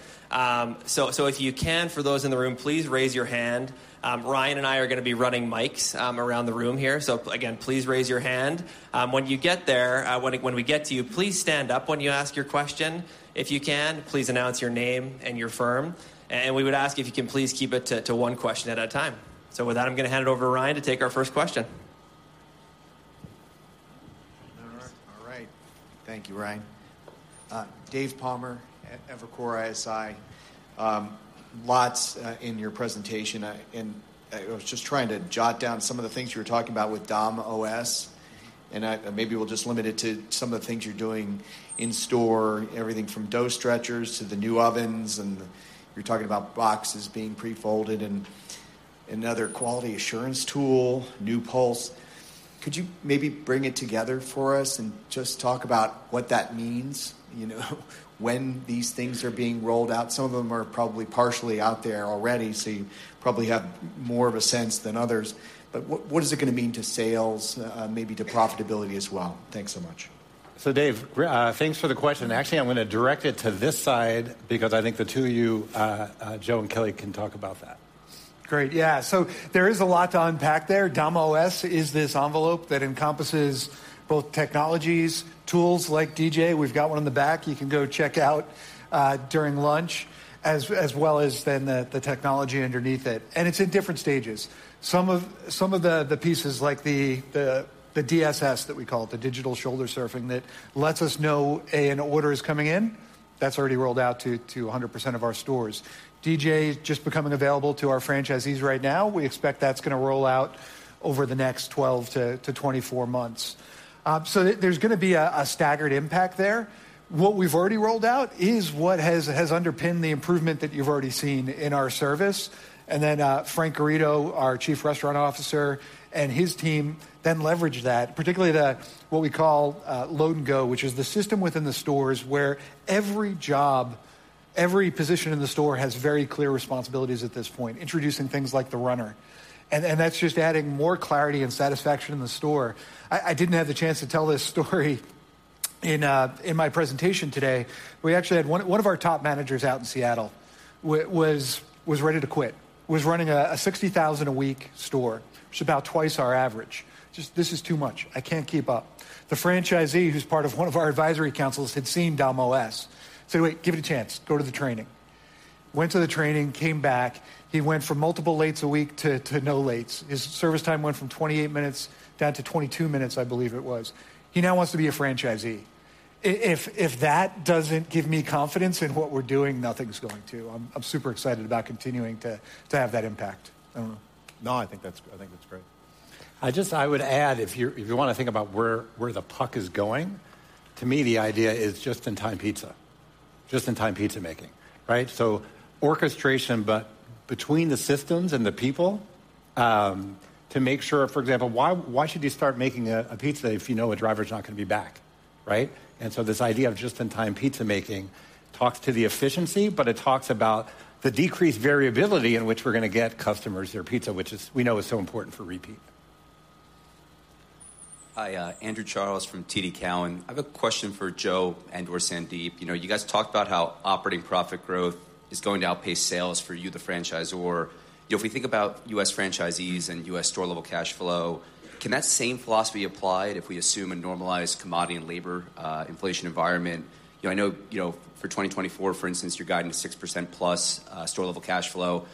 So if you can, for those in the room, please raise your hand. Ryan and I are gonna be running mics around the room here. So again, please raise your hand. When we get to you, please stand up when you ask your question. If you can, please announce your name and your firm, and we would ask if you can please keep it to one question at a time. So with that, I'm gonna hand it over to Ryan to take our first question. All right. Thank you, Ryan. Dave Palmer, at Evercore ISI. Lots in your presentation, and I was just trying to jot down some of the things you were talking about with Dom.OS, and maybe we'll just limit it to some of the things you're doing in store, everything from dough stretchers to the new ovens, and you're talking about boxes being pre-folded and other quality assurance tool, New Pulse. Could you maybe bring it together for us and just talk about what that means, you know, when these things are being rolled out? Some of them are probably partially out there already, so you probably have more of a sense than others. But what is it gonna mean to sales, maybe to profitability as well? Thanks so much. So Dave, thanks for the question. Actually, I'm gonna direct it to this side because I think the two of you, Joe and Kelly, can talk about that. Great. Yeah. So there is a lot to unpack there. Dom.OS is this envelope that encompasses both technologies, tools like DJ. We've got one in the back you can go check out during lunch, as well as then the technology underneath it, and it's in different stages. Some of the pieces like the DSS, that we call it, the digital shoulder surfing, that lets us know an order is coming in, that's already rolled out to 100% of our stores. DJ is just becoming available to our franchisees right now. We expect that's gonna roll out over the next 12-24 months. So there's gonna be a staggered impact there. What we've already rolled out is what has underpinned the improvement that you've already seen in our service. And then, Frank Garrido, our Chief Restaurant Officer, and his team then leverage that, particularly the, what we call, Load & Go, which is the system within the stores where every job, every position in the store has very clear responsibilities at this point, introducing things like the runner. And that's just adding more clarity and satisfaction in the store. I didn't have the chance to tell this story in, in my presentation today. We actually had one of our top managers out in Seattle, was ready to quit. Was running a $60,000 a week store, which is about twice our average. "Just this is too much. I can't keep up." The franchisee, who's part of one of our advisory councils, had seen Dom.OS. Said, "Wait, give it a chance. Go to the training." Went to the training, came back. He went from multiple lates a week to no lates. His service time went from 28 minutes down to 22 minutes, I believe it was. He now wants to be a franchisee. If that doesn't give me confidence in what we're doing, nothing's going to. I'm super excited about continuing to have that impact. I don't know. No, I think that's, I think that's great. I just—I would add, if you're, if you wanna think about where, where the puck is going, to me, the idea is just-in-time pizza, just-in-time pizza making, right? So orchestration, but between the systems and the people, to make sure, for example, why, why should you start making a, a pizza if you know a driver's not gonna be back, right? And so this idea of just-in-time pizza making talks to the efficiency, but it talks about the decreased variability in which we're gonna get customers their pizza, which is we know is so important for repeat. Hi, Andrew Charles from TD Cowen. I've a question for Joe and/or Sandeep. You know, you guys talked about how operating profit growth is going to outpace sales for you, the franchisor. If we think about U.S. franchisees and U.S. store-level cash flow, can that same philosophy apply if we assume a normalized commodity and labor inflation environment? You know, I know, you know, for 2024, for instance, you're guiding 6%+ store-level cash flow,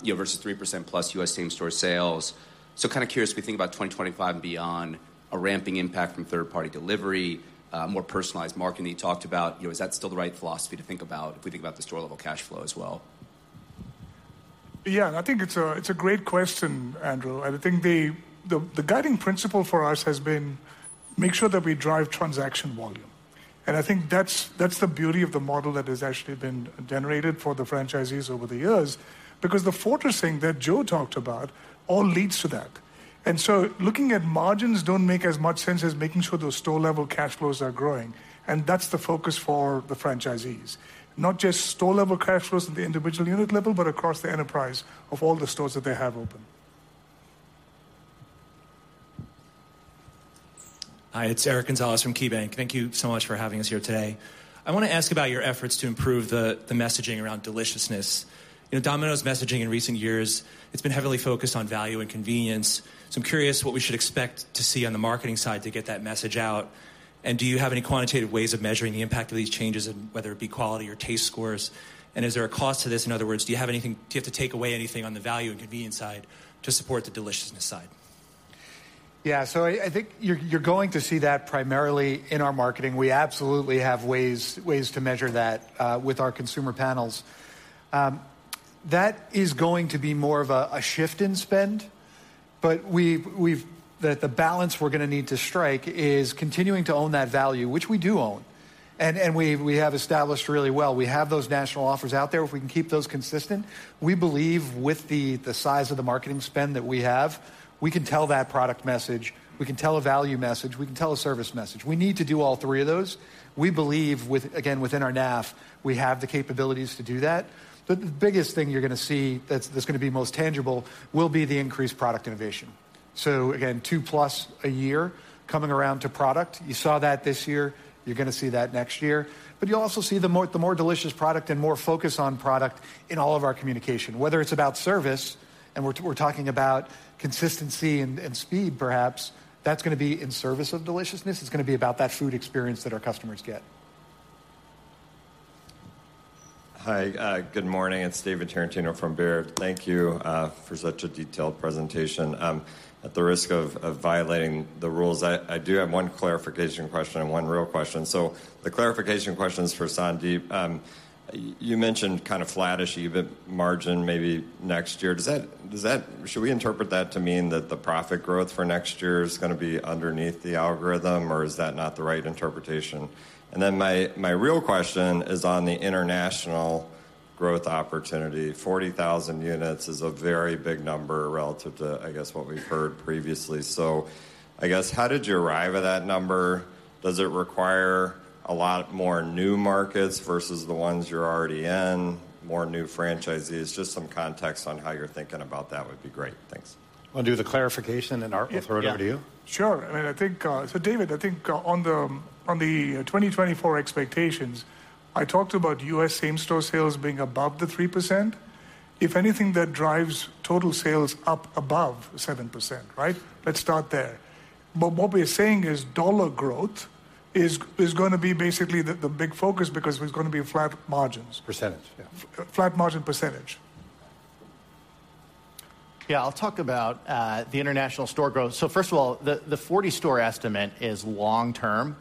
you know, versus 3%+ US same-store sales. So kind of curious, we think about 2025 and beyond, a ramping impact from third-party delivery, more personalized marketing you talked about, you know, is that still the right philosophy to think about if we think about the store-level cash flow as well? Yeah, and I think it's a great question, Andrew. I think the guiding principle for us has been, make sure that we drive transaction volume. And I think that's the beauty of the model that has actually been generated for the franchisees over the years, because the Fortressing that Joe talked about all leads to that. And so looking at margins don't make as much sense as making sure those store-level cash flows are growing, and that's the focus for the franchisees. Not just store-level cash flows at the individual unit level, but across the enterprise of all the stores that they have open. Hi, it's Eric Gonzalez from KeyBanc. Thank you so much for having us here today. I wanna ask about your efforts to improve the messaging around deliciousness. You know, Domino's messaging in recent years, it's been heavily focused on value and convenience. So I'm curious what we should expect to see on the marketing side to get that message out. And do you have any quantitative ways of measuring the impact of these changes, whether it be quality or taste scores? And is there a cost to this? In other words, do you have to take away anything on the value and convenience side to support the deliciousness side? Yeah, so I think you're going to see that primarily in our marketing. We absolutely have ways to measure that with our consumer panels. That is going to be more of a shift in spend, but we've. The balance we're gonna need to strike is continuing to own that value, which we do own. And we have established really well. We have those national offers out there. If we can keep those consistent, we believe with the size of the marketing spend that we have, we can tell that product message, we can tell a value message, we can tell a service message. We need to do all three of those. We believe with, again, within our NAF, we have the capabilities to do that. But the biggest thing you're going to see that's going to be most tangible will be the increased product innovation. So again, 2+ a year coming around to product. You saw that this year; you're going to see that next year. But you'll also see the more delicious product and more focus on product in all of our communication, whether it's about service, and we're talking about consistency and speed, perhaps; that's going to be in service of deliciousness. It's going to be about that food experience that our customers get. Hi, good morning, it's David Tarantino from Baird. Thank you for such a detailed presentation. At the risk of violating the rules, I do have one clarification question and one real question. The clarification question is for Sandeep. You mentioned kind of flattish even margin maybe next year. Does that. Should we interpret that to mean that the profit growth for next year is going to be underneath the algorithm, or is that not the right interpretation? And then my real question is on the international growth opportunity. 40,000 units is a very big number relative to, I guess, what we've heard previously. I guess, how did you arrive at that number? Does it require a lot more new markets versus the ones you're already in, more new franchisees? Just some context on how you're thinking about that would be great. Thanks. I'll do the clarification, and Art, we'll throw it over to you. Sure. I mean, I think, so David, I think, on the 2024 expectations, I talked about U.S. same-store sales being above the 3%. If anything, that drives total sales up above 7%, right? Let's start there. But what we're saying is dollar growth is going to be basically the big focus because there's going to be flat margins. Percentage, yeah. Flat margin percentage. Yeah, I'll talk about the international store growth. First of all, the 40 store estimate is long-term,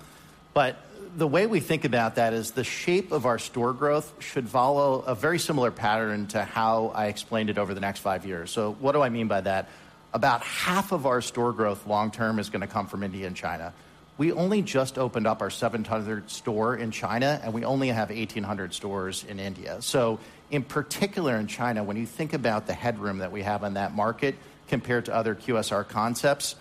but the way we think about that is the shape of our store growth should follow a very similar pattern to how I explained it over the next five years. What do I mean by that? About half of our store growth long term is going to come from India and China. We only just opened up our 700th store in China, and we only have 1,800 stores in India. In particular, in China, when you think about the headroom that we have on that market compared to other QSR concepts,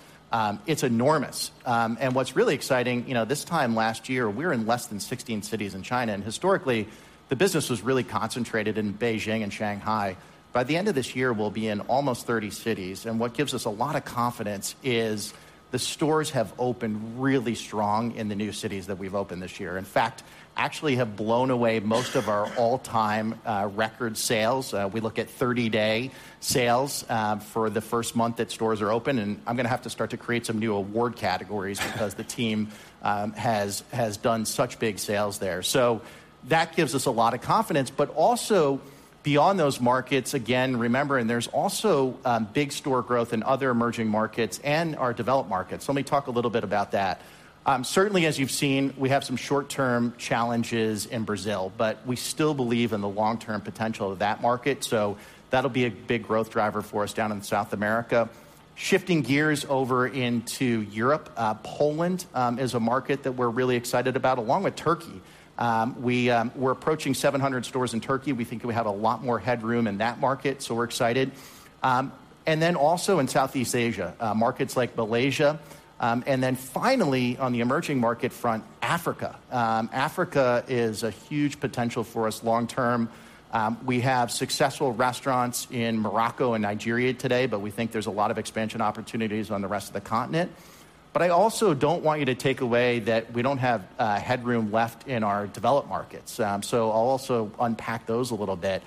it's enormous. And what's really exciting, you know, this time last year, we were in less than 16 cities in China, and historically, the business was really concentrated in Beijing and Shanghai. By the end of this year, we'll be in almost 30 cities, and what gives us a lot of confidence is the stores have opened really strong in the new cities that we've opened this year. In fact, actually have blown away most of our all-time record sales. We look at 30-day sales for the first month that stores are open, and I'm going to have to start to create some new award categories because the team has done such big sales there. So that gives us a lot of confidence, but also beyond those markets, again, remember, and there's also big store growth in other emerging markets and our developed markets. Let me talk a little bit about that. Certainly, as you've seen, we have some short-term challenges in Brazil, but we still believe in the long-term potential of that market, so that'll be a big growth driver for us down in South America. Shifting gears over into Europe, Poland is a market that we're really excited about, along with Turkey. We're approaching 700 stores in Turkey. We think we have a lot more headroom in that market, so we're excited. And then also in Southeast Asia, markets like Malaysia, and then finally, on the emerging market front, Africa. Africa is a huge potential for us long term. We have successful restaurants in Morocco and Nigeria today, but we think there's a lot of expansion opportunities on the rest of the continent. But I also don't want you to take away that we don't have headroom left in our developed markets, so I'll also unpack those a little bit.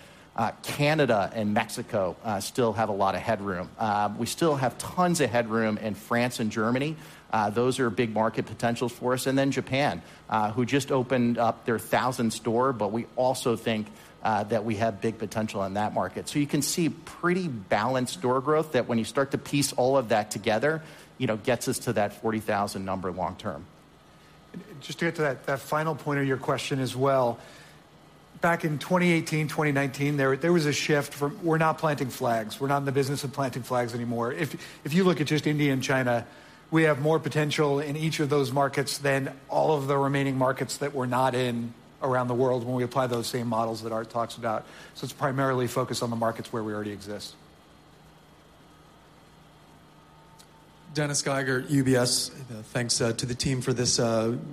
Canada and Mexico still have a lot of headroom. We still have tons of headroom in France and Germany. Those are big market potentials for us. And then Japan, who just opened up their 1,000th store, but we also think that we have big potential in that market. So you can see pretty balanced store growth, that when you start to piece all of that together, you know, gets us to that 40,000 number long term. Just to get to that final point of your question as well. Back in 2018, 2019, there was a shift from we're not planting flags. We're not in the business of planting flags anymore. If you look at just India and China, we have more potential in each of those markets than all of the remaining markets that we're not in around the world when we apply those same models that Art talks about. So it's primarily focused on the markets where we already exist. Dennis Geiger, UBS. Thanks to the team for this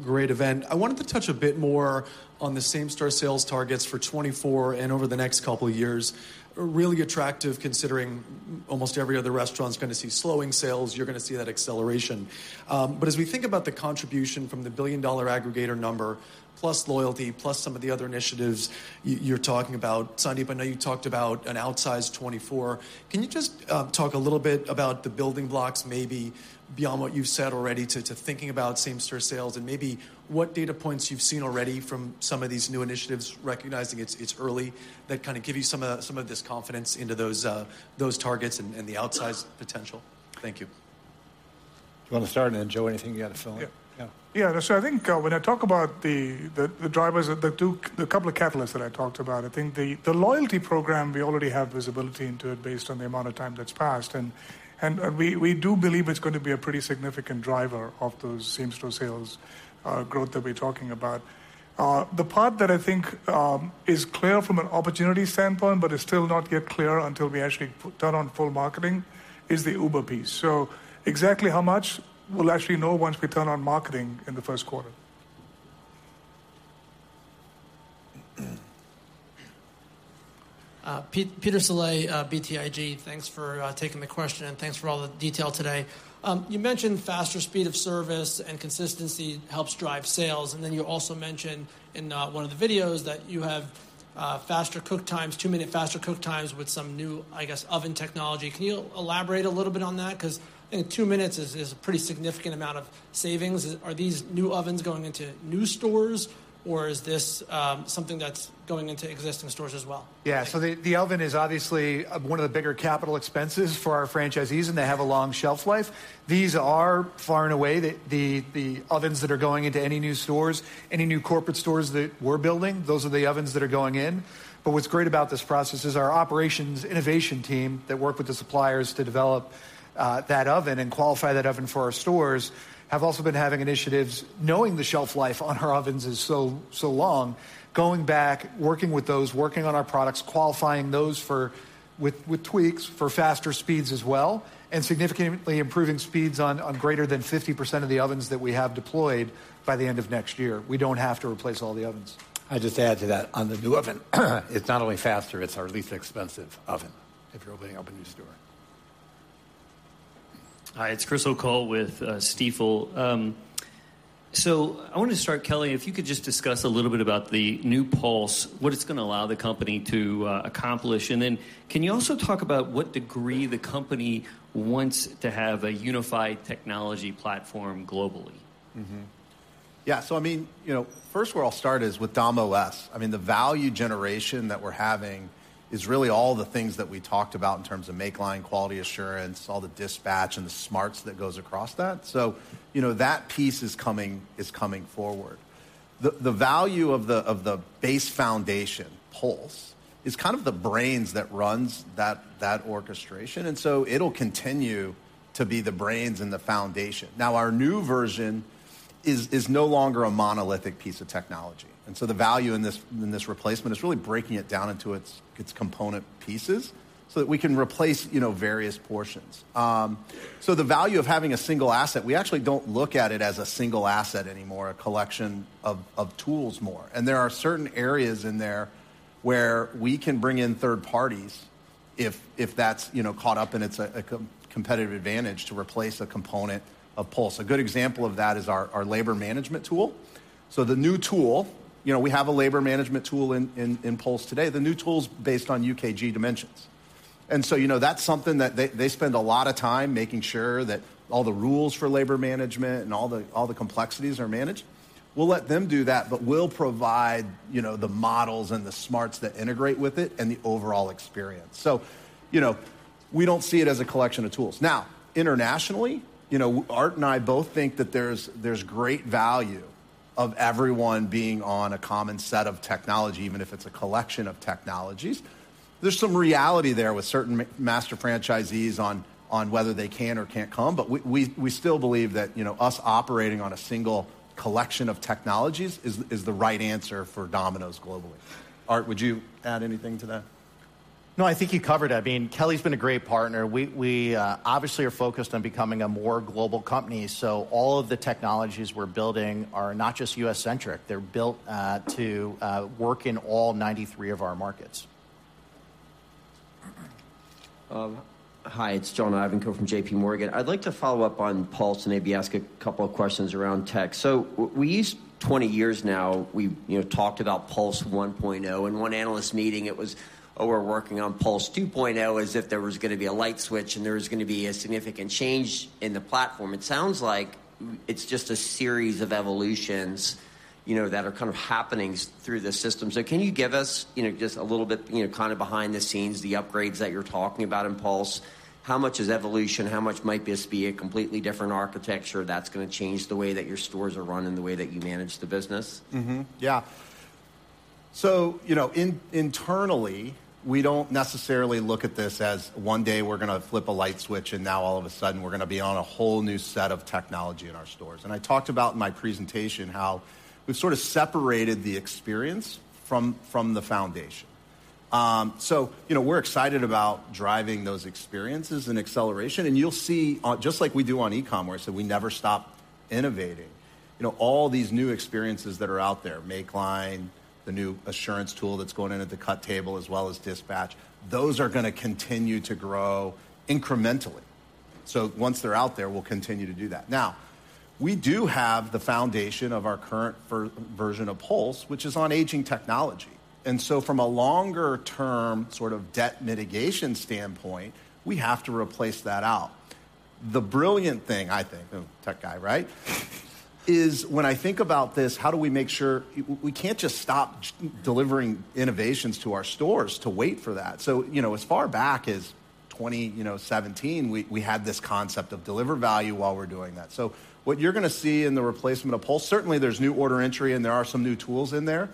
great event. I wanted to touch a bit more on the same-store sales targets for 2024 and over the next couple of years. Really attractive, considering almost every other restaurant is going to see slowing sales, you're going to see that acceleration. But as we think about the contribution from the billion-dollar aggregator number, plus loyalty, plus some of the other initiatives you're talking about, Sandeep, I know you talked about an outsized 2024. Can you just talk a little bit about the building blocks, maybe beyond what you've said already, to thinking about same-store sales and maybe what data points you've seen already from some of these new initiatives, recognizing it's early, that kind of give you some of this confidence into those targets and the outsized potential? Thank you. You want to start and add, Joe? Anything you add to fill in? Yeah. Yeah. Yeah, so I think when I talk about the drivers, the couple of catalysts that I talked about, I think the loyalty program, we already have visibility into it based on the amount of time that's passed. And we do believe it's going to be a pretty significant driver of those same-store sales growth that we're talking about. The part that I think is clear from an opportunity standpoint, but it's still not yet clear until we actually turn on full marketing, is the Uber piece. So exactly how much? We'll actually know once we turn on marketing in the first quarter. Peter Saleh, BTIG. Thanks for taking the question, and thanks for all the detail today. You mentioned faster speed of service and consistency helps drive sales, and then you also mentioned in one of the videos that you have faster cook times, two-minute faster cook times with some new, I guess, oven technology. Can you elaborate a little bit on that? Because I think two minutes is a pretty significant amount of savings. Are these new ovens going into new stores, or is this something that's going into existing stores as well? Yeah. So the oven is obviously one of the bigger capital expenses for our franchisees, and they have a long shelf life. These are far and away the ovens that are going into any new stores. Any new corporate stores that we're building, those are the ovens that are going in. But what's great about this process is our operations innovation team that work with the suppliers to develop that oven and qualify that oven for our stores have also been having initiatives, knowing the shelf life on our ovens is so long, going back, working with those, working on our products, qualifying those for, with tweaks, for faster speeds as well, and significantly improving speeds on greater than 50% of the ovens that we have deployed by the end of next year. We don't have to replace all the ovens. I'd just add to that, on the new oven, it's not only faster, it's our least expensive oven if you're opening up a new store. Hi, it's Chris O'Cull with Stifel. So I wanted to start, Kelly, if you could just discuss a little bit about the new Pulse, what it's gonna allow the company to accomplish. And then can you also talk about what degree the company wants to have a unified technology platform globally? Mm-hmm. Yeah, so I mean, you know, first where I'll start is with Dom.OS. I mean, the value generation that we're having is really all the things that we talked about in terms of make line, quality assurance, all the dispatch, and the smarts that goes across that. So, you know, that piece is coming forward. The value of the base foundation, Pulse, is kind of the brains that runs that orchestration, and so it'll continue to be the brains and the foundation. Now, our new version is no longer a monolithic piece of technology, and so the value in this replacement is really breaking it down into its component pieces so that we can replace, you know, various portions. So the value of having a single asset, we actually don't look at it as a single asset anymore, a collection of tools more. And there are certain areas in there where we can bring in third parties if that's, you know, caught up, and it's a competitive advantage to replace a component of Pulse. A good example of that is our labor management tool. So the new tool, you know, we have a labor management tool in Pulse today. The new tool is based on UKG Dimensions. And so, you know, that's something that they spend a lot of time making sure that all the rules for labor management and all the complexities are managed. We'll let them do that, but we'll provide, you know, the models and the smarts that integrate with it and the overall experience. So, you know, we don't see it as a collection of tools. Now, internationally, you know, Art and I both think that there's great value of everyone being on a common set of technology, even if it's a collection of technologies. There's some reality there with certain master franchisees on whether they can or can't come, but we still believe that, you know, us operating on a single collection of technologies is the right answer for Domino's globally. Art, would you add anything to that? No, I think you covered that. I mean, Kelly's been a great partner. We obviously are focused on becoming a more global company, so all of the technologies we're building are not just U.S.-centric. They're built to work in all 93 of our markets. Hi, it's John Ivankoe from JPMorgan. I'd like to follow up on Pulse and maybe ask a couple of questions around tech. So we used 20 years now, we've, you know, talked about Pulse 1.0. Oh, in one analyst meeting, it was, "Oh, we're working on Pulse 2.0," as if there was gonna be a light switch, and there was gonna be a significant change in the platform. It sounds like it's just a series of evolutions, you know, that are kind of happening through the system. So can you give us, you know, just a little bit, you know, kind of behind the scenes, the upgrades that you're talking about in Pulse? How much is evolution? How much might this be a completely different architecture that's gonna change the way that your stores are run and the way that you manage the business? Mm-hmm. Yeah. So, you know, internally, we don't necessarily look at this as one day we're gonna flip a light switch, and now all of a sudden, we're gonna be on a whole new set of technology in our stores. And I talked about in my presentation how we've sort of separated the experience from the foundation. So, you know, we're excited about driving those experiences and acceleration, and you'll see on... Just like we do on e-commerce, that we never stop innovating. You know, all these new experiences that are out there, make line, the new assurance tool that's going in at the cut table, as well as Dispatch, those are gonna continue to grow incrementally. So once they're out there, we'll continue to do that. Now, we do have the foundation of our current version of Pulse, which is on aging technology. And so from a longer-term, sort of, debt mitigation standpoint, we have to replace that out. The brilliant thing, I think, oh, tech guy, right? is when I think about this, how do we make sure? We can't just stop delivering innovations to our stores to wait for that. So, you know, as far back as 2017, you know, we had this concept of deliver value while we're doing that. So what you're gonna see in the replacement of Pulse, certainly there's new order entry, and there are some new tools in there,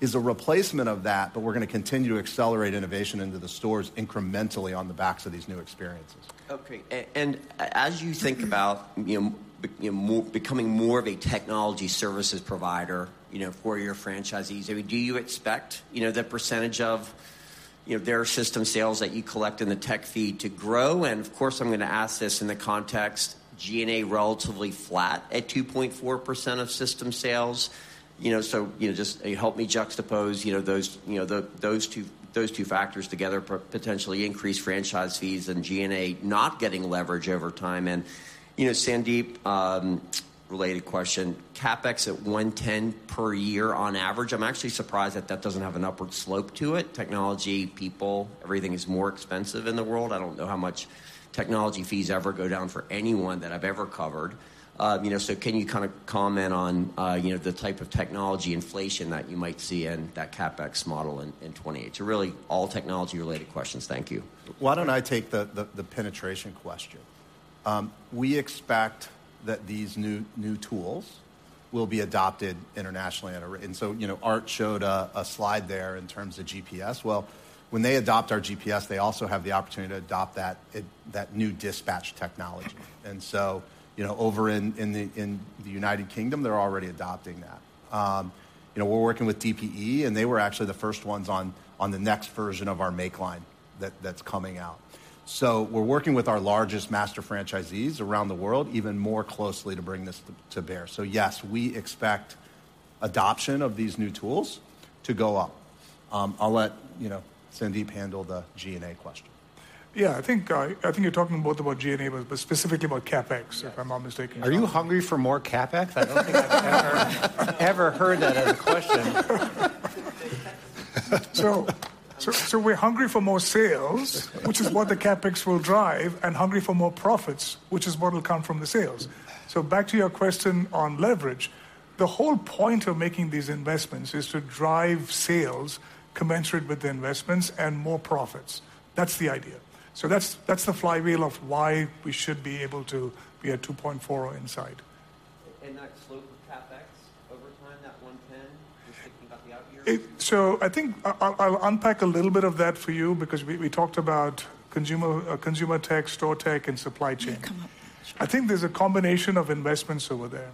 is a replacement of that, but we're gonna continue to accelerate innovation into the stores incrementally on the backs of these new experiences. Okay. And as you think about, you know, becoming more of a technology services provider, you know, for your franchisees, I mean, do you expect, you know, the percentage of, you know, their system sales that you collect in the tech fee to grow? And, of course, I'm gonna ask this in the context, G&A relatively flat at 2.4% of system sales. You know, so, you know, just help me juxtapose, you know, those, you know, the, those two, those two factors together, potentially increased franchise fees and G&A not getting leverage over time. And, you know, Sandeep, related question, CapEx at $110 per year on average, I'm actually surprised that that doesn't have an upward slope to it. Technology, people, everything is more expensive in the world. I don't know how much technology fees ever go down for anyone that I've ever covered. You know, so can you kinda comment on, you know, the type of technology inflation that you might see in that CapEx model in 2028? So really, all technology-related questions. Thank you. Why don't I take the penetration question? We expect that these new tools will be adopted internationally. And so, you know, Art showed a slide there in terms of GPS. Well, when they adopt our GPS, they also have the opportunity to adopt that new dispatch technology. And so, you know, over in the United Kingdom, they're already adopting that. You know, we're working with DPE, and they were actually the first ones on the next version of our make line that's coming out. So we're working with our largest master franchisees around the world even more closely to bring this to bear. So yes, we expect adoption of these new tools to go up. I'll let you know, Sandeep, handle the G&A question. Yeah, I think, I think you're talking both about G&A, but, but specifically about CapEx, if I'm not mistaken. Are you hungry for more CapEx? I don't think I've ever, ever heard that as a question. So we're hungry for more sales, which is what the CapEx will drive, and hungry for more profits, which is what will come from the sales. So back to your question on leverage, the whole point of making these investments is to drive sales commensurate with the investments and more profits. That's the idea. So that's the flywheel of why we should be able to be at 2.4 inside. That slope of CapEx over time, that 110, just thinking about the out years? So I think I'll unpack a little bit of that for you because we talked about consumer tech, store tech, and supply chain. Yeah, come up. I think there's a combination of investments over there.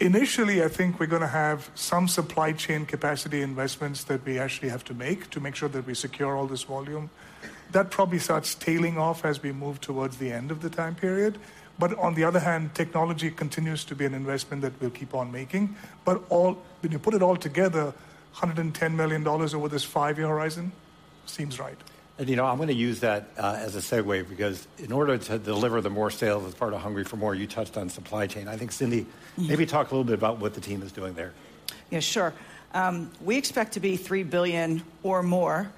Initially, I think we're gonna have some supply chain capacity investments that we actually have to make to make sure that we secure all this volume. That probably starts tailing off as we move towards the end of the time period. But on the other hand, technology continues to be an investment that we'll keep on making. But when you put it all together, $110 million over this five-year horizon seems right. You know, I'm gonna use that as a segue because in order to deliver the more sales as part of Hungry for MORE, you touched on supply chain. I think, Cindy- Mm. Maybe talk a little bit about what the team is doing there. Yeah, sure. We expect to be $3 billion or more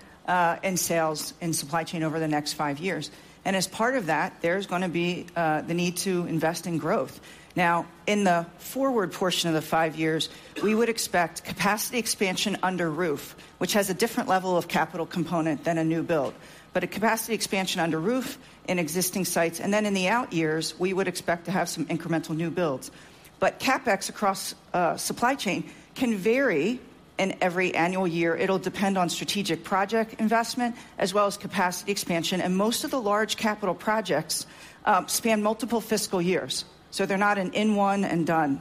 in sales in supply chain over the next five years. And as part of that, there's gonna be the need to invest in growth. Now, in the forward portion of the five years, we would expect capacity expansion under roof, which has a different level of capital component than a new build. But a capacity expansion under roof in existing sites, and then in the out years, we would expect to have some incremental new builds. But CapEx across supply chain can vary in every annual year. It'll depend on strategic project investment as well as capacity expansion, and most of the large capital projects span multiple fiscal years, so they're not an in one and done.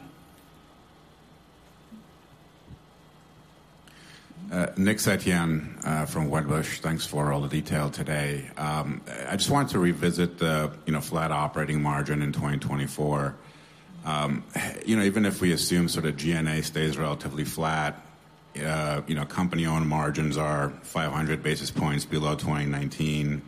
Nick Setyan, from Wedbush. Thanks for all the detail today. I just wanted to revisit the, you know, flat operating margin in 2024. You know, even if we assume sort of G&A stays relatively flat, you know, company-owned margins are 500 basis points below 2019.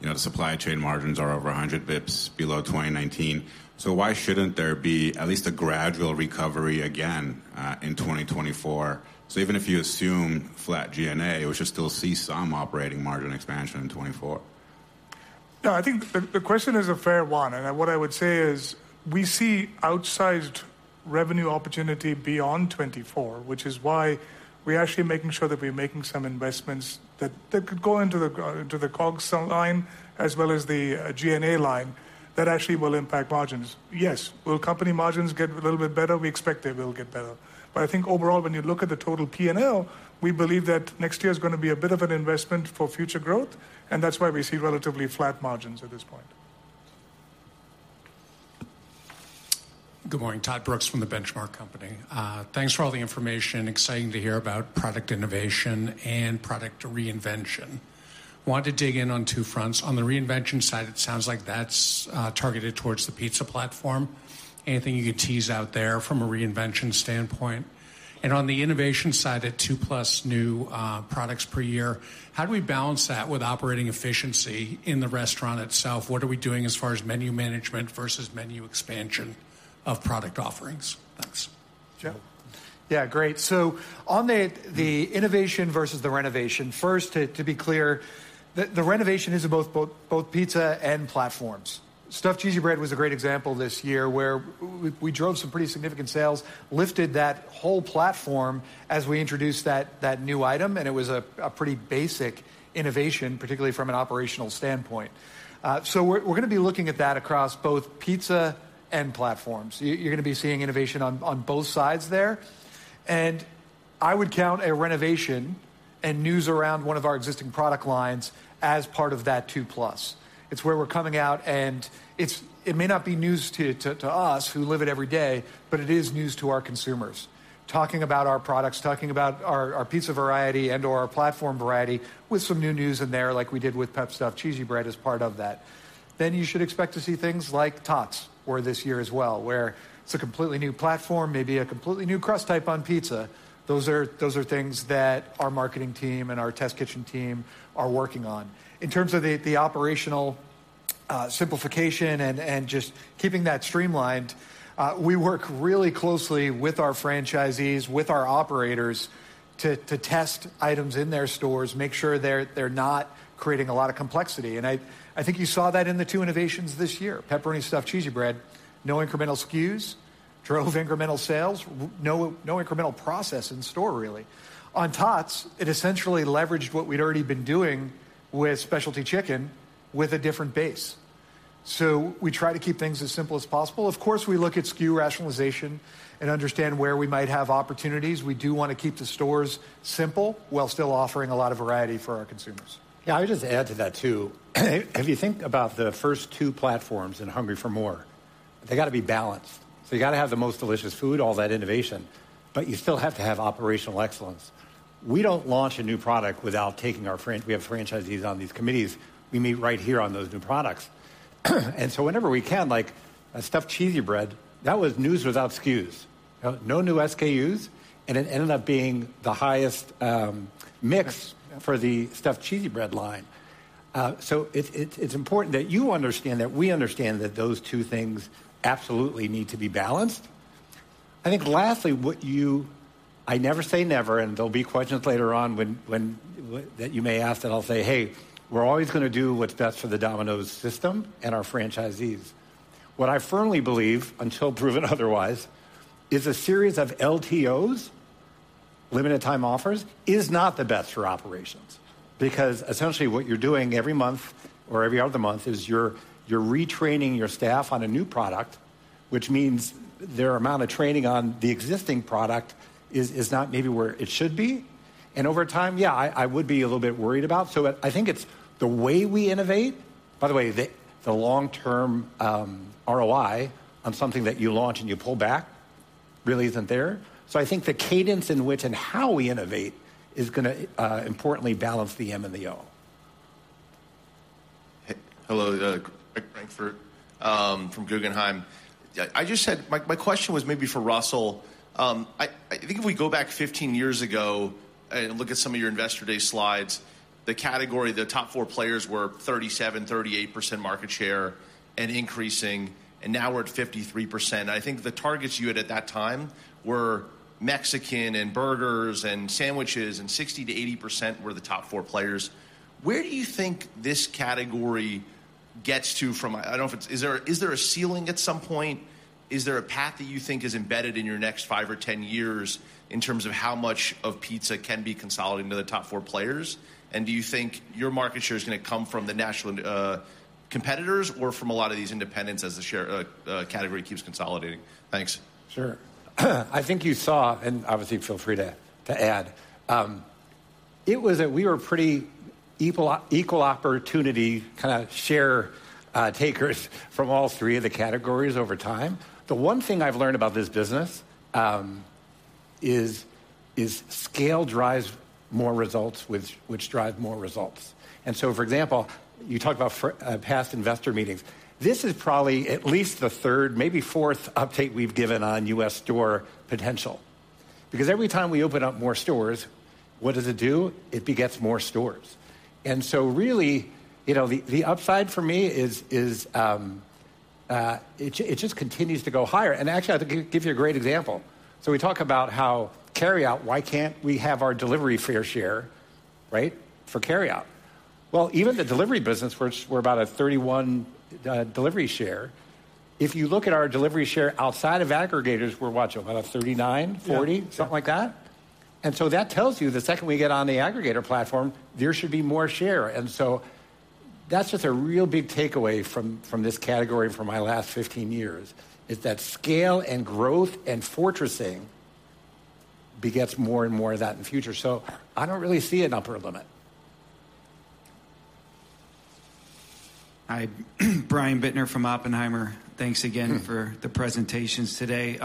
You know, the supply chain margins are over 100 basis points below 2019. So why shouldn't there be at least a gradual recovery again, in 2024? So even if you assume flat G&A, we should still see some operating margin expansion in 2024. No, I think the question is a fair one, and what I would say is, we see outsized revenue opportunity beyond 2024, which is why we're actually making sure that we're making some investments that could go into the COGS line, as well as the G&A line, that actually will impact margins. Yes, will company margins get a little bit better? We expect they will get better. But I think overall, when you look at the total P&L, we believe that next year is gonna be a bit of an investment for future growth, and that's why we see relatively flat margins at this point. Good morning, Todd Brooks from the Benchmark Company. Thanks for all the information. Exciting to hear about product innovation and product reinvention. Wanted to dig in on two fronts. On the reinvention side, it sounds like that's targeted towards the pizza platform. Anything you could tease out there from a reinvention standpoint? And on the innovation side, at two plus new products per year, how do we balance that with operating efficiency in the restaurant itself? What are we doing as far as menu management versus menu expansion of product offerings? Thanks. Joe? Yeah, great. So on the innovation versus the renovation, first, to be clear, the renovation is in both pizza and platforms. Stuffed Cheesy Bread was a great example this year, where we drove some pretty significant sales, lifted that whole platform as we introduced that new item, and it was a pretty basic innovation, particularly from an operational standpoint. So we're gonna be looking at that across both pizza and platforms. You're gonna be seeing innovation on both sides there. And I would count a renovation and news around one of our existing product lines as part of that two plus. It's where we're coming out, and it may not be news to us, who live it every day, but it is news to our consumers. Talking about our products, talking about our, our pizza variety and/or our platform variety with some new news in there, like we did with Pepperoni Stuffed Cheesy Bread as part of that. Then you should expect to see things like Tots for this year as well, where it's a completely new platform, maybe a completely new crust type on pizza. Those are, those are things that our marketing team and our test kitchen team are working on. In terms of the, the operational, simplification and, and just keeping that streamlined, we work really closely with our franchisees, with our operators, to, to test items in their stores, make sure they're, they're not creating a lot of complexity. And I, I think you saw that in the two innovations this year. Pepperoni Stuffed Cheesy Bread, no incremental SKUs, drove incremental sales, no, no incremental process in store, really. On Tots, it essentially leveraged what we'd already been doing with Specialty Chicken with a different base. So we try to keep things as simple as possible. Of course, we look at SKU rationalization and understand where we might have opportunities. We do wanna keep the stores simple while still offering a lot of variety for our consumers. Yeah, I would just add to that, too. If you think about the first two platforms in Hungry for MORE, they gotta be balanced. So you gotta have the Most Delicious Food, all that innovation, but you still have to have Operational Excellence. We don't launch a new product without taking our franchisees. We have franchisees on these committees. We meet right here on those new products. And so whenever we can, like, a Stuffed Cheesy Bread, that was new without SKUs. No new SKUs, and it ended up being the highest mix for the Stuffed Cheesy Bread line. So it's important that you understand that we understand that those two things absolutely need to be balanced. I think lastly, what you... I never say never, and there'll be questions later on when that you may ask, that I'll say, "Hey, we're always gonna do what's best for the Domino's system and our franchisees." What I firmly believe, until proven otherwise, is a series of LTOs, limited time offers, is not the best for operations. Because essentially, what you're doing every month or every other month, is you're retraining your staff on a new product, which means their amount of training on the existing product is not maybe where it should be. And over time, yeah, I would be a little bit worried about. So I think it's the way we innovate. By the way, the long-term ROI on something that you launch and you pull back really isn't there. So I think the cadence in which and how we innovate is gonna importantly balance the M and the O. Hello, Greg Francfort from Guggenheim. Yeah, my question was maybe for Russell. I think if we go back 15 years ago and look at some of your Investor Day slides, the category, the top four players were 37%-38% market share and increasing, and now we're at 53%. I think the targets you had at that time were Mexican and burgers and sandwiches, and 60%-80% were the top four players. Where do you think this category gets to from a- I don't know if it's... Is there a ceiling at some point? Is there a path that you think is embedded in your next five or 10 years in terms of how much of pizza can be consolidated into the top four players? Do you think your market share is gonna come from the national competitors or from a lot of these independents as the share category keeps consolidating? Thanks. Sure. I think you saw, and obviously, feel free to add, it was that we were pretty equal opportunity kinda share takers from all three of the categories over time. The one thing I've learned about this business is scale drives more results, which drive more results. And so, for example, you talked about past investor meetings. This is probably at least the third, maybe fourth update we've given on U.S. store potential. Because every time we open up more stores, what does it do? It begets more stores. And so really, you know, the upside for me is it just continues to go higher. And actually, I can give you a great example. So we talk about how carryout, why can't we have our delivery fair share, right, for carryout? Well, even the delivery business, we're about a 31% delivery share. If you look at our delivery share outside of aggregators, we're what, Joe, about a 39%? Yeah. 40, something like that? And so that tells you, the second we get on the aggregator platform, there should be more share. And so that's just a real big takeaway from, from this category for my last 15 years, is that scale and growth and fortressing begets more and more of that in the future. So I don't really see an upper limit. Hi, Brian Bittner from Oppenheimer. Thanks again- Mm. for the presentations today.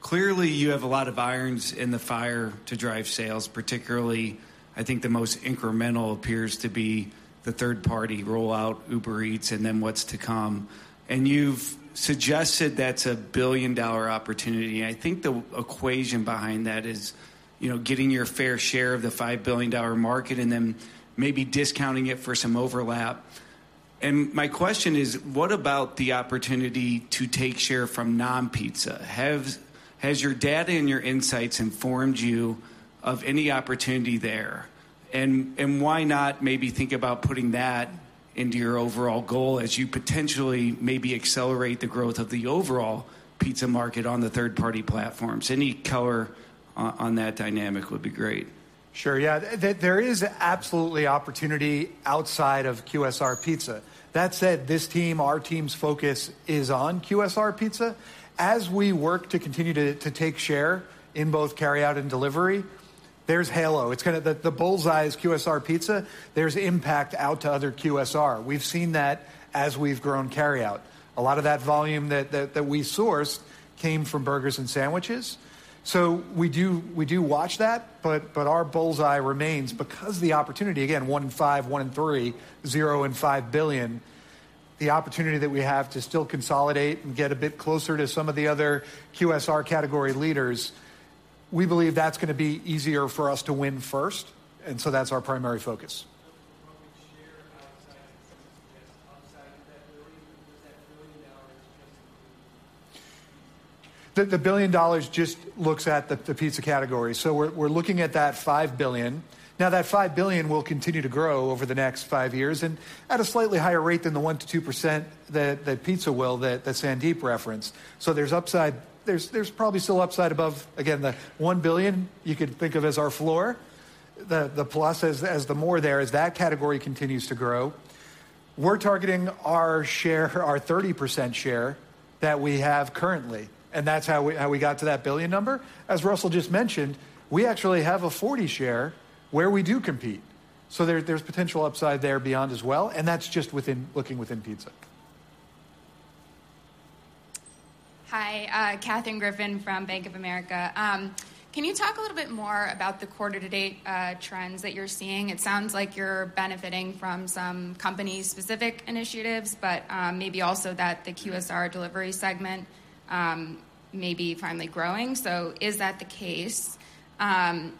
Clearly, you have a lot of irons in the fire to drive sales, particularly, I think the most incremental appears to be the third-party rollout, Uber Eats, and then what's to come. And you've suggested that's a billion-dollar opportunity, and I think the equation behind that is, you know, getting your fair share of the $5 billion market and then maybe discounting it for some overlap. My question is, what about the opportunity to take share from non-pizza? Has your data and your insights informed you of any opportunity there? And why not maybe think about putting that into your overall goal as you potentially maybe accelerate the growth of the overall pizza market on the third-party platforms? Any color on that dynamic would be great. Sure, yeah. There is absolutely opportunity outside of QSR Pizza. That said, this team, our team's focus is on QSR Pizza. As we work to continue to take share in both carryout and delivery, there's halo. It's kinda the bullseye is QSR Pizza, there's impact out to other QSR. We've seen that as we've grown carryout. A lot of that volume that we sourced came from burgers and sandwiches. So we do watch that, but our bullseye remains because the opportunity, again, one in five, one in three, zero in 5 billion, the opportunity that we have to still consolidate and get a bit closer to some of the other QSR category leaders, we believe that's gonna be easier for us to win first, and so that's our primary focus. What would share outside of that $1 billion, because that $1 billion is just- The $1 billion just looks at the pizza category. So we're looking at that $5 billion. Now, that $5 billion will continue to grow over the next five years, and at a slightly higher rate than the 1%-2% that Sandeep referenced. So there's upside. There's probably still upside above, again, the $1 billion you could think of as our floor. The plus as the more there as that category continues to grow, we're targeting our share, our 30% share that we have currently, and that's how we got to that $1 billion number. As Russell just mentioned, we actually have a 40% share where we do compete. So there's potential upside there beyond as well, and that's just within pizza. Hi, Katherine Griffin from Bank of America. Can you talk a little bit more about the quarter-to-date trends that you're seeing? It sounds like you're benefiting from some company-specific initiatives, but maybe also that the QSR delivery segment may be finally growing. So is that the case? And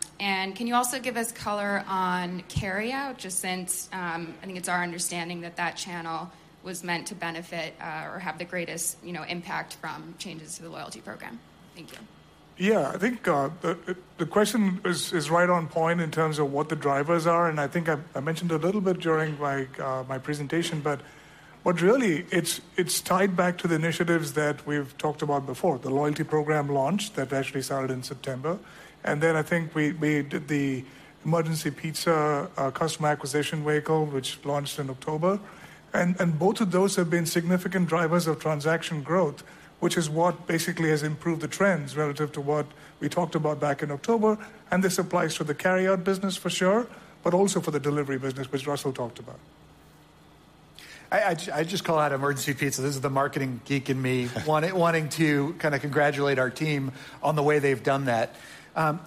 can you also give us color on carryout, just since I think it's our understanding that that channel was meant to benefit or have the greatest, you know, impact from changes to the loyalty program. Thank you. Yeah, I think the question is right on point in terms of what the drivers are, and I think I mentioned a little bit during my presentation, but what really... It's tied back to the initiatives that we've talked about before. The loyalty program launch that actually started in September, and then I think we did the Emergency Pizza customer acquisition vehicle, which launched in October. And both of those have been significant drivers of transaction growth, which is what basically has improved the trends relative to what we talked about back in October, and this applies to the carryout business for sure, but also for the delivery business, which Russell talked about. I just call out Emergency Pizza. This is the marketing geek in me wanting to kinda congratulate our team on the way they've done that.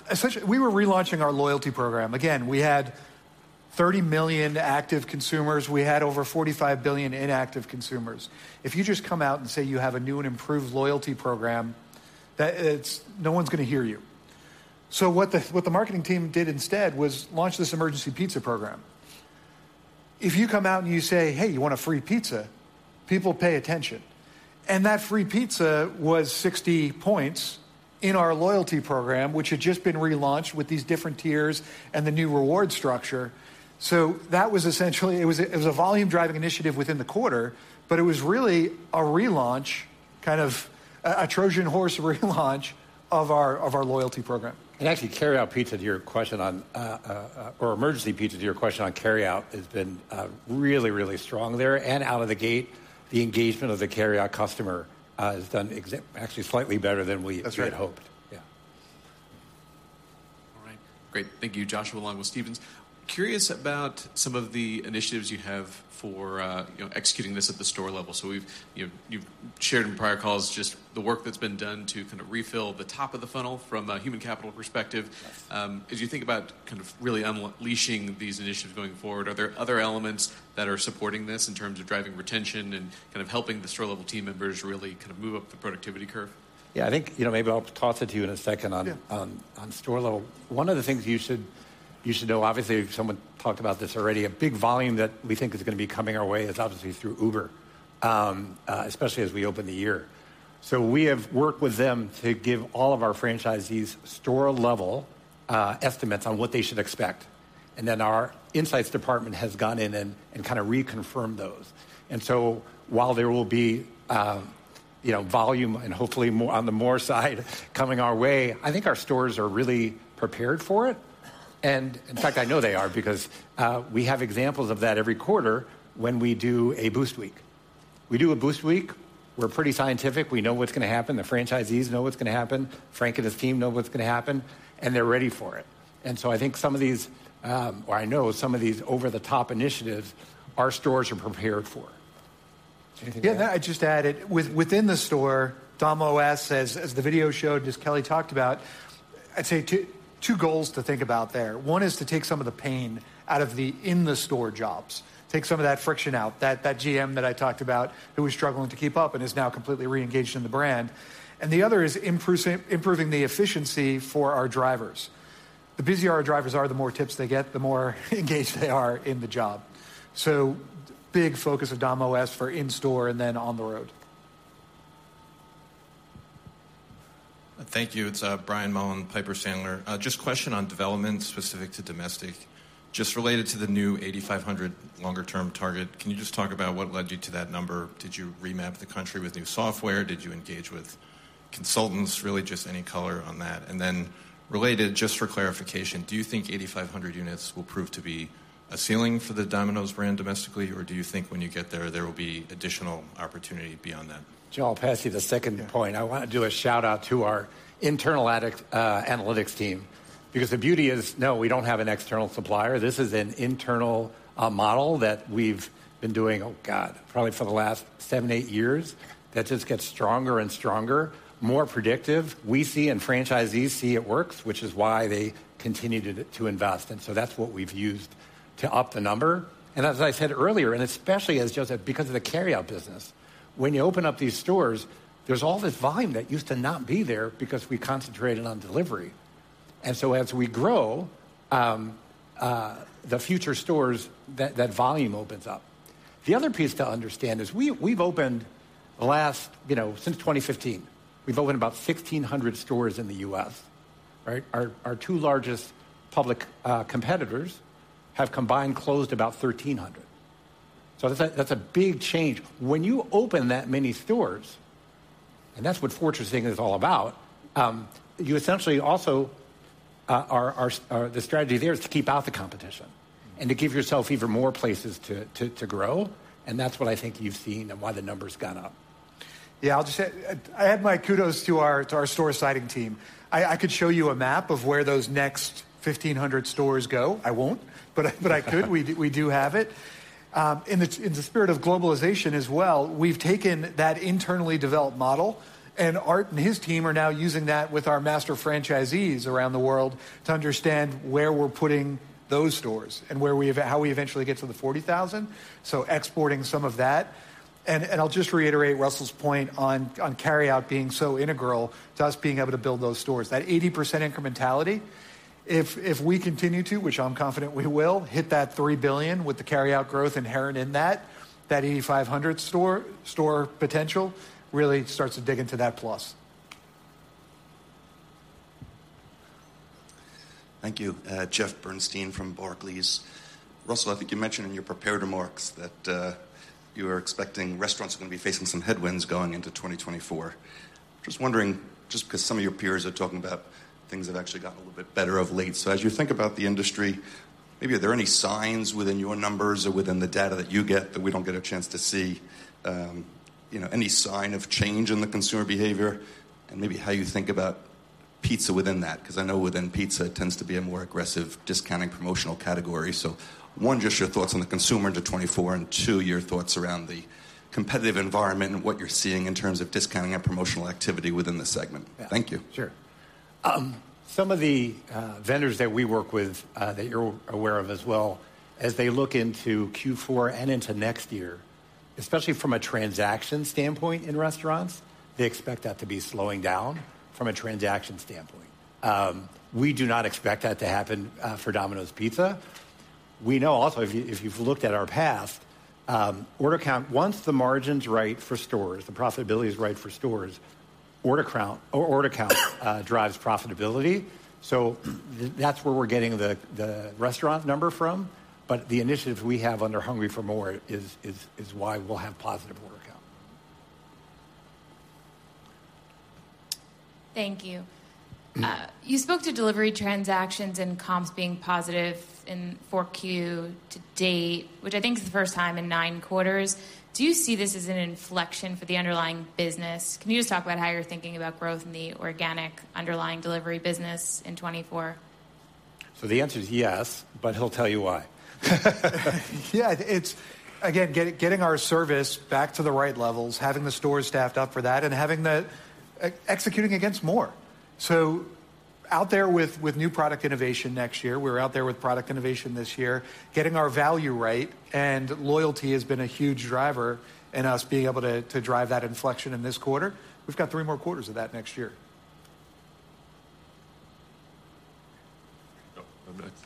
Essentially, we were relaunching our loyalty program. Again, we had 30 million active consumers. We had over 45 billion inactive consumers. If you just come out and say you have a new and improved loyalty program, that's no one's gonna hear you. So what the marketing team did instead was launch this Emergency Pizza program. If you come out and you say, "Hey, you want a free pizza?" People pay attention. And that free pizza was 60 points in our loyalty program, which had just been relaunched with these different tiers and the new reward structure. So that was essentially... It was a volume-driving initiative within the quarter, but it was really a relaunch, kind of a Trojan horse relaunch of our loyalty program. Actually, carryout pizza, to your question on or Emergency Pizza, to your question on carryout, has been really, really strong there. Out of the gate, the engagement of the carryout customer has done actually slightly better than we- That's right ...had hoped. Yeah. All right. Great. Thank you. Joshua Long, Stephens. Curious about some of the initiatives you have for, you know, executing this at the store level. So you've shared in prior calls just the work that's been done to kinda refill the top of the funnel from a human capital perspective. As you think about kind of really unleashing these initiatives going forward, are there other elements that are supporting this in terms of driving retention and kind of helping the store-level team members really kind of move up the productivity curve? Yeah, I think, you know, maybe I'll toss it to you in a second on- Yeah... on store level. One of the things you should know, obviously, someone talked about this already, a big volume that we think is gonna be coming our way is obviously through Uber, especially as we open the year. So we have worked with them to give all of our franchisees store-level estimates on what they should expect, and then our insights department has gone in and kinda reconfirmed those. And so while there will be, you know, volume and hopefully more, on the more side coming our way, I think our stores are really prepared for it. And in fact, I know they are because we have examples of that every quarter when we do a Boost Week. We do a Boost Week, we're pretty scientific, we know what's gonna happen, the franchisees know what's gonna happen, Frank and his team know what's gonna happen, and they're ready for it. And so I think some of these, or I know some of these over-the-top initiatives, our stores are prepared for. Anything- Yeah, may I just add, within the store, Dom.OS, as the video showed, as Kelly talked about, I'd say two goals to think about there. One is to take some of the pain out of the in-the-store jobs, take some of that friction out. That GM that I talked about, who was struggling to keep up and is now completely re-engaged in the brand. And the other is improving the efficiency for our drivers. The busier our drivers are, the more tips they get, the more engaged they are in the job. So big focus of Dom.OS for in-store and then on the road. Thank you. It's Brian Mullan, Piper Sandler. Just question on development specific to domestic. Just related to the new 8,500 longer term target, can you just talk about what led you to that number? Did you remap the country with new software? Did you engage with consultants? Really, just any color on that. And then related, just for clarification, do you think 8,500 units will prove to be a ceiling for the Domino's brand domestically, or do you think when you get there, there will be additional opportunity beyond that? Joe, I'll pass you the second point. Yeah. I wanna do a shout-out to our internal analytics team, because the beauty is, no, we don't have an external supplier. This is an internal model that we've been doing, oh, God, probably for the last seven, eight years, that just gets stronger and stronger, more predictive. We see and franchisees see it works, which is why they continue to invest, and so that's what we've used to up the number. And as I said earlier, and especially as Jos said, because of the carryout business, when you open up these stores, there's all this volume that used to not be there because we concentrated on delivery. And so as we grow, the future stores, that volume opens up. The other piece to understand is we've opened... You know, since 2015, we've opened about 1,600 stores in the U.S. Right? Our two largest public competitors have combined closed about 1,300. So that's a big change. When you open that many stores, and that's what fortressing is all about, you essentially also the strategy there is to keep out the competition and to give yourself even more places to grow, and that's what I think you've seen and why the number's gone up. Yeah, I'll just add, I add my kudos to our store siting team. I could show you a map of where those next 1,500 stores go. I won't, but I could. We do have it. In the spirit of globalization as well, we've taken that internally developed model, and Art and his team are now using that with our master franchisees around the world to understand where we're putting those stores and where we eventually get to the 40,000, so exporting some of that. And I'll just reiterate Russell's point on carryout being so integral to us being able to build those stores. That 80% incrementality, if we continue to, which I'm confident we will, hit that $3 billion with the carryout growth inherent in that, that 8,500-store potential really starts to dig into that plus. Thank you. Jeff Bernstein from Barclays. Russell, I think you mentioned in your prepared remarks that you are expecting restaurants are gonna be facing some headwinds going into 2024. Just wondering, just because some of your peers are talking about things have actually gotten a little bit better of late. So as you think about the industry, maybe are there any signs within your numbers or within the data that you get that we don't get a chance to see, you know, any sign of change in the consumer behavior, and maybe how you think about pizza within that? 'Cause I know within pizza, it tends to be a more aggressive discounting promotional category. One, just your thoughts on the consumer into 2024, and two, your thoughts around the competitive environment and what you're seeing in terms of discounting or promotional activity within the segment? Yeah. Thank you. Sure. Some of the vendors that we work with that you're aware of as well, as they look into Q4 and into next year, especially from a transaction standpoint in restaurants, they expect that to be slowing down from a transaction standpoint. We do not expect that to happen for Domino's Pizza. We know also, if you, if you've looked at our past order count, once the margin's right for stores, the profitability is right for stores, order count drives profitability. So that's where we're getting the restaurant number from, but the initiatives we have under Hungry for MORE is why we'll have positive order count. Thank you. Mm-hmm. You spoke to delivery transactions and comps being positive in 4Q to date, which I think is the first time in nine quarters. Do you see this as an inflection for the underlying business? Can you just talk about how you're thinking about growth in the organic underlying delivery business in 2024? So the answer is yes, but he'll tell you why. Yeah, it's again getting our service back to the right levels, having the stores staffed up for that, and having the executing against more. So out there with new product innovation next year, we're out there with product innovation this year, getting our value right, and loyalty has been a huge driver in us being able to drive that inflection in this quarter. We've got three more quarters of that next year. Oh, I'm next.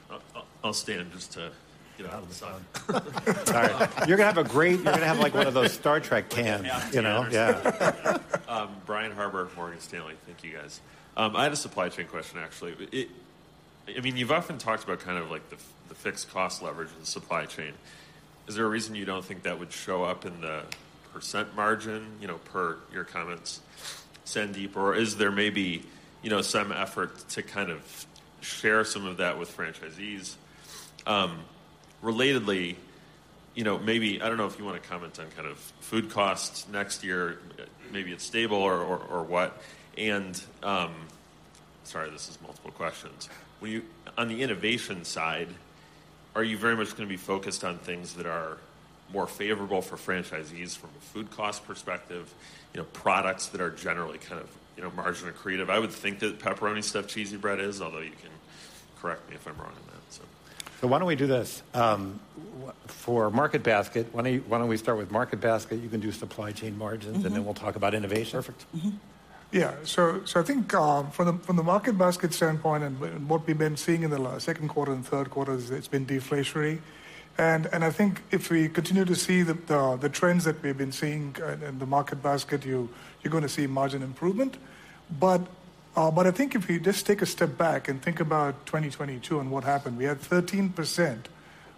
I'll stand just to get out of the sun. All right. You're gonna have a great, like, one of those Star Trek tans, you know? Yeah. Brian Harbour, Morgan Stanley. Thank you, guys. I had a supply chain question, actually. It, I mean, you've often talked about kind of like the fixed cost leverage in the supply chain. Is there a reason you don't think that would show up in the percent margin, you know, per your comments, Sandeep? Or is there maybe, you know, some effort to kind of share some of that with franchisees? Relatedly, you know, maybe... I don't know if you wanna comment on kind of food costs next year, maybe it's stable or, or, or what. And, sorry, this is multiple questions. Will you-- On the innovation side, are you very much gonna be focused on things that are more favorable for franchisees from a food cost perspective, you know, products that are generally kind of, you know, margin accretive? I would think that Pepperoni Stuffed Cheesy Bread is, although you can correct me if I'm wrong on that, so. So why don't we do this? For market basket, why don't you, why don't we start with market basket? You can do supply chain margins, Mm-hmm. And then we'll talk about innovation. Perfect. Mm-hmm. Yeah, so, so I think, from the, from the market basket standpoint and and what we've been seeing in the last second quarter and third quarter is it's been deflationary. And, and I think if we continue to see the, the, the trends that we've been seeing, in the market basket, you're gonna see margin improvement. But, but I think if you just take a step back and think about 2022 and what happened, we had 13%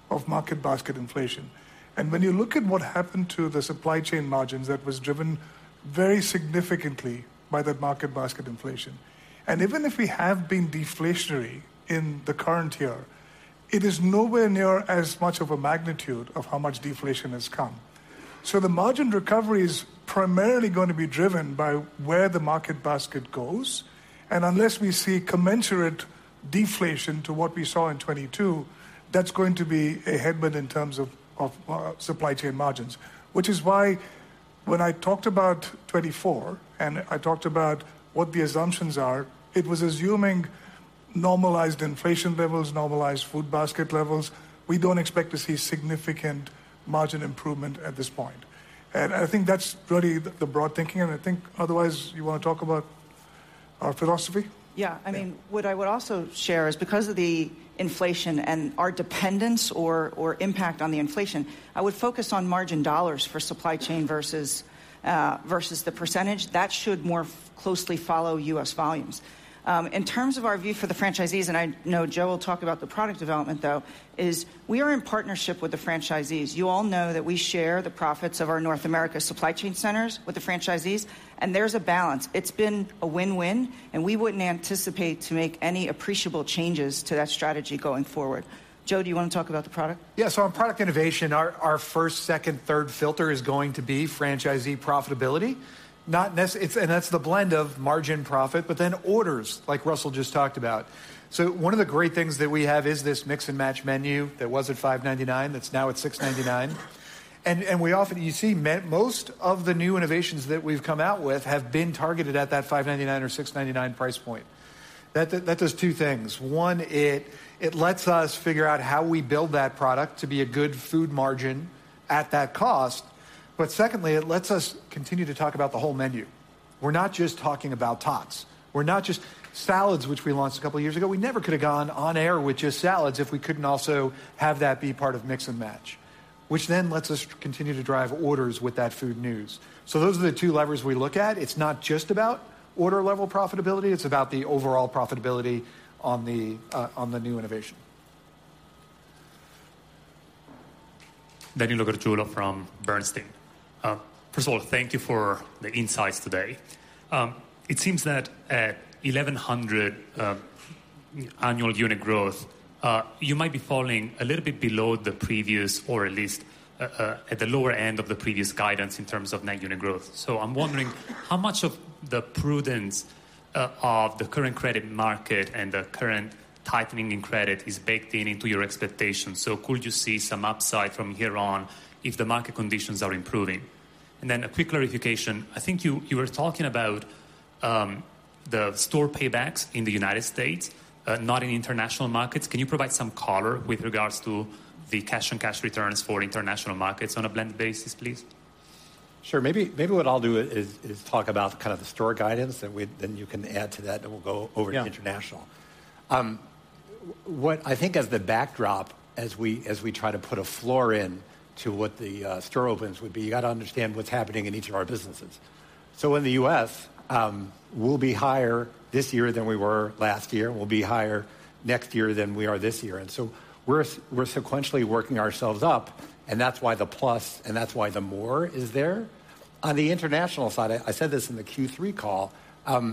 of market basket inflation. And when you look at what happened to the supply chain margins, that was driven very significantly by that market basket inflation. And even if we have been deflationary in the current year, it is nowhere near as much of a magnitude of how much deflation has come. So the margin recovery is primarily gonna be driven by where the market basket goes, and unless we see commensurate deflation to what we saw in 2022, that's going to be a headwind in terms of supply chain margins. Which is why when I talked about 2024, and I talked about what the assumptions are, it was assuming normalized inflation levels, normalized food basket levels. We don't expect to see significant margin improvement at this point. And I think that's really the broad thinking, and I think otherwise, you wanna talk about our philosophy? Yeah. Yeah. I mean, what I would also share is because of the inflation and our dependence or impact on the inflation, I would focus on margin dollars for supply chain versus the percentage. That should more closely follow U.S. volumes. In terms of our view for the franchisees, and I know Joe will talk about the product development, though, is we are in partnership with the franchisees. You all know that we share the profits of our North America supply chain centers with the franchisees, and there's a balance. It's been a win-win, and we wouldn't anticipate to make any appreciable changes to that strategy going forward. Joe, do you wanna talk about the product? Yeah. So on product innovation, our first, second, third filter is going to be franchisee profitability. Not—it's, and that's the blend of margin profit, but then orders, like Russell just talked about. So one of the great things that we have is this Mix and Match menu that was at $5.99, that's now at $6.99. And we often... You see, most of the new innovations that we've come out with have been targeted at that $5.99 or $6.99 price point. That does two things: One, it lets us figure out how we build that product to be a good food margin at that cost. But secondly, it lets us continue to talk about the whole menu. We're not just talking about Tots. We're not just... Salads, which we launched a couple of years ago, we never could have gone on air with just salads if we couldn't also have that be part of Mix and Match, which then lets us continue to drive orders with that food news. So those are the two levers we look at. It's not just about order-level profitability, it's about the overall profitability on the, on the new innovation. Danilo Gargiulo from Bernstein. First of all, thank you for the insights today. It seems that at 1,100 annual unit growth, you might be falling a little bit below the previous, or at least at the lower end of the previous guidance in terms of net unit growth. So I'm wondering, how much of the prudence of the current credit market and the current tightening in credit is baked in into your expectations? So could you see some upside from here on if the market conditions are improving? And then a quick clarification: I think you were talking about the store paybacks in the United States, not in international markets. Can you provide some color with regards to the cash and cash returns for international markets on a blended basis, please? Sure. Maybe what I'll do is talk about kind of the store guidance, and then you can add to that, and we'll go- Yeah... over to international. What I think as the backdrop as we, as we try to put a floor in to what the store opens would be, you got to understand what's happening in each of our businesses. So in the U.S., we'll be higher this year than we were last year. We'll be higher next year than we are this year, and so we're we're sequentially working ourselves up, and that's why the plus, and that's why the more is there. On the international side, I said this in the Q3 call, a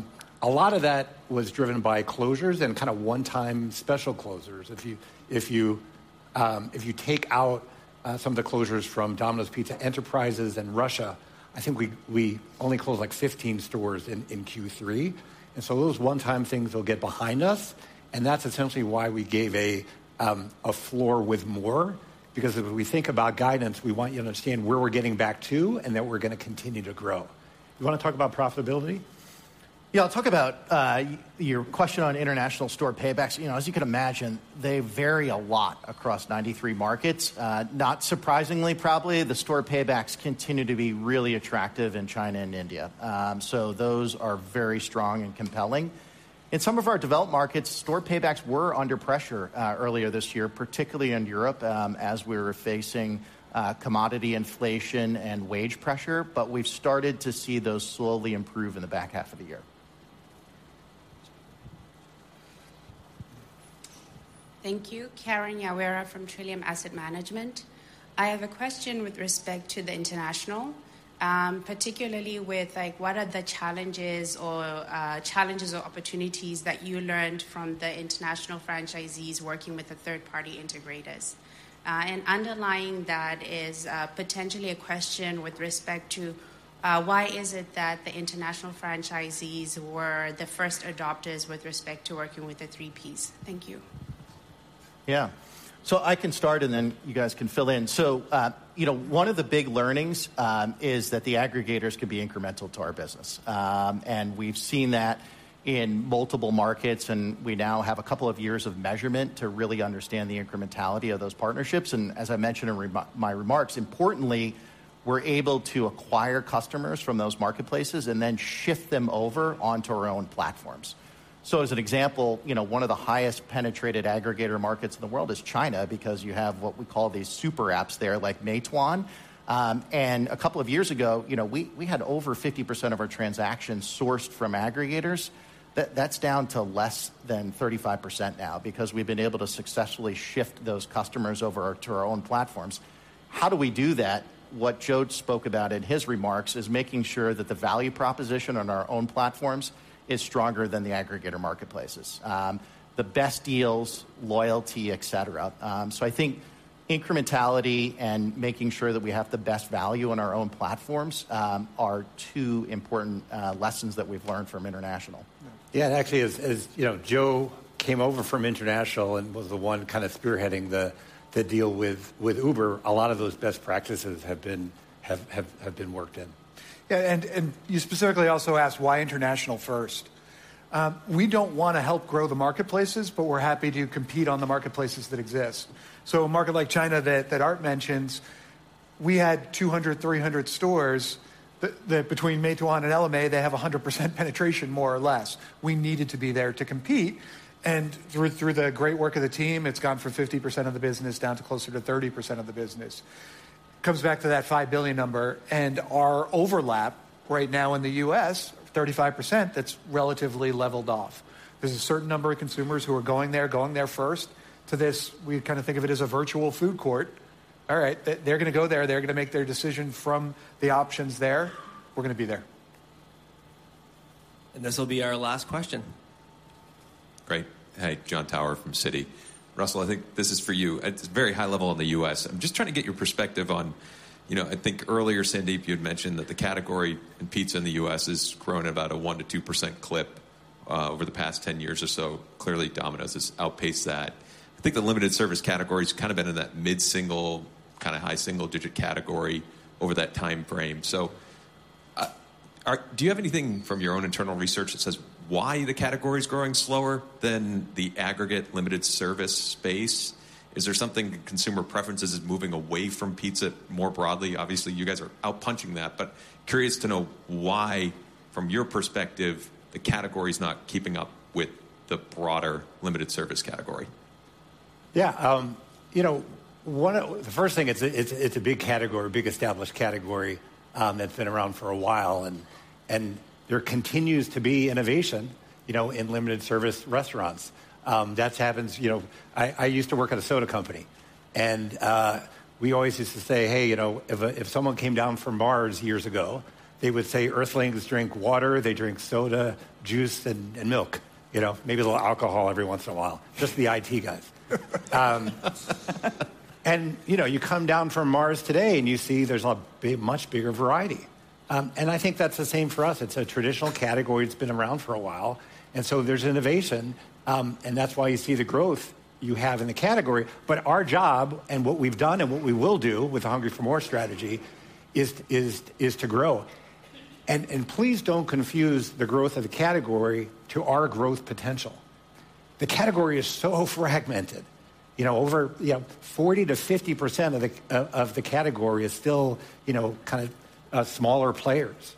lot of that was driven by closures and kind of one-time special closers. If you, if you, if you take out some of the closures from Domino's Pizza Enterprises in Russia, I think we only closed, like, 15 stores in Q3. And so those one-time things will get behind us, and that's essentially why we gave a floor with more. Because if we think about guidance, we want you to understand where we're getting back to and that we're gonna continue to grow. You want to talk about profitability? Yeah, I'll talk about your question on international store paybacks. You know, as you can imagine, they vary a lot across 93 markets. Not surprisingly, probably, the store paybacks continue to be really attractive in China and India. So those are very strong and compelling. In some of our developed markets, store paybacks were under pressure earlier this year, particularly in Europe, as we were facing commodity inflation and wage pressure, but we've started to see those slowly improve in the back half of the year. Thank you. Karen Nyawera from Trillium Asset Management. I have a question with respect to the international, particularly with, like, what are the challenges or opportunities that you learned from the international franchisees working with the third-party integrators? And underlying that is potentially a question with respect to why is it that the international franchisees were the first adopters with respect to working with the 3Ps? Thank you. Yeah. So I can start, and then you guys can fill in. So, you know, one of the big learnings is that the aggregators could be incremental to our business. And we've seen that in multiple markets, and we now have a couple of years of measurement to really understand the incrementality of those partnerships. And as I mentioned in my remarks, importantly, we're able to acquire customers from those marketplaces and then shift them over onto our own platforms. So as an example, you know, one of the highest penetrated aggregator markets in the world is China, because you have what we call these super apps there, like Meituan. And a couple of years ago, you know, we had over 50% of our transactions sourced from aggregators. That's down to less than 35% now, because we've been able to successfully shift those customers over to our own platforms. How do we do that? What Joe spoke about in his remarks is making sure that the value proposition on our own platforms is stronger than the aggregator marketplaces', the best deals, loyalty, et cetera. So I think incrementality and making sure that we have the best value on our own platforms are two important lessons that we've learned from international. Yeah, and actually, as you know, Joe came over from international and was the one kind of spearheading the deal with Uber, a lot of those best practices have been worked in. Yeah, and you specifically also asked why international first? We don't wanna help grow the marketplaces, but we're happy to compete on the marketplaces that exist. So a market like China that Art mentions, we had 200-300 stores, that between Meituan and Ele.me, they have 100% penetration, more or less. We needed to be there to compete, and through the great work of the team, it's gone from 50% of the business down to closer to 30% of the business. Comes back to that $5 billion number, and our overlap right now in the U.S., 35%, that's relatively leveled off. There's a certain number of consumers who are going there, going there first. To this, we kind of think of it as a virtual food court. All right, they're gonna go there. They're gonna make their decision from the options there. We're gonna be there. This will be our last question. Great. Hey, Jon Tower from Citi. Russell, I think this is for you. At very high level in the U.S., I'm just trying to get your perspective on... You know, I think earlier, Sandeep, you had mentioned that the category in pizza in the U.S. has grown at about a 1%-2% clip over the past 10 years or so. Clearly, Domino's has outpaced that. I think the limited service category's kind of been in that mid-single, kind of high single-digit category over that time frame. So, Art, do you have anything from your own internal research that says why the category is growing slower than the aggregate limited service space? Is there something, consumer preferences is moving away from pizza more broadly? Obviously, you guys are out punching that, but curious to know why, from your perspective, the category is not keeping up with the broader limited service category? Yeah, you know, one of the first thing, it's a big category, a big established category, that's been around for a while, and there continues to be innovation, you know, in limited service restaurants. That happens you know. I used to work at a soda company, and we always used to say, "Hey, you know, if someone came down from Mars years ago, they would say, Earthlings drink water, they drink soda, juice, and milk. You know, maybe a little alcohol every once in a while. Just the IT guys." And, you know, you come down from Mars today, and you see there's a much bigger variety. And I think that's the same for us. It's a traditional category. It's been around for a while, and so there's innovation, and that's why you see the growth you have in the category. But our job and what we've done and what we will do with the Hungry for MORE strategy is to grow. And please don't confuse the growth of the category to our growth potential. The category is so fragmented. You know, over 40%-50% of the category is still, you know, kind of smaller players.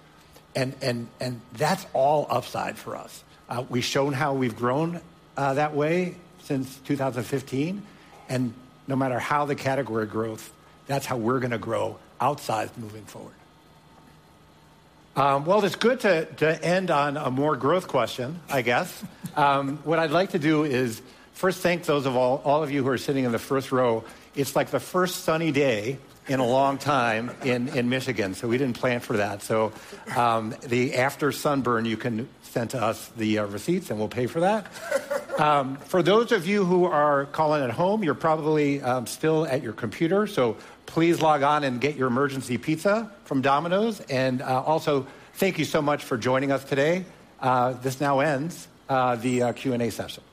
And that's all upside for us. We've shown how we've grown that way since 2015, and no matter how the category growth, that's how we're gonna grow outside moving forward. Well, it's good to end on a more growth question, I guess. What I'd like to do is first thank all of you who are sitting in the first row. It's like the first sunny day in a long time in Michigan, so we didn't plan for that. The after sunburn, you can send to us the receipts, and we'll pay for that. For those of you who are calling in at home, you're probably still at your computer, so please log on and get your Emergency Pizza from Domino's. Also, thank you so much for joining us today. This now ends the Q&A session.